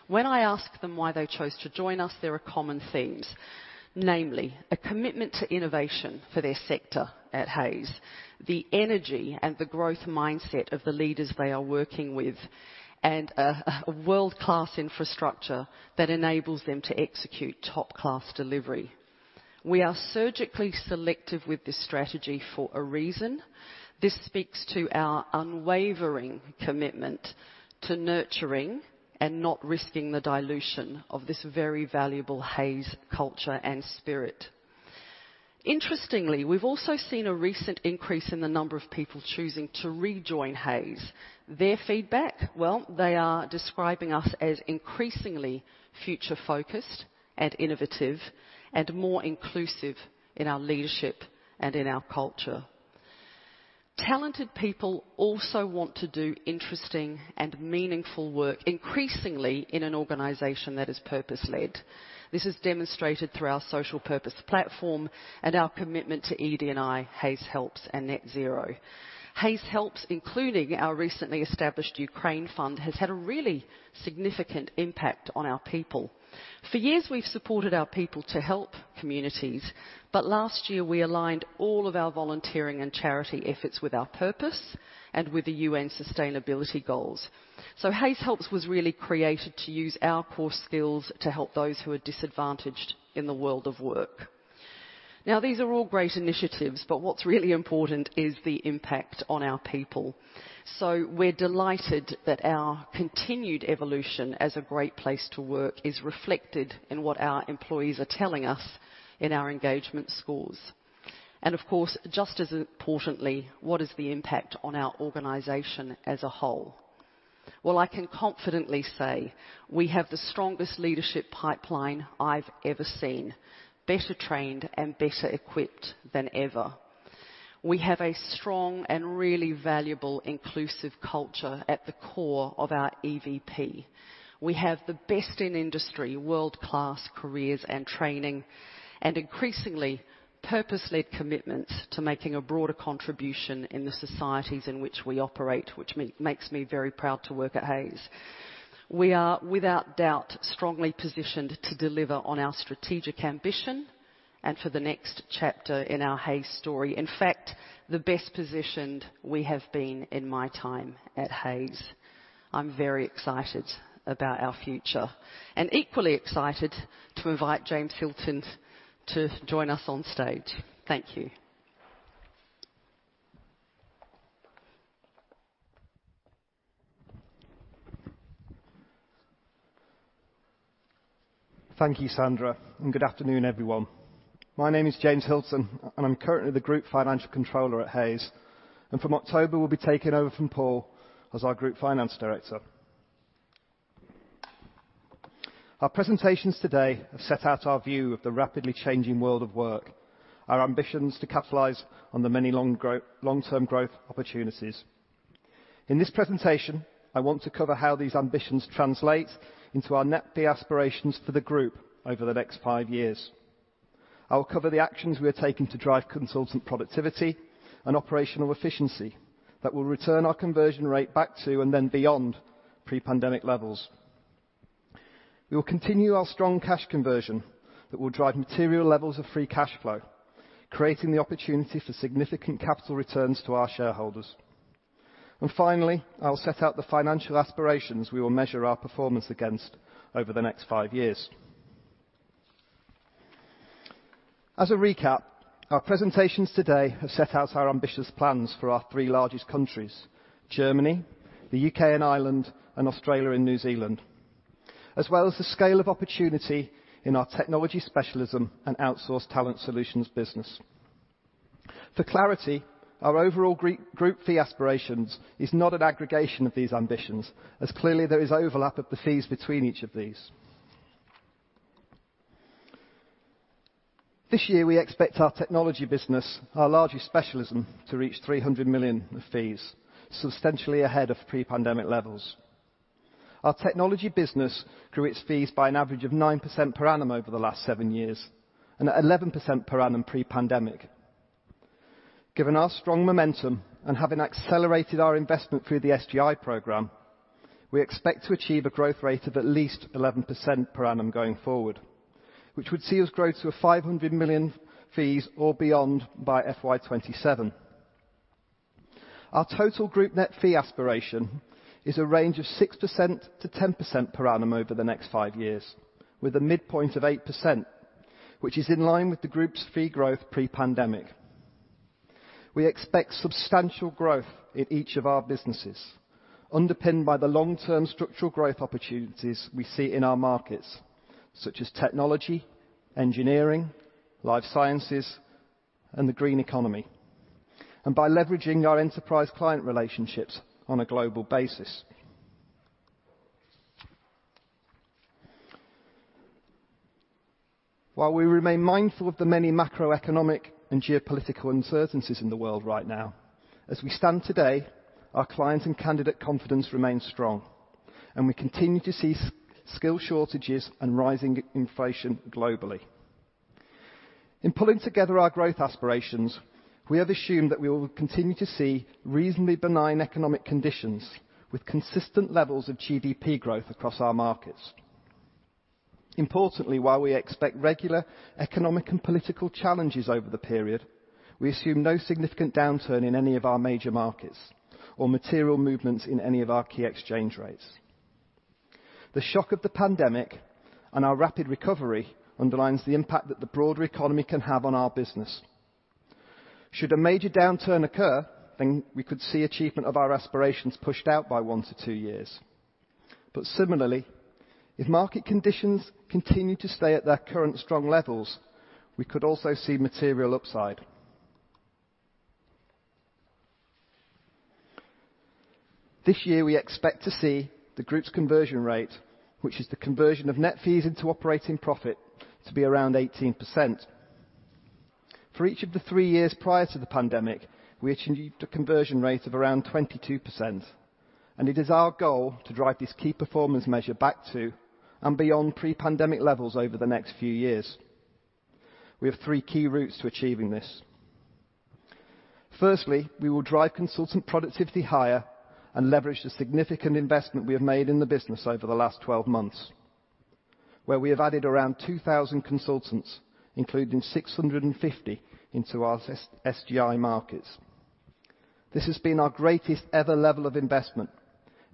When I ask them why they chose to join us, there are common themes, namely a commitment to innovation for their sector at Hays, the energy and the growth mindset of the leaders they are working with, and a world-class infrastructure that enables them to execute top-class delivery. We are surgically selective with this strategy for a reason. This speaks to our unwavering commitment to nurturing and not risking the dilution of this very valuable Hays culture and spirit. Interestingly, we've also seen a recent increase in the number of people choosing to rejoin Hays. Their feedback? Well, they are describing us as increasingly future-focused and innovative and more inclusive in our leadership and in our culture. Talented people also want to do interesting and meaningful work, increasingly in an organization that is purpose-led. This is demonstrated through our social purpose platform and our commitment to ED&I, Hays Helps and Net Zero. Hays Helps, including our recently established Ukraine fund, has had a really significant impact on our people. For years, we've supported our people to help communities, but last year, we aligned all of our volunteering and charity efforts with our purpose and with the UN sustainability goals. Hays Helps was really created to use our core skills to help those who are disadvantaged in the world of work. Now, these are all great initiatives, but what's really important is the impact on our people. We're delighted that our continued evolution as a great place to work is reflected in what our employees are telling us in our engagement scores. Of course, just as importantly, what is the impact on our organization as a whole? Well, I can confidently say we have the strongest leadership pipeline I've ever seen, better trained and better equipped than ever. We have a strong and really valuable inclusive culture at the core of our EVP. We have the best in industry, world-class careers and training, and increasingly, purpose-led commitments to making a broader contribution in the societies in which we operate, which makes me very proud to work at Hays. We are, without doubt, strongly positioned to deliver on our strategic ambition and for the next chapter in our Hays story. In fact, the best positioned we have been in my time at Hays. I'm very excited about our future and equally excited to invite James Hilton to join us on stage. Thank you. Thank you, Sandra, and good afternoon, everyone. My name is James Hilton, and I'm currently the group financial controller at Hays, and from October, will be taking over from Paul as our group finance director. Our presentations today have set out our view of the rapidly changing world of work, our ambitions to capitalize on the many long-term growth opportunities. In this presentation, I want to cover how these ambitions translate into our net fee aspirations for the Group over the next five years. I will cover the actions we are taking to drive consultant productivity and operational efficiency that will return our conversion rate back to and then beyond pre-pandemic levels. We will continue our strong cash conversion that will drive material levels of free cash flow, creating the opportunity for significant capital returns to our shareholders. Finally, I'll set out the financial aspirations we will measure our performance against over the next five years. As a recap, our presentations today have set out our ambitious plans for our three largest countries, Germany, the U.K. and Ireland, and Australia and New Zealand, as well as the scale of opportunity in our technology specialism and outsource talent solutions business. For clarity, our overall group fee aspirations is not an aggregation of these ambitions, as clearly there is overlap of the fees between each of these. This year, we expect our technology business, our largest specialism, to reach 300 million in fees, substantially ahead of pre-pandemic levels. Our technology business grew its fees by an average of 9% per annum over the last seven years and at 11% per annum pre-pandemic. Given our strong momentum and having accelerated our investment through the SGI program, we expect to achieve a growth rate of at least 11% per annum going forward, which would see us grow to 500 million fees or beyond by FY 2027. Our total group net fee aspiration is a range of 6%-10% per annum over the next five years, with a midpoint of 8%, which is in line with the Group's fee growth pre-pandemic. We expect substantial growth in each of our businesses, underpinned by the long-term structural growth opportunities we see in our markets, such as technology, engineering, life sciences, and the green economy, and by leveraging our enterprise client relationships on a global basis. While we remain mindful of the many macroeconomic and geopolitical uncertainties in the world right now, as we stand today, our clients and candidate confidence remains strong, and we continue to see skill shortages and rising inflation globally. In pulling together our growth aspirations, we have assumed that we will continue to see reasonably benign economic conditions with consistent levels of GDP growth across our markets. Importantly, while we expect regular economic and political challenges over the period, we assume no significant downturn in any of our major markets or material movements in any of our key exchange rates. The shock of the pandemic and our rapid recovery underlines the impact that the broader economy can have on our business. Should a major downturn occur, then we could see achievement of our aspirations pushed out by one to two years. Similarly, if market conditions continue to stay at their current strong levels, we could also see material upside. This year, we expect to see the Group's conversion rate, which is the conversion of net fees into operating profit, to be around 18%. For each of the three years prior to the pandemic, we achieved a conversion rate of around 22%, and it is our goal to drive this key performance measure back to and beyond pre-pandemic levels over the next few years. We have three key routes to achieving this. Firstly, we will drive consultant productivity higher and leverage the significant investment we have made in the business over the last 12 months, where we have added around 2,000 consultants, including 650 into our S-SGI markets. This has been our greatest ever level of investment,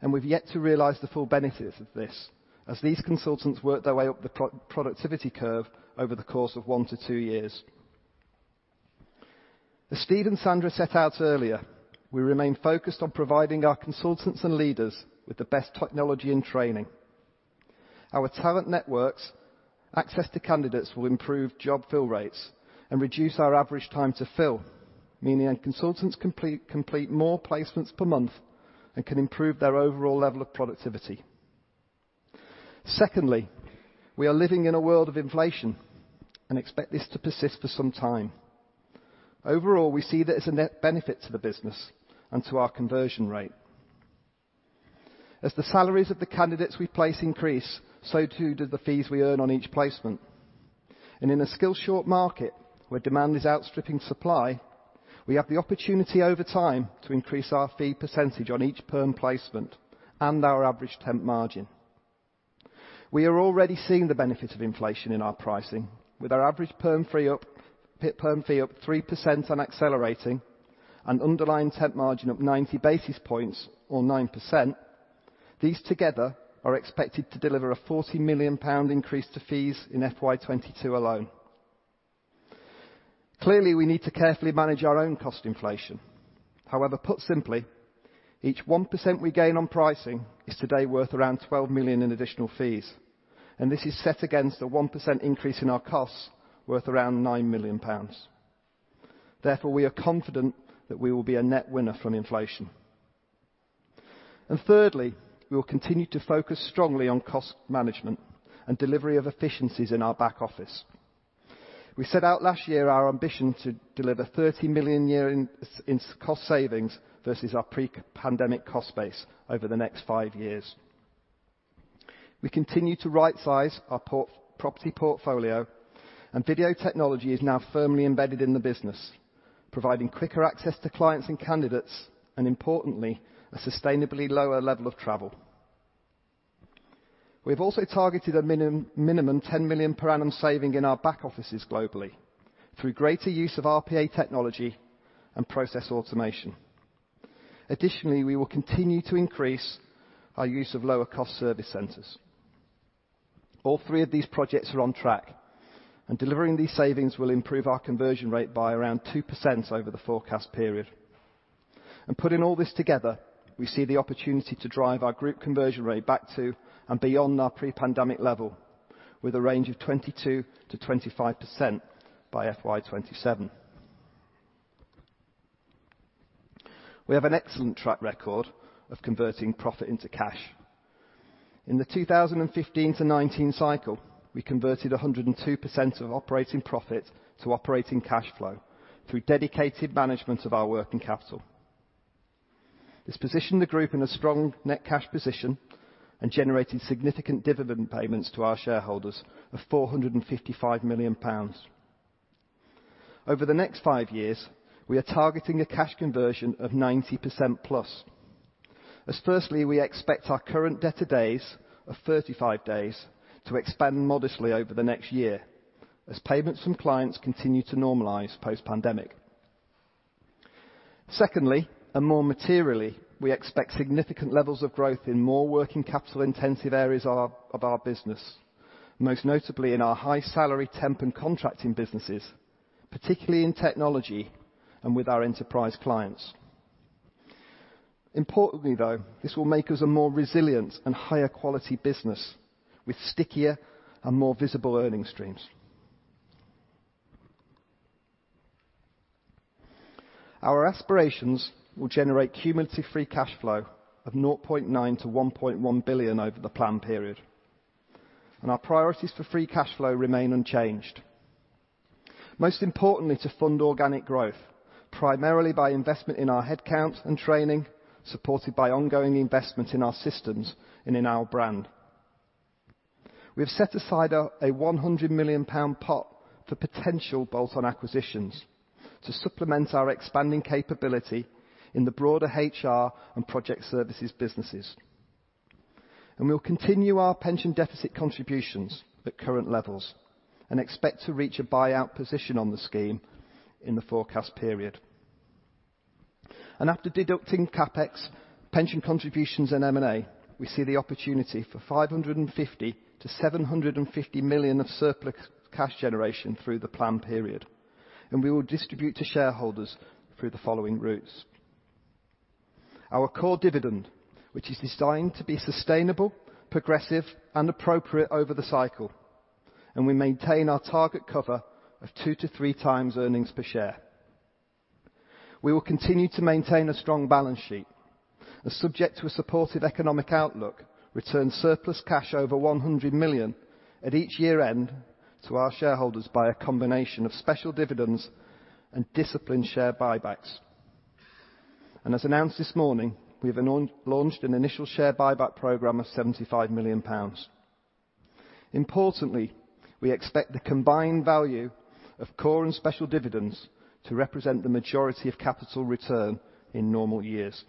and we've yet to realize the full benefits of this as these consultants work their way up the pro-productivity curve over the course of one to two years. As Steve and Sandra set out earlier, we remain focused on providing our consultants and leaders with the best technology and training. Our Talent Networks access to candidates will improve job fill rates and reduce our average time to fill, meaning that consultants complete more placements per month and can improve their overall level of productivity. Secondly, we are living in a world of inflation and expect this to persist for some time. Overall, we see that it's a net benefit to the business and to our conversion rate. As the salaries of the candidates we place increase, so too do the fees we earn on each placement. In a skills-short market where demand is outstripping supply, we have the opportunity over time to increase our fee percentage on each perm placement and our average temp margin. We are already seeing the benefit of inflation in our pricing with our average per perm fee up 3% and accelerating and underlying temp margin up 90 basis points or 9%. These together are expected to deliver a 40 million pound increase to fees in FY 2022 alone. Clearly, we need to carefully manage our own cost inflation. However, put simply, each 1% we gain on pricing is today worth around 12 million in additional fees, and this is set against a 1% increase in our costs worth around 9 million pounds. Therefore, we are confident that we will be a net winner from inflation. Thirdly, we will continue to focus strongly on cost management and delivery of efficiencies in our back office. We set out last year our ambition to deliver 30 million a year in cost savings versus our pre-pandemic cost base over the next five years. We continue to right size our property portfolio and video technology is now firmly embedded in the business, providing quicker access to clients and candidates and importantly, a sustainably lower level of travel. We've also targeted a minimum 10 million per annum saving in our back offices globally through greater use of RPA technology and process automation. Additionally, we will continue to increase our use of lower cost service centers. All three of these projects are on track, and delivering these savings will improve our conversion rate by around 2% over the forecast period. Putting all this together, we see the opportunity to drive our group conversion rate back to and beyond our pre-pandemic level with a range of 22%-25% by FY 2027. We have an excellent track record of converting profit into cash. In the 2015-2019 cycle, we converted 102% of operating profit to operating cash flow through dedicated management of our working capital. This positioned the group in a strong net cash position and generated significant dividend payments to our shareholders of 455 million pounds. Over the next five years, we are targeting a cash conversion of 90%+. As firstly, we expect our current debtor days of 35 days to expand modestly over the next year as payments from clients continue to normalize post-pandemic. Secondly, and more materially, we expect significant levels of growth in more working capital intensive areas of our business, most notably in our high salary temp and contracting businesses, particularly in technology and with our enterprise clients. Importantly, though, this will make us a more resilient and higher quality business with stickier and more visible earning streams. Our aspirations will generate cumulative free cash flow of 0.9 billion-1.1 billion over the plan period. Our priorities for free cash flow remain unchanged. Most importantly, to fund organic growth, primarily by investment in our headcounts and training, supported by ongoing investment in our systems and in our brand. We have set aside a 100 million pound pot for potential bolt-on acquisitions to supplement our expanding capability in the broader HR and project services businesses. We'll continue our pension deficit contributions at current levels and expect to reach a buyout position on the scheme in the forecast period. After deducting CapEx, pension contributions, and M&A, we see the opportunity for 550 million-750 million of surplus cash generation through the plan period. We will distribute to shareholders through the following routes. Our core dividend, which is designed to be sustainable, progressive, and appropriate over the cycle, and we maintain our target cover of 2x-3x earnings per share. We will continue to maintain a strong balance sheet and subject to a supported economic outlook, return surplus cash over 100 million at each year-end to our shareholders by a combination of special dividends and disciplined share buybacks. As announced this morning, we've now launched an initial share buyback program of 75 million pounds. Importantly, we expect the combined value of core and special dividends to represent the majority of capital return in normal years.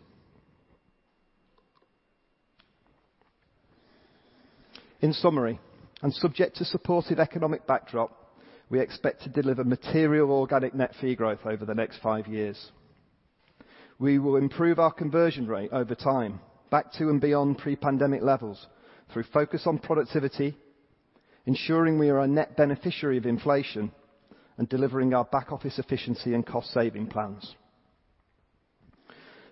In summary, subject to supportive economic backdrop, we expect to deliver material organic net fee growth over the next five years. We will improve our conversion rate over time, back to and beyond pre-pandemic levels through focus on productivity, ensuring we are a net beneficiary of inflation, and delivering our back office efficiency and cost-saving plans.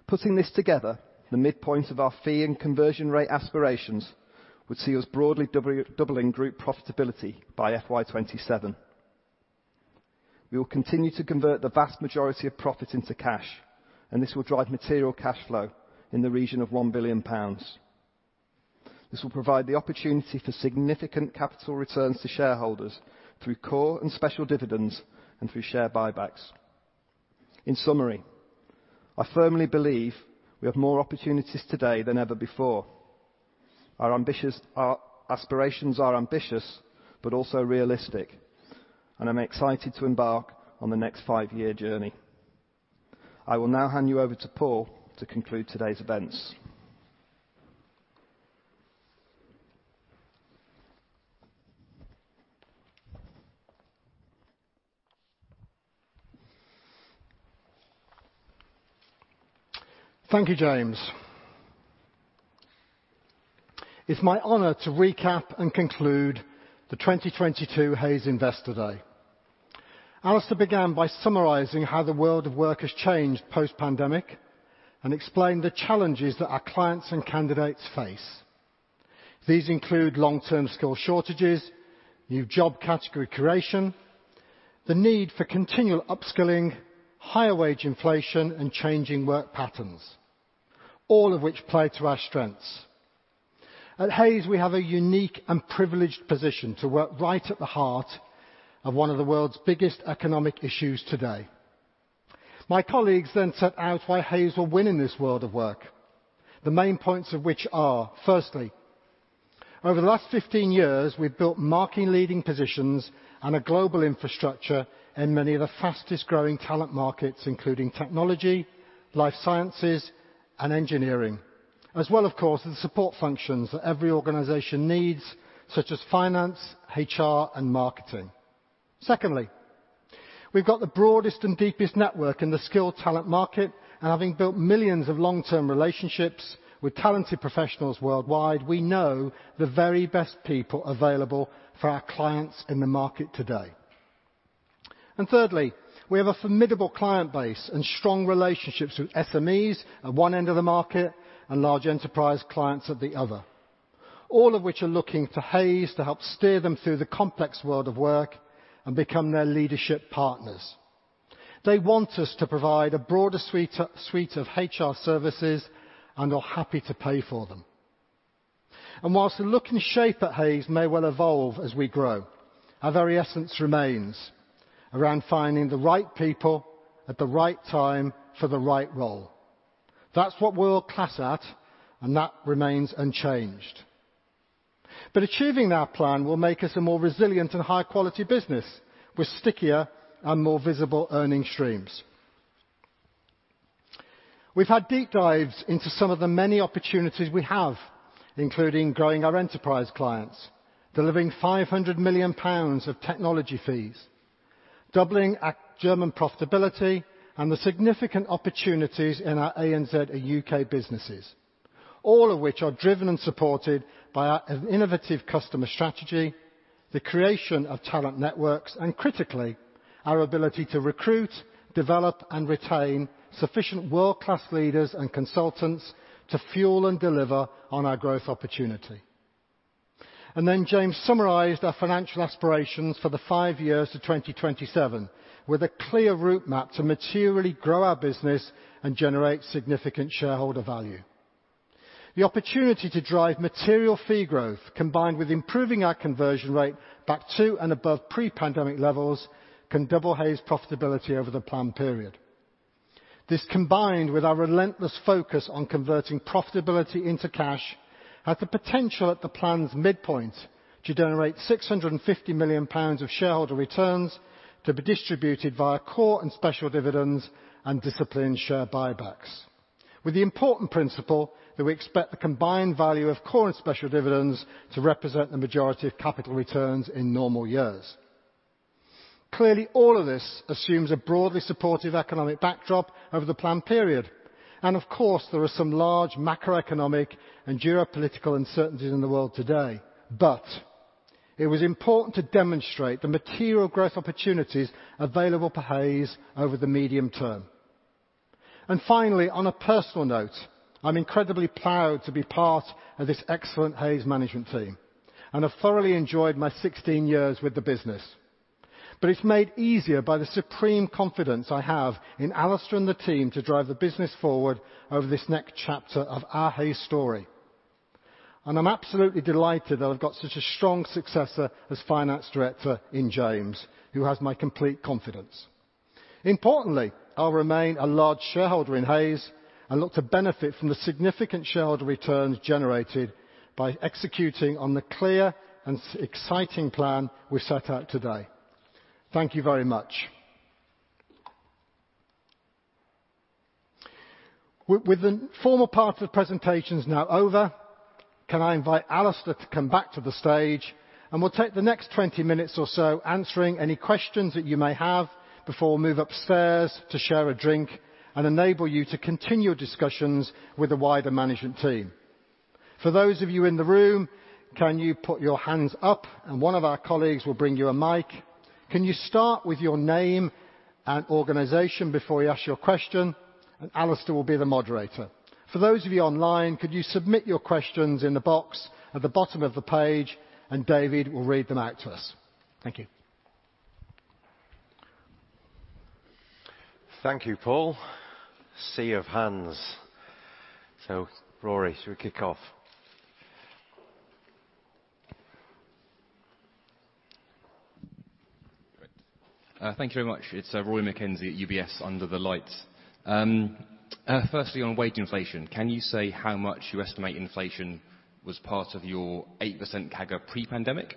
Putting this together, the midpoint of our fee and conversion rate aspirations would see us broadly doubling group profitability by FY 2027. We will continue to convert the vast majority of profit into cash, and this will drive material cash flow in the region of 1 billion pounds. This will provide the opportunity for significant capital returns to shareholders through core and special dividends and through share buybacks. In summary, I firmly believe we have more opportunities today than ever before. Our aspirations are ambitious but also realistic, and I'm excited to embark on the next five-year journey. I will now hand you over to Paul to conclude today's events. Thank you, James. It's my honor to recap and conclude the 2022 Hays Investor Day. Alastair began by summarizing how the world of work has changed post-pandemic and explained the challenges that our clients and candidates face. These include long-term skill shortages, new job category creation, the need for continual upskilling, higher wage inflation, and changing work patterns, all of which play to our strengths. At Hays, we have a unique and privileged position to work right at the heart of one of the world's biggest economic issues today. My colleagues then set out why Hays will win in this world of work. The main points of which are, firstly, over the last 15 years, we've built market-leading positions and a global infrastructure in many of the fastest-growing talent markets, including technology, life sciences, and engineering, as well, of course, as the support functions that every organization needs, such as finance, HR, and marketing. Secondly, we've got the broadest and deepest network in the skilled talent market, and having built millions of long-term relationships with talented professionals worldwide, we know the very best people available for our clients in the market today. Thirdly, we have a formidable client base and strong relationships with SMEs at one end of the market and large enterprise clients at the other, all of which are looking to Hays to help steer them through the complex world of work and become their leadership partners. They want us to provide a broader suite of HR services and are happy to pay for them. While the look and shape at Hays may well evolve as we grow, our very essence remains around finding the right people at the right time for the right role. That's what we're world-class at, and that remains unchanged. Achieving our plan will make us a more resilient and high-quality business with stickier and more visible earning streams. We've had deep dives into some of the many opportunities we have, including growing our enterprise clients, delivering 500 million pounds of technology fees, doubling our German profitability, and the significant opportunities in our ANZ and U.K. businesses, all of which are driven and supported by our innovative customer strategy, the creation of talent networks, and critically, our ability to recruit, develop, and retain sufficient world-class leaders and consultants to fuel and deliver on our growth opportunity. James summarized our financial aspirations for the five years to 2027 with a clear route map to materially grow our business and generate significant shareholder value. The opportunity to drive material fee growth combined with improving our conversion rate back to and above pre-pandemic levels can double Hays' profitability over the plan period. This, combined with our relentless focus on converting profitability into cash, has the potential at the plan's midpoint to generate 650 million pounds of shareholder returns to be distributed via core and special dividends and disciplined share buybacks. With the important principle that we expect the combined value of core and special dividends to represent the majority of capital returns in normal years. Clearly, all of this assumes a broadly supportive economic backdrop over the plan period. Of course, there are some large macroeconomic and geopolitical uncertainties in the world today. It was important to demonstrate the material growth opportunities available for Hays over the medium term. Finally, on a personal note, I'm incredibly proud to be part of this excellent Hays management team, and I've thoroughly enjoyed my 16 years with the business. It's made easier by the supreme confidence I have in Alistair and the team to drive the business forward over this next chapter of our Hays story. I'm absolutely delighted that I've got such a strong successor as finance director in James, who has my complete confidence. Importantly, I'll remain a large shareholder in Hays and look to benefit from the significant shareholder returns generated by executing on the clear and exciting plan we set out today. Thank you very much. With the formal part of presentations now over, can I invite Alistair to come back to the stage, and we'll take the next 20 minutes or so answering any questions that you may have before we move upstairs to share a drink and enable you to continue discussions with the wider management team. For those of you in the room, can you put your hands up and one of our colleagues will bring you a mic? Can you start with your name and organization before you ask your question? Alistair will be the moderator. For those of you online, could you submit your questions in the box at the bottom of the page, and David will read them out to us. Thank you. Thank you, Paul. Sea of hands. Rory, should we kick off? Great. Thank you very much. It's Rory McKenzie at UBS under the lights. Firstly on wage inflation, can you say how much you estimate inflation was part of your 8% CAGR pre-pandemic,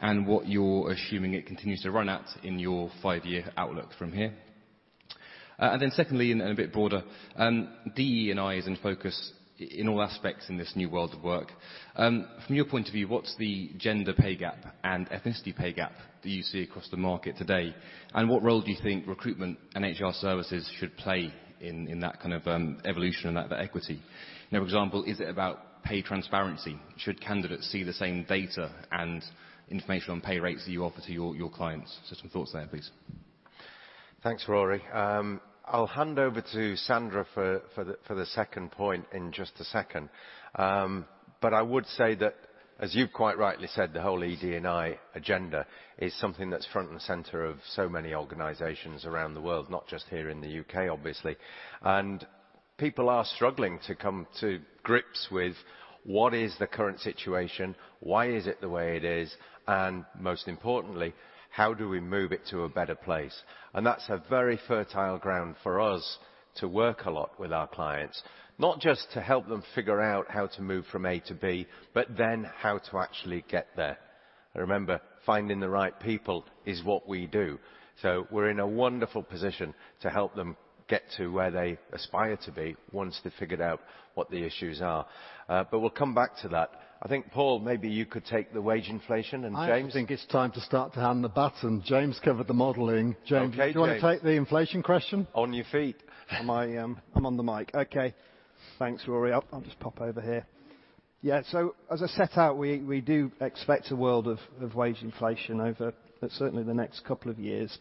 and what you're assuming it continues to run at in your five-year outlook from here? And then secondly, and a bit broader, DE&I is in focus in all aspects in this new world of work. From your point of view, what's the gender pay gap and ethnicity pay gap that you see across the market today? And what role do you think recruitment and HR services should play in that kind of evolution and that equity? You know, for example, is it about pay transparency? Should candidates see the same data and information on pay rates that you offer to your clients? Some thoughts there, please. Thanks, Rory. I'll hand over to Sandra for the second point in just a second. I would say that, as you've quite rightly said, the whole ED&I agenda is something that's front and center of so many organizations around the world, not just here in the U.K., obviously. People are struggling to come to grips with what is the current situation, why is it the way it is, and most importantly, how do we move it to a better place. That's a very fertile ground for us to work a lot with our clients. Not just to help them figure out how to move from A to B, but then how to actually get there. Remember, finding the right people is what we do. We're in a wonderful position to help them get to where they aspire to be once they've figured out what the issues are. We'll come back to that. I think, Paul, maybe you could take the wage inflation and James. I think it's time to start to hand the baton. James covered the modeling. Okay, James. James, do you wanna take the inflation question? On your feet. I'm on the mic. Okay. Thanks, Rory. I'll just pop over here. Yeah. As I set out, we do expect a world of wage inflation over certainly the next couple of years.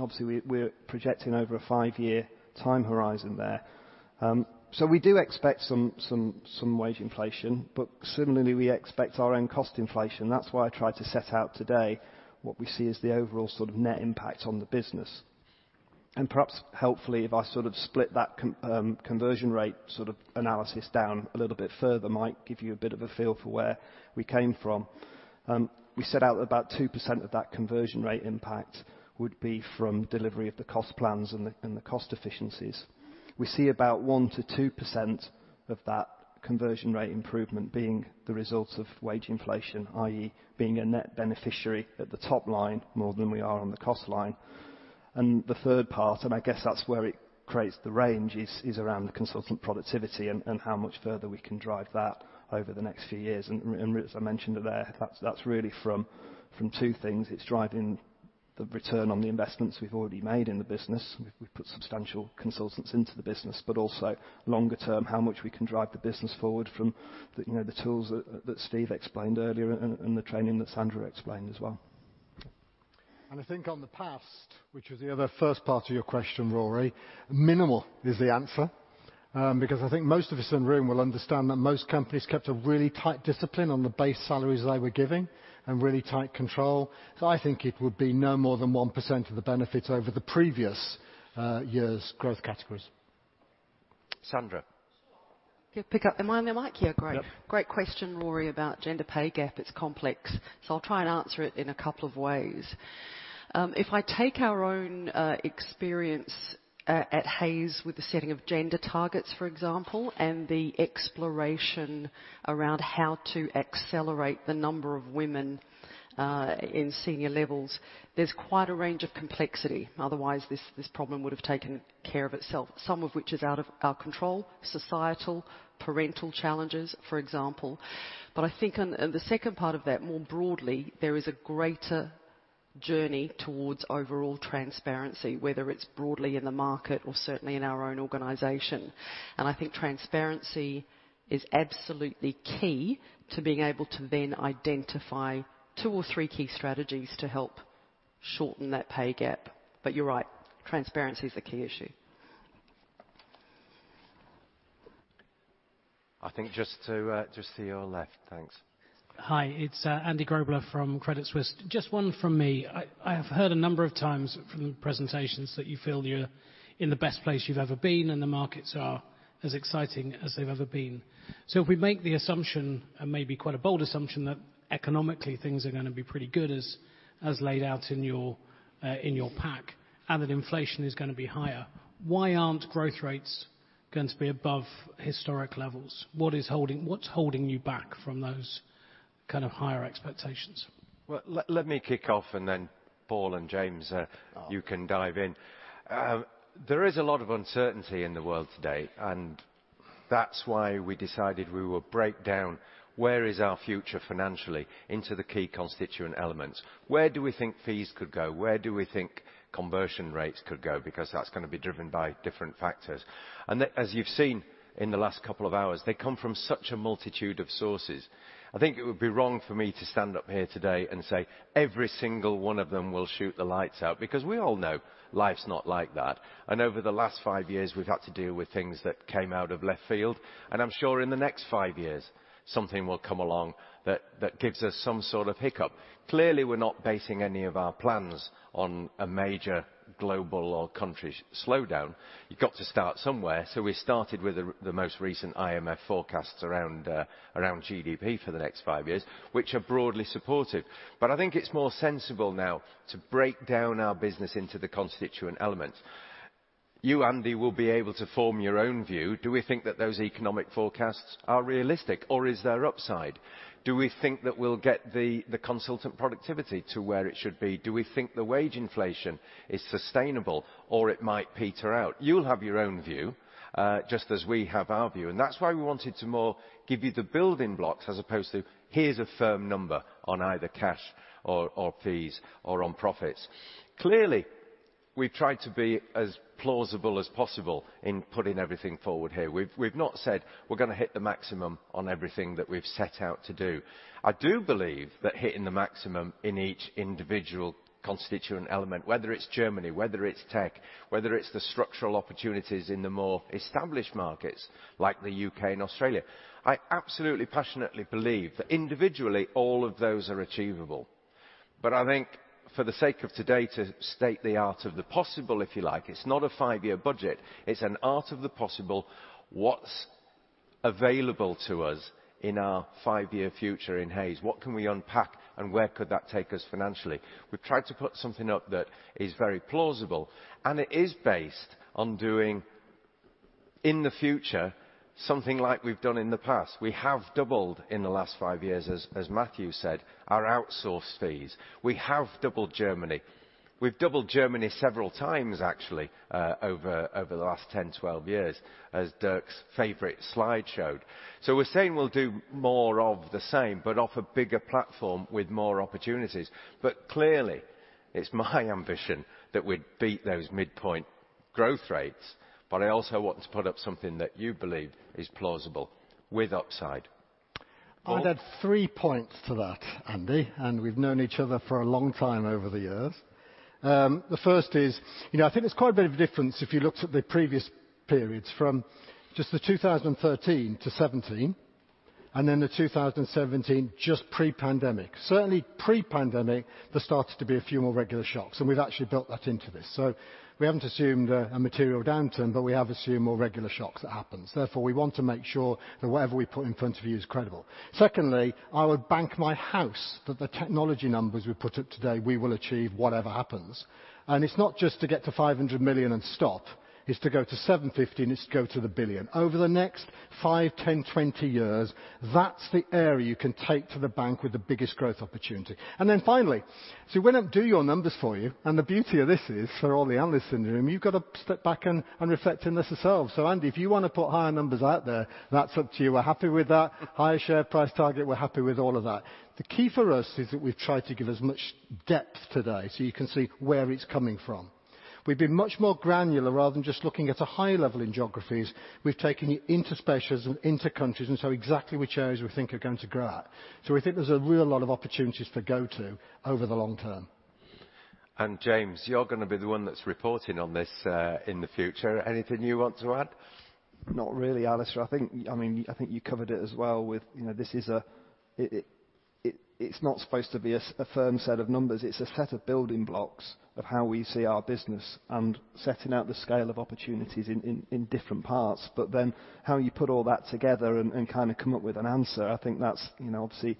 Obviously, we're projecting over a five-year time horizon there. We do expect some wage inflation, but similarly, we expect our own cost inflation. That's why I tried to set out today what we see as the overall sort of net impact on the business. Perhaps helpfully, if I sort of split that conversion rate sort of analysis down a little bit further, might give you a bit of a feel for where we came from. We set out about 2% of that conversion rate impact would be from delivery of the cost plans and the cost efficiencies. We see about 1%-2% of that conversion rate improvement being the result of wage inflation, i.e., being a net beneficiary at the top line more than we are on the cost line. The third part, and I guess that's where it creates the range, is around the consultant productivity and how much further we can drive that over the next few years. As I mentioned there, that's really from two things. It's driving the return on the investments we've already made in the business. We've put substantial consultants into the business, but also longer term, how much we can drive the business forward from the, you know, the tools that Steve explained earlier and the training that Sandra explained as well. I think on the past, which was the other first part of your question, Rory McKenzie, minimal is the answer. Because I think most of us in the room will understand that most companies kept a really tight discipline on the base salaries they were giving and really tight control. I think it would be no more than 1% of the benefits over the previous year's growth categories. Sandra. Sure. Can pick up. Am I on the mic here? Great. Yep. Great question, Rory, about gender pay gap. It's complex. I'll try and answer it in a couple of ways. If I take our own experience at Hays with the setting of gender targets, for example, and the exploration around how to accelerate the number of women in senior levels, there's quite a range of complexity, otherwise this problem would have taken care of itself, some of which is out of our control, societal, parental challenges, for example. I think on the second part of that, more broadly, there is a greater journey towards overall transparency, whether it's broadly in the market or certainly in our own organization. I think transparency is absolutely key to being able to then identify two or three key strategies to help shorten that pay gap. You're right, transparency is the key issue. I think just to your left. Thanks. Hi, it's Andy Grobler from Credit Suisse. Just one from me. I have heard a number of times from presentations that you feel you're in the best place you've ever been, and the markets are as exciting as they've ever been. If we make the assumption, and maybe quite a bold assumption, that economically things are gonna be pretty good as laid out in your pack, and that inflation is gonna be higher, why aren't growth rates going to be above historic levels. What's holding you back from those kind of higher expectations? Well, let me kick off, and then Paul and James, you can dive in. There is a lot of uncertainty in the world today, and that's why we decided we will break down where is our future financially into the key constituent elements. Where do we think fees could go? Where do we think conversion rates could go? Because that's gonna be driven by different factors. As you've seen in the last couple of hours, they come from such a multitude of sources. I think it would be wrong for me to stand up here today and say, every single one of them will shoot the lights out, because we all know life's not like that. Over the last five years, we've had to deal with things that came out of left field. I'm sure in the next five years, something will come along that gives us some sort of hiccup. Clearly, we're not basing any of our plans on a major global or country slowdown. You've got to start somewhere, so we started with the most recent IMF forecasts around GDP for the next five years, which are broadly supportive. I think it's more sensible now to break down our business into the constituent elements. You, Andy, will be able to form your own view. Do we think that those economic forecasts are realistic, or is there upside? Do we think that we'll get the consultant productivity to where it should be? Do we think the wage inflation is sustainable or it might peter out? You'll have your own view, just as we have our view, and that's why we wanted to more give you the building blocks as opposed to, "Here's a firm number on either cash or fees or on profits." Clearly, we've tried to be as plausible as possible in putting everything forward here. We've not said we're gonna hit the maximum on everything that we've set out to do. I do believe that hitting the maximum in each individual constituent element, whether it's Germany, whether it's tech, whether it's the structural opportunities in the more established markets, like the U.K. and Australia. I absolutely passionately believe that individually, all of those are achievable. I think for the sake of today to state the art of the possible, if you like, it's not a five-year budget, it's an art of the possible, what's available to us in our five-year future in Hays, what can we unpack and where could that take us financially? We've tried to put something up that is very plausible, and it is based on doing, in the future, something like we've done in the past. We have doubled in the last five years, as Matthew said, our outsourced fees. We have doubled Germany. We've doubled Germany several times, actually, over the last 10, 12 years, as Dirk's favorite slide showed. We're saying we'll do more of the same, but off a bigger platform with more opportunities. Clearly, it's my ambition that we beat those midpoint growth rates, but I also want to put up something that you believe is plausible with upside. I'll add three points to that, Andy, and we've known each other for a long time over the years. The first is, you know, I think there's quite a bit of difference if you looked at the previous periods from just the 2013-2017, and then the 2017 just pre-pandemic. Certainly, pre-pandemic, there started to be a few more regular shocks, and we've actually built that into this. We haven't assumed a material downturn, but we have assumed more regular shocks that happens. Therefore, we want to make sure that whatever we put in front of you is credible. Secondly, I would bank my house that the technology numbers we put up today, we will achieve whatever happens. It's not just to get to 500 million and stop. It's to go to 750, and it's to go to 1 billion. Over the next five, 10, 20 years, that's the area you can take to the bank with the biggest growth opportunity. Finally, we wouldn't do your numbers for you, and the beauty of this is, for all the analysts in the room, you've got to step back and reflect on this yourselves. Andy, if you wanna put higher numbers out there, that's up to you. We're happy with that. Higher share price target, we're happy with all of that. The key for us is that we've tried to give as much depth today, so you can see where it's coming from. We've been much more granular rather than just looking at a high level in geographies. We've taken you into specials and into countries and so exactly which areas we think are going to grow at. We think there's a real lot of opportunities to go to over the long term. James, you're gonna be the one that's reporting on this, in the future. Anything you want to add? Not really, Alistair. I think you covered it as well with, you know, this is it's not supposed to be a firm set of numbers. It's a set of building blocks of how we see our business and setting out the scale of opportunities in different parts. Then how you put all that together and kind of come up with an answer, I think that's, you know, obviously,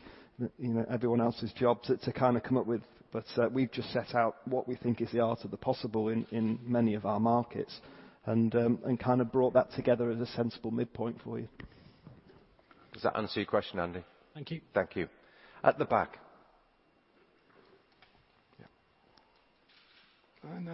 you know, everyone else's job to kind of come up with. We've just set out what we think is the art of the possible in many of our markets and kind of brought that together as a sensible midpoint for you. Does that answer your question, Andy? Thank you. Thank you. At the back. Yeah. Na.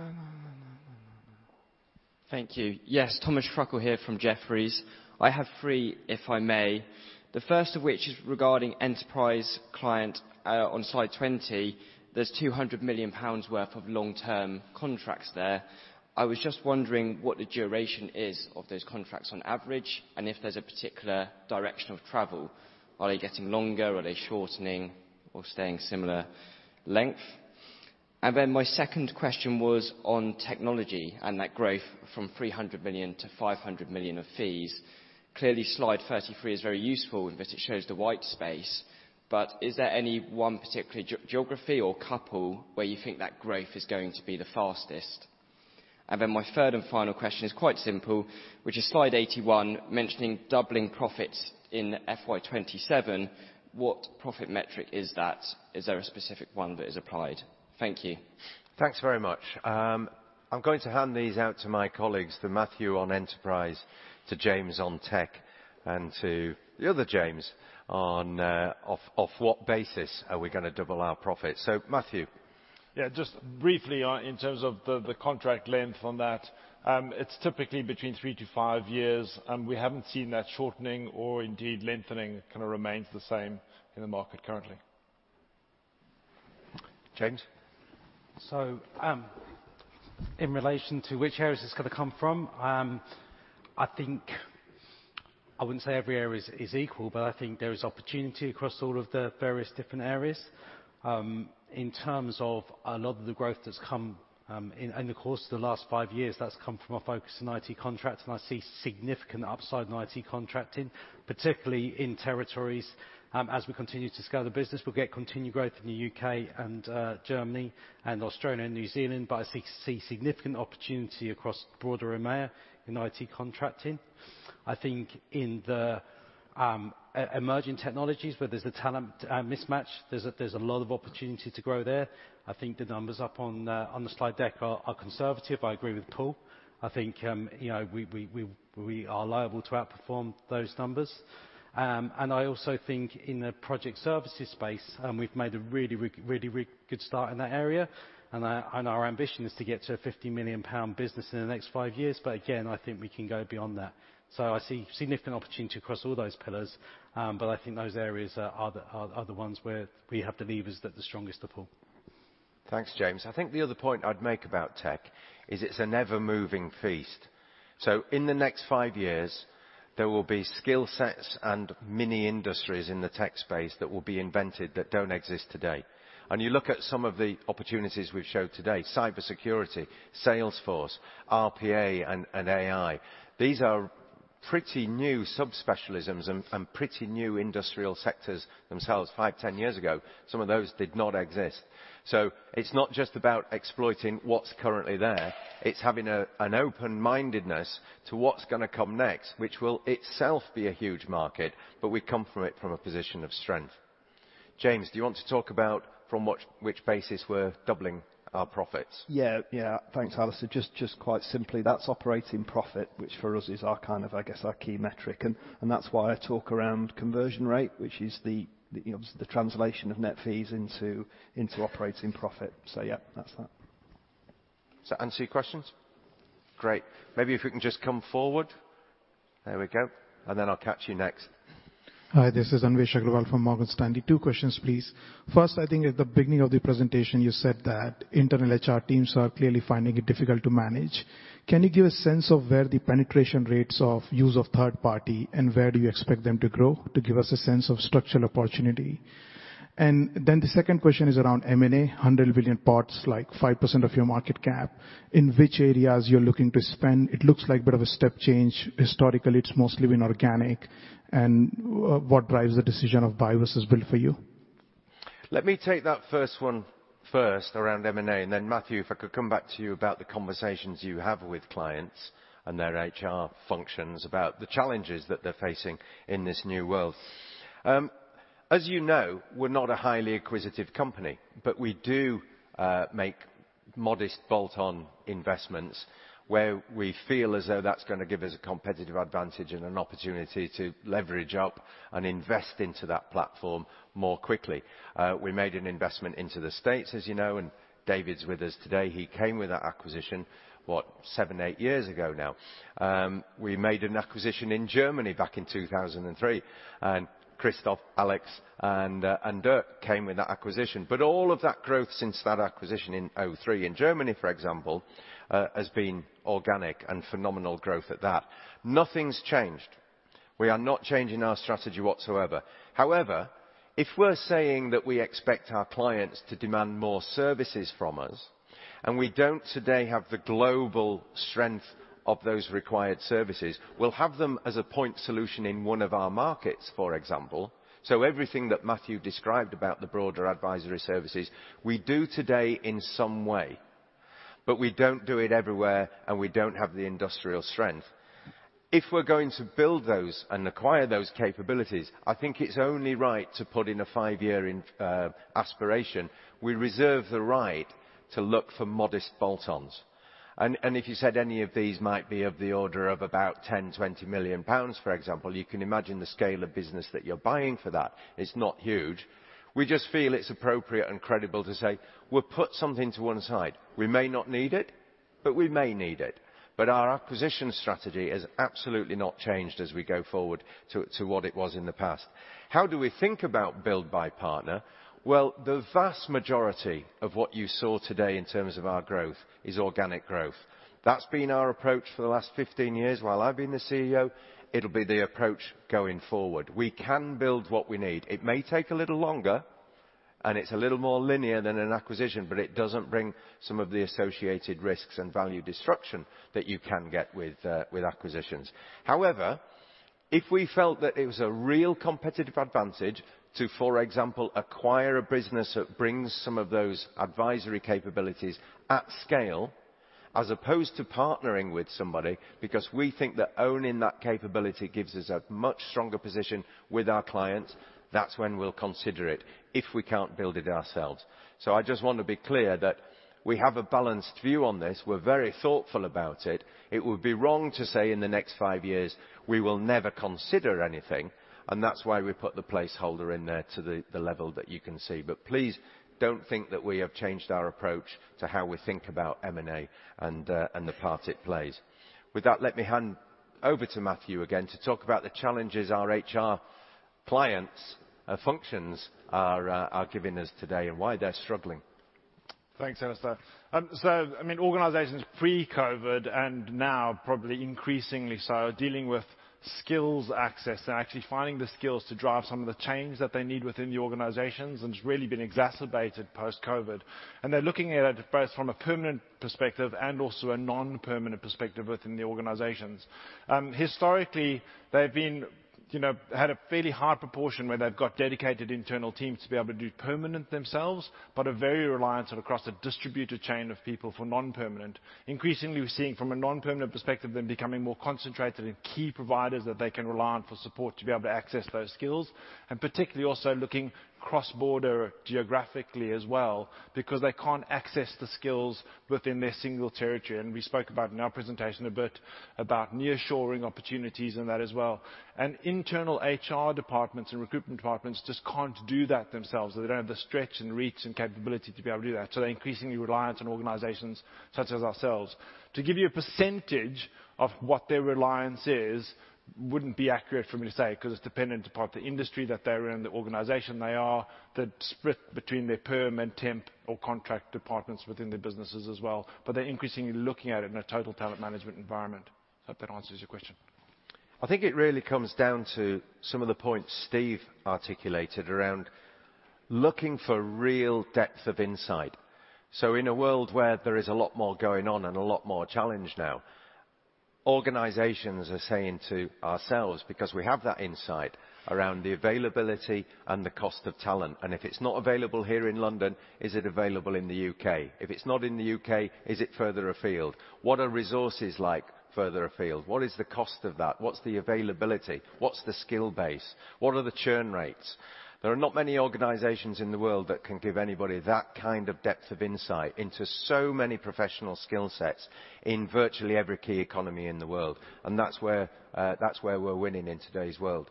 Thank you. Yes, Kean Marden here from Jefferies. I have three, if I may. The first of which is regarding enterprise client on slide 20. There's 200 million pounds worth of long-term contracts there. I was just wondering what the duration is of those contracts on average, and if there's a particular direction of travel. Are they getting longer? Are they shortening or staying similar length? My second question was on technology and that growth from 300 million to 500 million of fees. Clearly, slide 33 is very useful in that it shows the white space. But is there any one particular geography or couple where you think that growth is going to be the fastest? My third and final question is quite simple, which is slide 81 mentioning doubling profits in FY 2027. What profit metric is that? Is there a specific one that is applied? Thank you. Thanks very much. I'm going to hand these out to my colleagues, to Matthew on enterprise, to James on tech, and to the other James on what basis are we gonna double our profits. Matthew. Yeah, just briefly, in terms of the contract length on that, it's typically between three to five years, and we haven't seen that shortening or indeed lengthening, kind of remains the same in the market currently. James? In relation to which areas it's gonna come from, I think I wouldn't say every area is equal, but I think there is opportunity across all of the various different areas. In terms of a lot of the growth that's come in the course of the last five years, that's come from a focus on IT contracts, and I see significant upside in IT contracting, particularly in territories. As we continue to scale the business, we'll get continued growth in the U.K. and Germany and Australia and New Zealand, but I see significant opportunity across the broader EMEA in IT contracting. I think in the emerging technologies where there's a talent mismatch, there's a lot of opportunity to grow there. I think the numbers up on the slide deck are conservative. I agree with Paul. I think, you know, we are likely to outperform those numbers. I also think in the project services space, we've made a really good start in that area, and our ambition is to get to a 50 million pound business in the next five years, but again, I think we can go beyond that. I see significant opportunity across all those pillars, but I think those areas are the ones where we have the levers that are the strongest of all. Thanks, James. I think the other point I'd make about tech is it's an ever moving feast. In the next five years, there will be skill sets and mini industries in the tech space that will be invented that don't exist today. You look at some of the opportunities we've showed today, cybersecurity, Salesforce, RPA, and AI. These are pretty new subspecialisms and pretty new industrial sectors themselves. Five, 10 years ago, some of those did not exist. It's not just about exploiting what's currently there. It's having an open-mindedness to what's gonna come next, which will itself be a huge market, but we come into it from a position of strength. James, do you want to talk about from which basis we're doubling our profits? Yeah. Thanks, Alistair. Just quite simply, that's operating profit, which for us is our kind of, I guess, our key metric. That's why I talk around conversion rate, which is the, you know, the translation of net fees into operating profit. Yeah, that's that. Does that answer your questions? Great. Maybe if we can just come forward. There we go. Then I'll catch you next. Hi, this is Anvesh Agrawal from Morgan Stanley. Two questions, please. First, I think at the beginning of the presentation, you said that internal HR teams are clearly finding it difficult to manage. Can you give a sense of where the penetration rates of use of third-party, and where do you expect them to grow, to give us a sense of structural opportunity? The second question is around M&A. 100 billion pot, like 5% of your market cap. In which areas you're looking to spend? It looks like a bit of a step change. Historically, it's mostly been organic. What drives the decision of buy versus build for you? Let me take that first one first around M&A, and then Matthew, if I could come back to you about the conversations you have with clients and their HR functions about the challenges that they're facing in this new world. As you know, we're not a highly acquisitive company, but we do make modest bolt-on investments where we feel as though that's gonna give us a competitive advantage and an opportunity to leverage up and invest into that platform more quickly. We made an investment into the States, as you know, and David's with us today. He came with that acquisition, seven, eight years ago now. We made an acquisition in Germany back in 2003, and Christoph, Alex and Dirk came with that acquisition. All of that growth since that acquisition in 2003, in Germany, for example, has been organic and phenomenal growth at that. Nothing's changed. We are not changing our strategy whatsoever. However, if we're saying that we expect our clients to demand more services from us, and we don't today have the global strength of those required services, we'll have them as a point solution in one of our markets, for example. Everything that Matthew described about the broader advisory services, we do today in some way, but we don't do it everywhere, and we don't have the industrial strength. If we're going to build those and acquire those capabilities, I think it's only right to put in a five-year aspiration. We reserve the right to look for modest bolt-ons. If you said any of these might be of the order of about 10 million, 20 million pounds, for example, you can imagine the scale of business that you're buying for that. It's not huge. We just feel it's appropriate and credible to say, "We'll put something to one side. We may not need it, but we may need it." Our acquisition strategy has absolutely not changed as we go forward to what it was in the past. How do we think about build, buy, partner? Well, the vast majority of what you saw today in terms of our growth is organic growth. That's been our approach for the last 15 years while I've been the CEO. It'll be the approach going forward. We can build what we need. It may take a little longer, and it's a little more linear than an acquisition, but it doesn't bring some of the associated risks and value destruction that you can get with acquisitions. However, if we felt that it was a real competitive advantage to, for example, acquire a business that brings some of those advisory capabilities at scale. As opposed to partnering with somebody, because we think that owning that capability gives us a much stronger position with our clients, that's when we'll consider it if we can't build it ourselves. I just want to be clear that we have a balanced view on this. We're very thoughtful about it. It would be wrong to say in the next five years we will never consider anything, and that's why we put the placeholder in there to the level that you can see. Please don't think that we have changed our approach to how we think about M&A and the part it plays. With that, let me hand over to Matthew again to talk about the challenges our HR clients functions are giving us today and why they're struggling. Thanks, Alistair. I mean, organizations pre-COVID and now probably increasingly so, dealing with skills access and actually finding the skills to drive some of the change that they need within the organizations, and it's really been exacerbated post-COVID. They're looking at it both from a permanent perspective and also a non-permanent perspective within the organizations. Historically they've been, you know, had a fairly high proportion where they've got dedicated internal teams to be able to do permanent themselves, but are very reliant on across a distributed chain of people for non-permanent. Increasingly, we're seeing from a non-permanent perspective, them becoming more concentrated in key providers that they can rely on for support to be able to access those skills, and particularly also looking cross-border geographically as well, because they can't access the skills within their single territory, and we spoke about in our presentation a bit about nearshoring opportunities and that as well. Internal HR departments and recruitment departments just can't do that themselves. They don't have the stretch and reach and capability to be able to do that, so they're increasingly reliant on organizations such as ourselves. To give you a percentage of what their reliance is wouldn't be accurate for me to say 'cause it's dependent upon the industry that they're in, the organization they are, the split between their perm and temp or contract departments within their businesses as well, but they're increasingly looking at it in a total talent management environment. Hope that answers your question. I think it really comes down to some of the points Steve articulated around looking for real depth of insight. In a world where there is a lot more going on and a lot more challenge now, organizations are saying to ourselves, because we have that insight around the availability and the cost of talent, and if it's not available here in London, is it available in the U.K.? If it's not in the U.K., is it further afield? What are resources like further afield? What is the cost of that? What's the availability? What's the skill base? What are the churn rates? There are not many organizations in the world that can give anybody that kind of depth of insight into so many professional skill sets in virtually every key economy in the world. That's where we're winning in today's world.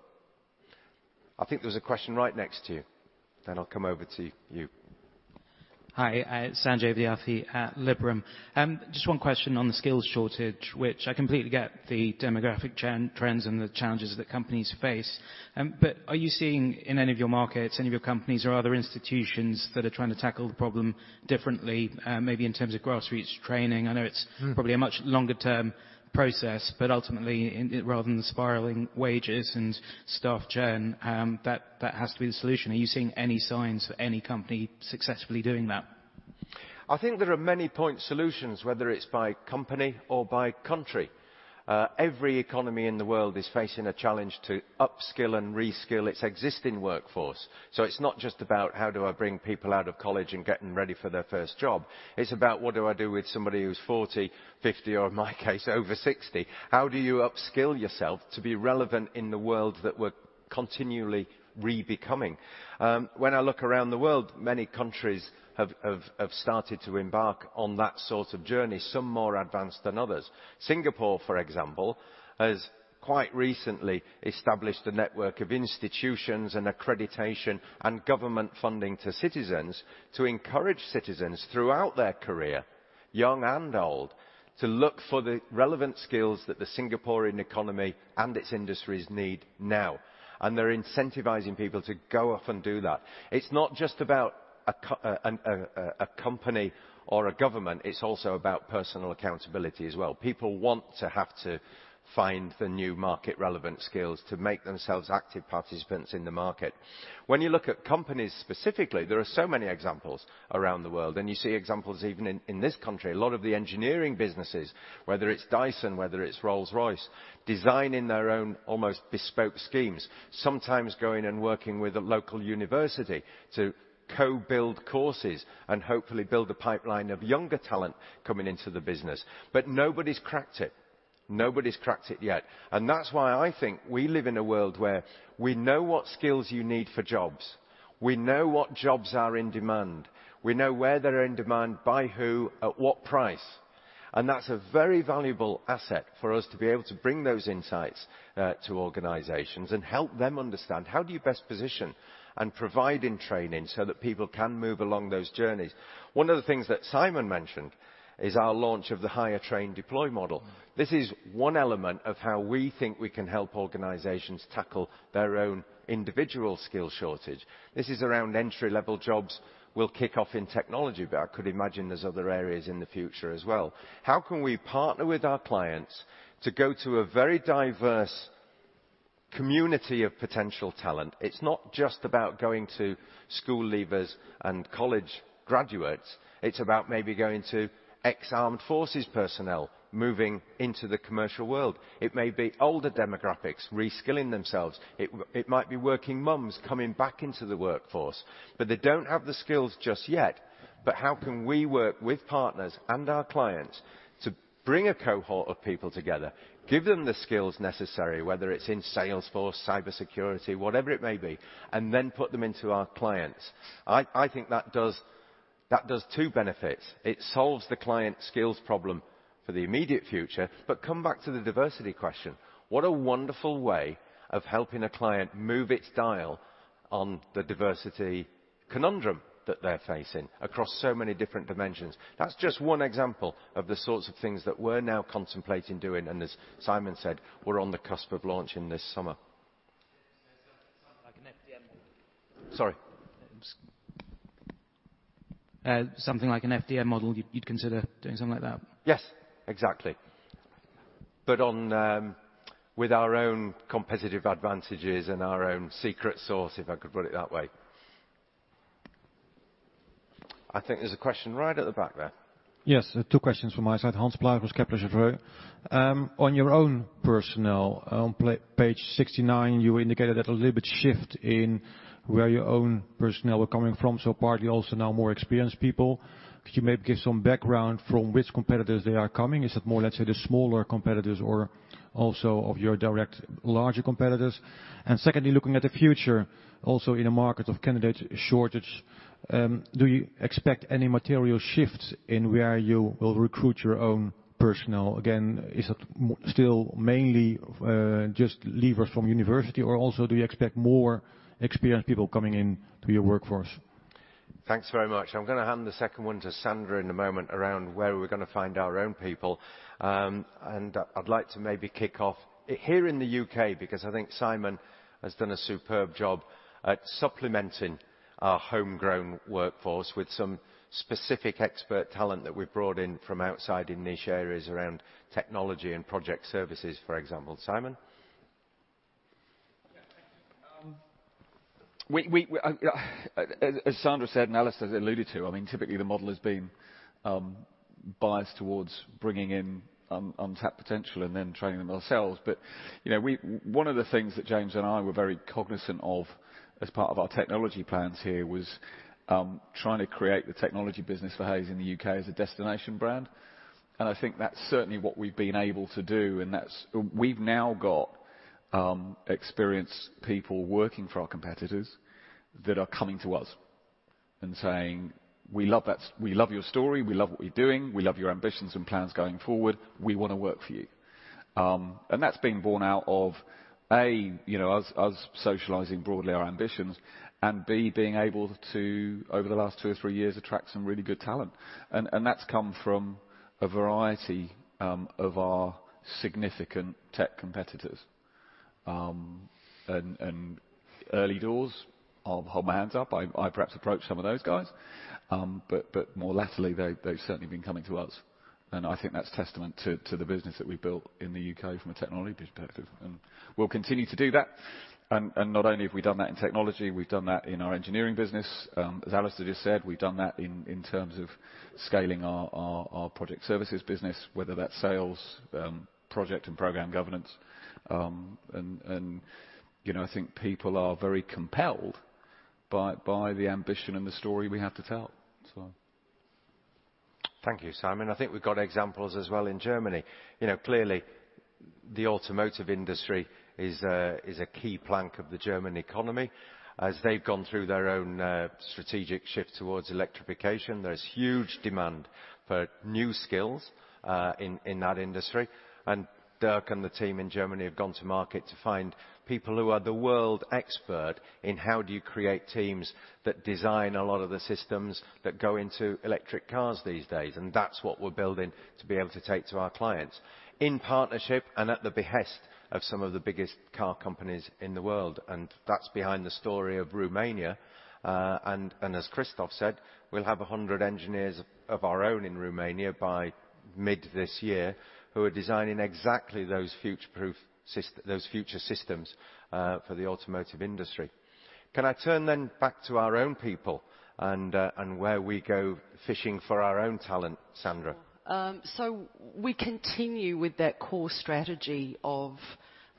I think there's a question right next to you, then I'll come over to you. Hi. Sanjay Vidyarthi at Liberum. Just one question on the skills shortage, which I completely get the demographic trends and the challenges that companies face. Are you seeing in any of your markets, any of your companies or other institutions that are trying to tackle the problem differently, maybe in terms of grassroots training? I know it's probably a much longer-term process, but ultimately in, rather than spiraling wages and staff churn, that has to be the solution. Are you seeing any signs of any company successfully doing that? I think there are many point solutions, whether it's by company or by country. Every economy in the world is facing a challenge to upskill and reskill its existing workforce. It's not just about how do I bring people out of college and get them ready for their first job? It's about what do I do with somebody who's 40, 50, or in my case, over 60? How do you upskill yourself to be relevant in the world that we're continually re-becoming? When I look around the world, many countries have started to embark on that sort of journey, some more advanced than others. Singapore, for example, has quite recently established a network of institutions and accreditation and government funding to citizens to encourage citizens throughout their career, young and old, to look for the relevant skills that the Singaporean economy and its industries need now. They're incentivizing people to go off and do that. It's not just about a company or a government, it's also about personal accountability as well. People want to have to find the new market-relevant skills to make themselves active participants in the market. When you look at companies specifically, there are so many examples around the world, and you see examples even in this country. A lot of the engineering businesses, whether it's Dyson, whether it's Rolls-Royce, designing their own almost bespoke schemes, sometimes going and working with a local university to co-build courses and hopefully build a pipeline of younger talent coming into the business. Nobody's cracked it. Nobody's cracked it yet, and that's why I think we live in a world where we know what skills you need for jobs. We know what jobs are in demand. We know where they're in demand, by who, at what price, and that's a very valuable asset for us to be able to bring those insights to organizations and help them understand how do you best position and provide in training so that people can move along those journeys. One of the things that Simon mentioned is our launch of the Hire Train Deploy model. This is one element of how we think we can help organizations tackle their own individual skill shortage. This is around entry-level jobs. We'll kick off in technology, but I could imagine there's other areas in the future as well. How can we partner with our clients to go to a very diverse community of potential talent? It's not just about going to school leavers and college graduates. It's about maybe going to ex-armed forces personnel moving into the commercial world. It may be older demographics reskilling themselves. It might be working moms coming back into the workforce, but they don't have the skills just yet. How can we work with partners and our clients to bring a cohort of people together, give them the skills necessary, whether it's in Salesforce, cybersecurity, whatever it may be, and then put them into our clients. I think that does two benefits. It solves the client's skills problem for the immediate future. Come back to the diversity question. What a wonderful way of helping a client move its dial on the diversity conundrum that they're facing across so many different dimensions. That's just one example of the sorts of things that we're now contemplating doing, and as Simon said, we're on the cusp of launching this summer. Like an FDM model. Sorry. Something like an FDM model, you'd consider doing something like that? Yes, exactly. On, with our own competitive advantages and our own secret sauce, if I could put it that way. I think there's a question right at the back there. Yes, two questions from my side. Hans Pluijmert, Kepler Cheuvreux. On your own personnel, on page 69, you indicated a little bit shift in where your own personnel are coming from, so partly also now more experienced people. Could you maybe give some background from which competitors they are coming? Is it more, let's say, the smaller competitors or also of your direct larger competitors? Secondly, looking at the future, also in a market of candidate shortage, do you expect any material shifts in where you will recruit your own personnel? Again, is it still mainly just leavers from university, or also do you expect more experienced people coming in to your workforce? Thanks very much. I'm gonna hand the second one to Sandra in a moment around where we're gonna find our own people. I'd like to maybe kick off here in the U.K. because I think Simon has done a superb job at supplementing our homegrown workforce with some specific expert talent that we brought in from outside in niche areas around technology and project services, for example. Simon. As Sandra said, and Alistair's alluded to, I mean, typically the model has been biased towards bringing in untapped potential and then training them ourselves. You know, one of the things that James and I were very cognizant of as part of our technology plans here was trying to create the technology business for Hays in the U.K. as a destination brand. I think that's certainly what we've been able to do, and that's. We've now got experienced people working for our competitors that are coming to us and saying, "We love that. We love your story. We love what you're doing. We love your ambitions and plans going forward. We wanna work for you." That's been born out of, A, us socializing broadly our ambitions, and B, being able to, over the last two or three years, attract some really good talent. That's come from a variety of our significant tech competitors. Early doors, I'll hold my hands up. I perhaps approached some of those guys. But more latterly, they've certainly been coming to us. I think that's testament to the business that we built in the U.K. from a technology perspective, and we'll continue to do that. Not only have we done that in technology, we've done that in our engineering business. As Alistair just said, we've done that in terms of scaling our project services business, whether that's sales, project and program governance. You know, I think people are very compelled by the ambition and the story we have to tell. Thank you, Simon. I think we've got examples as well in Germany. You know, clearly, the automotive industry is a key plank of the German economy. As they've gone through their own strategic shift towards electrification, there is huge demand for new skills in that industry. Dirk and the team in Germany have gone to market to find people who are the world expert in how do you create teams that design a lot of the systems that go into electric cars these days. That's what we're building to be able to take to our clients in partnership and at the behest of some of the biggest car companies in the world. That's behind the story of Romania. As Christoph said, we'll have 100 engineers of our own in Romania by mid this year who are designing exactly those future-proof systems for the automotive industry. Can I turn then back to our own people and where we go fishing for our own talent, Sandra? Sure. We continue with that core strategy of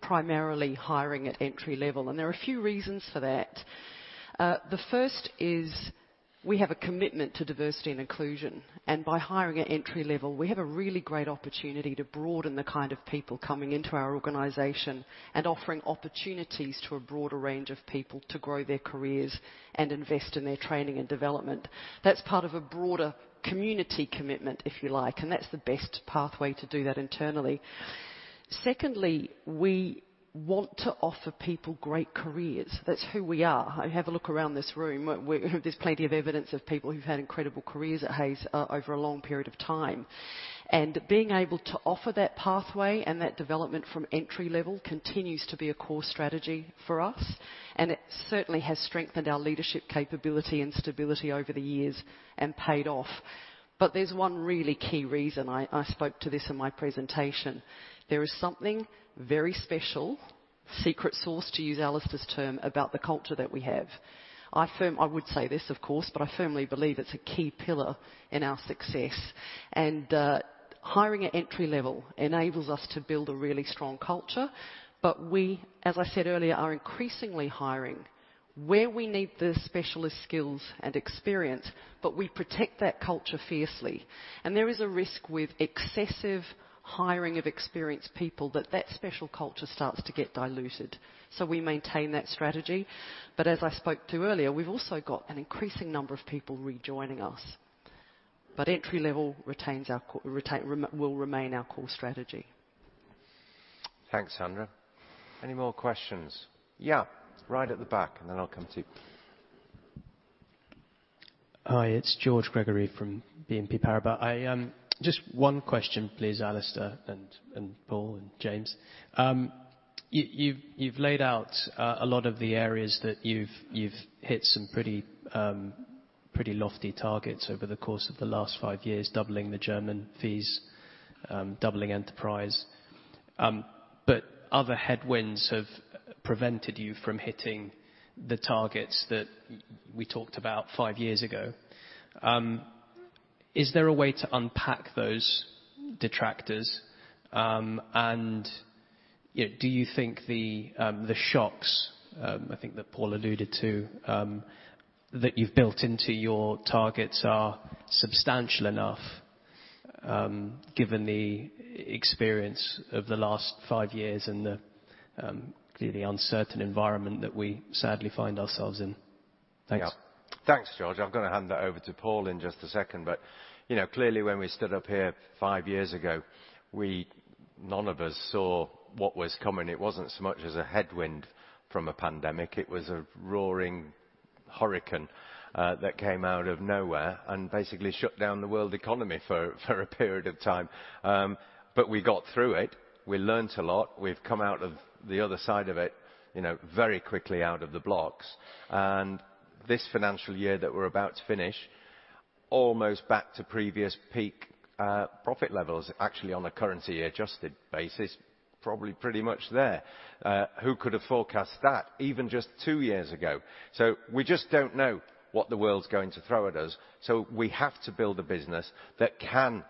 primarily hiring at entry level, and there are a few reasons for that. The first is we have a commitment to diversity and inclusion, and by hiring at entry level, we have a really great opportunity to broaden the kind of people coming into our organization and offering opportunities to a broader range of people to grow their careers and invest in their training and development. That's part of a broader community commitment, if you like, and that's the best pathway to do that internally. Secondly, we want to offer people great careers. That's who we are. Have a look around this room. There's plenty of evidence of people who've had incredible careers at Hays over a long period of time. Being able to offer that pathway and that development from entry level continues to be a core strategy for us, and it certainly has strengthened our leadership capability and stability over the years and paid off. There's one really key reason. I spoke to this in my presentation. There is something very special, secret sauce, to use Alistair's term, about the culture that we have. I would say this, of course, but I firmly believe it's a key pillar in our success. Hiring at entry level enables us to build a really strong culture. We, as I said earlier, are increasingly hiring where we need the specialist skills and experience, but we protect that culture fiercely. There is a risk with excessive hiring of experienced people that that special culture starts to get diluted. We maintain that strategy. As I spoke to earlier, we've also got an increasing number of people rejoining us. Entry level will remain our core strategy. Thanks, Sandra. Any more questions? Yeah, right at the back, and then I'll come to you. Hi, it's George Gregory from BNP Paribas. I just one question please, Alistair and Paul and James. You've laid out a lot of the areas that you've hit some pretty lofty targets over the course of the last five years, doubling the German fees, doubling enterprise. Other headwinds have prevented you from hitting the targets that we talked about five years ago. Is there a way to unpack those detractors? You know, do you think the shocks, I think that Paul alluded to, that you've built into your targets are substantial enough, given the experience of the last five years and the clearly uncertain environment that we sadly find ourselves in? Thanks. Yeah. Thanks, George. I'm gonna hand that over to Paul in just a second. You know, clearly when we stood up here five years ago, we, none of us saw what was coming. It wasn't so much as a headwind from a pandemic. It was a roaring hurricane that came out of nowhere and basically shut down the world economy for a period of time. We got through it. We learned a lot. We've come out of the other side of it, you know, very quickly out of the blocks. This financial year that we're about to finish, almost back to previous peak profit levels, actually on a currency adjusted basis, probably pretty much there. Who could have forecast that even just two years ago? We just don't know what the world's going to throw at us, so we have to build a business that can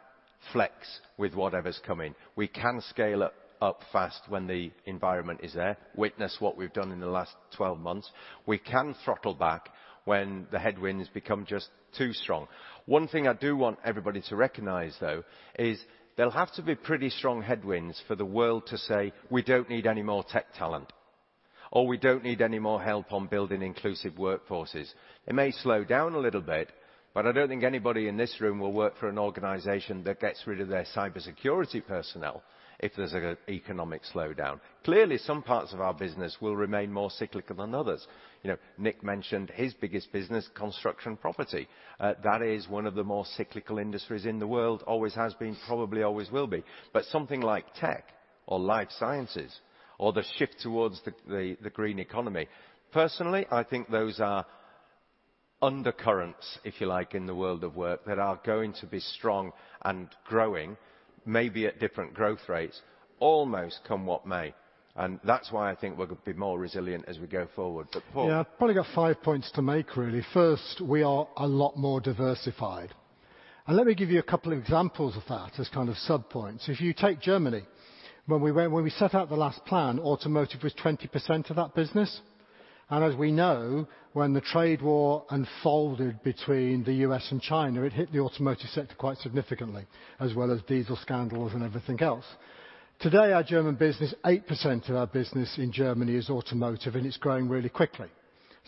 flex with whatever's coming. We can scale it up fast when the environment is there. Witness what we've done in the last 12 months. We can throttle back when the headwinds become just too strong. One thing I do want everybody to recognize, though, is there'll have to be pretty strong headwinds for the world to say, "We don't need any more tech talent," or, "We don't need any more help on building inclusive workforces." It may slow down a little bit, but I don't think anybody in this room will work for an organization that gets rid of their cybersecurity personnel if there's economic slowdown. Clearly, some parts of our business will remain more cyclical than others. You know, Nick mentioned his biggest business, construction property. That is one of the more cyclical industries in the world. Always has been, probably always will be. Something like tech or life sciences or the shift towards the green economy, personally, I think those are undercurrents, if you like, in the world of work that are going to be strong and growing, maybe at different growth rates, almost come what may. That's why I think we're gonna be more resilient as we go forward. Paul. Yeah. I've probably got five points to make, really. First, we are a lot more diversified. Let me give you a couple examples of that as kind of sub points. If you take Germany, when we set out the last plan, automotive was 20% of that business. As we know, when the trade war unfolded between the U.S. and China, it hit the automotive sector quite significantly, as well as diesel scandals and everything else. Today, our German business, 8% of our business in Germany is automotive, and it's growing really quickly.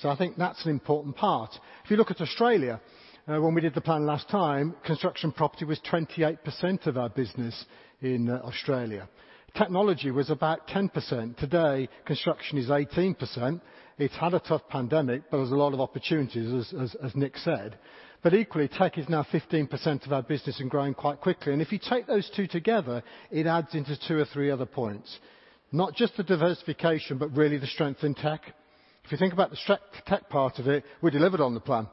I think that's an important part. If you look at Australia, when we did the plan last time, construction property was 28% of our business in Australia. Technology was about 10%. Today, construction is 18%. It had a tough pandemic, but there was a lot of opportunities, as Nick said. Equally, tech is now 15% of our business and growing quite quickly. If you take those two together, it adds into two or three other points. Not just the diversification, but really the strength in tech. If you think about the tech part of it, we delivered on the plan.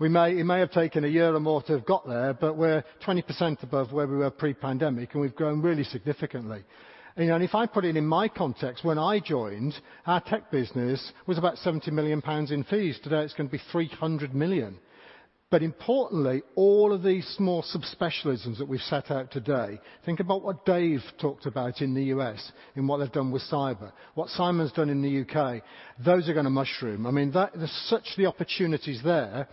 It may have taken a year or more to have got there, but we're 20% above where we were pre-pandemic, and we've grown really significantly. You know, if I put it in my context, when I joined, our tech business was about 70 million pounds in fees. Today, it's gonna be 300 million. Importantly, all of these small subspecialisms that we've set out today, think about what Dave talked about in the U.S. in what they've done with cyber, what Simon's done in the U.K., those are gonna mushroom. I mean, that. There's such the opportunities there,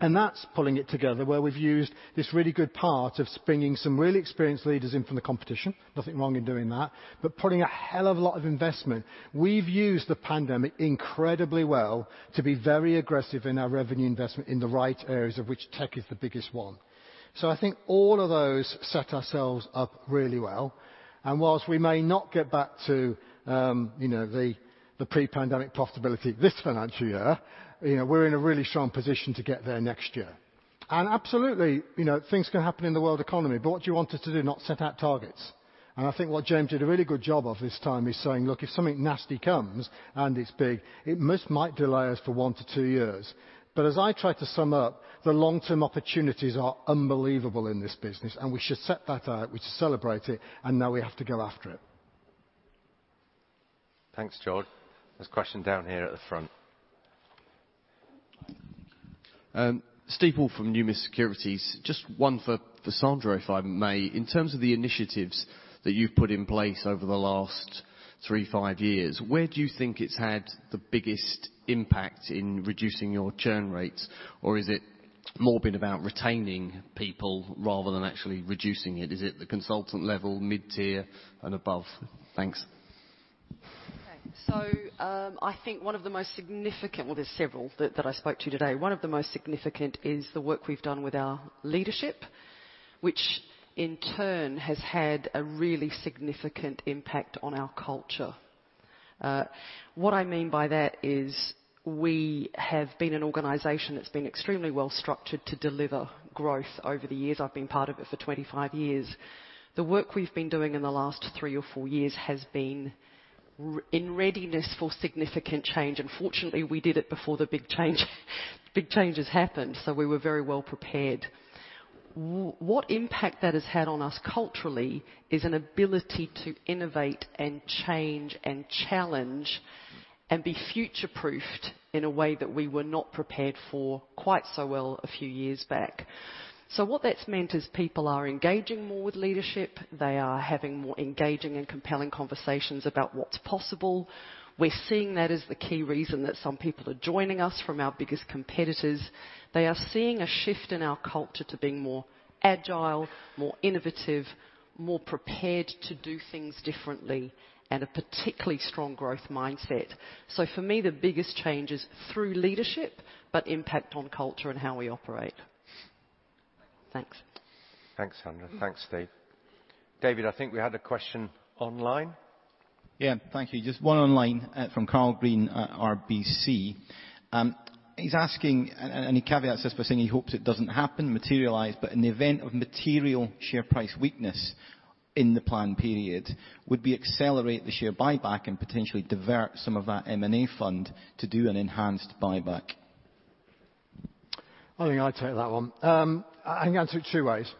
and that's pulling it together where we've used this really good part of bringing some really experienced leaders in from the competition. Nothing wrong in doing that. But putting a hell of a lot of investment. We've used the pandemic incredibly well to be very aggressive in our revenue investment in the right areas, of which tech is the biggest one. So I think all of those set ourselves up really well. And while we may not get back to, you know, the pre-pandemic profitability this financial year, you know, we're in a really strong position to get there next year. Absolutely, you know, things can happen in the world economy, but what do you want us to do? Not set out targets? I think what James did a really good job of this time is saying, "Look, if something nasty comes and it's big, it might delay us for one to two years." As I try to sum up, the long-term opportunities are unbelievable in this business, and we should set that out, we should celebrate it, and now we have to go after it. Thanks, George. There's a question down here at the front. Steve Woolf from Numis Securities. Just one for Sandra, if I may. In terms of the initiatives that you've put in place over the last three to five years, where do you think it's had the biggest impact in reducing your churn rates? Or is it more been about retaining people rather than actually reducing it? Is it the consultant level, mid-tier and above? Thanks. I think one of the most significant. Well, there's several that I spoke to today. One of the most significant is the work we've done with our leadership, which in turn has had a really significant impact on our culture. What I mean by that is we have been an organization that's been extremely well structured to deliver growth over the years. I've been part of it for 25 years. The work we've been doing in the last three or four years has been in readiness for significant change. Fortunately, we did it before the big change, big changes happened, so we were very well prepared. What impact that has had on us culturally is an ability to innovate and change and challenge and be future-proofed in a way that we were not prepared for quite so well a few years back. What that's meant is people are engaging more with leadership. They are having more engaging and compelling conversations about what's possible. We're seeing that as the key reason that some people are joining us from our biggest competitors. They are seeing a shift in our culture to being more agile, more innovative, more prepared to do things differently, and a particularly strong growth mindset. For me, the biggest change is through leadership, but impact on culture and how we operate. Thanks. Thanks, Sandra. Thanks, Steve. David, I think we had a question online. Yeah. Thank you. Just one online from Karl Green at RBC. He's asking, and he caveats this by saying he hopes it doesn't happen, materialize, but in the event of material share price weakness in the planned period, would we accelerate the share buyback and potentially divert some of our M&A fund to do an enhanced buyback? I think I'd take that one. I can answer it two ways.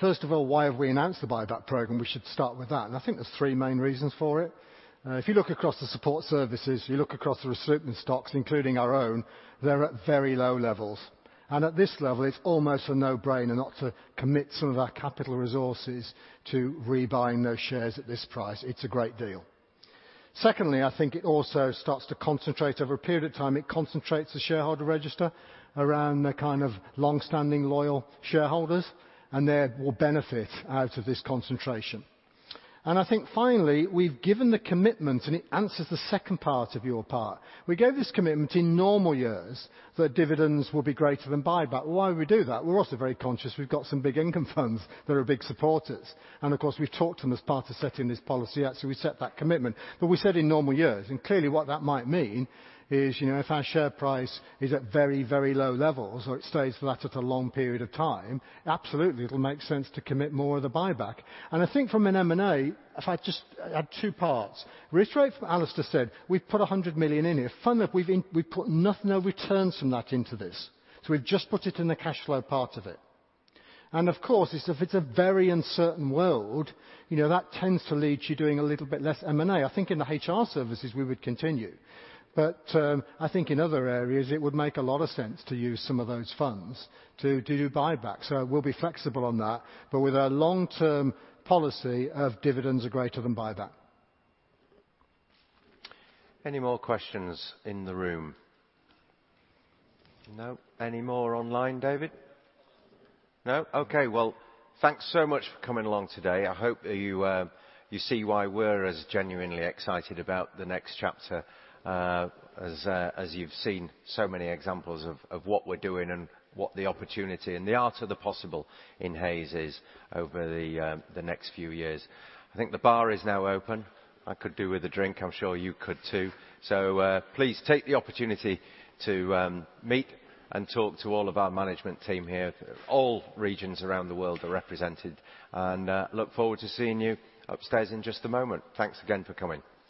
First of all, why have we announced the buyback program? We should start with that. I think there's three main reasons for it. If you look across the support services, if you look across the recruitment stocks, including our own, they're at very low levels. At this level, it's almost a no-brainer not to commit some of our capital resources to rebuying those shares at this price. It's a great deal. Secondly, I think it also starts to concentrate over a period of time. It concentrates the shareholder register around the kind of long-standing, loyal shareholders, and they will benefit out of this concentration. I think finally, we've given the commitment, and it answers the second part of your part. We gave this commitment in normal years that dividends will be greater than buyback. Why we do that? We're also very conscious, we've got some big income funds that are big supporters. Of course, we've talked to them as part of setting this policy out, so we set that commitment. We said in normal years, and clearly what that might mean is, you know, if our share price is at very, very low levels or it stays flat for a long period of time, absolutely, it'll make sense to commit more of the buyback. I think on M&A, if I just add two points. Reiterate what Alistair said, we've put 100 million in here. We've put none of returns from that into this. We've just put it in the cash flow part of it. Of course, if it's a very uncertain world, you know, that tends to lead to doing a little bit less M&A. I think in the HR services we would continue. I think in other areas, it would make a lot of sense to use some of those funds to do buyback. We'll be flexible on that. With our long-term policy of dividends are greater than buyback. Any more questions in the room? No. Any more online, David? No? Okay. Well, thanks so much for coming along today. I hope you see why we're as genuinely excited about the next chapter as you've seen so many examples of what we're doing and what the opportunity and the art of the possible in Hays is over the next few years. I think the bar is now open. I could do with a drink. I'm sure you could too. Please take the opportunity to meet and talk to all of our management team here. All regions around the world are represented, and look forward to seeing you upstairs in just a moment. Thanks again for coming.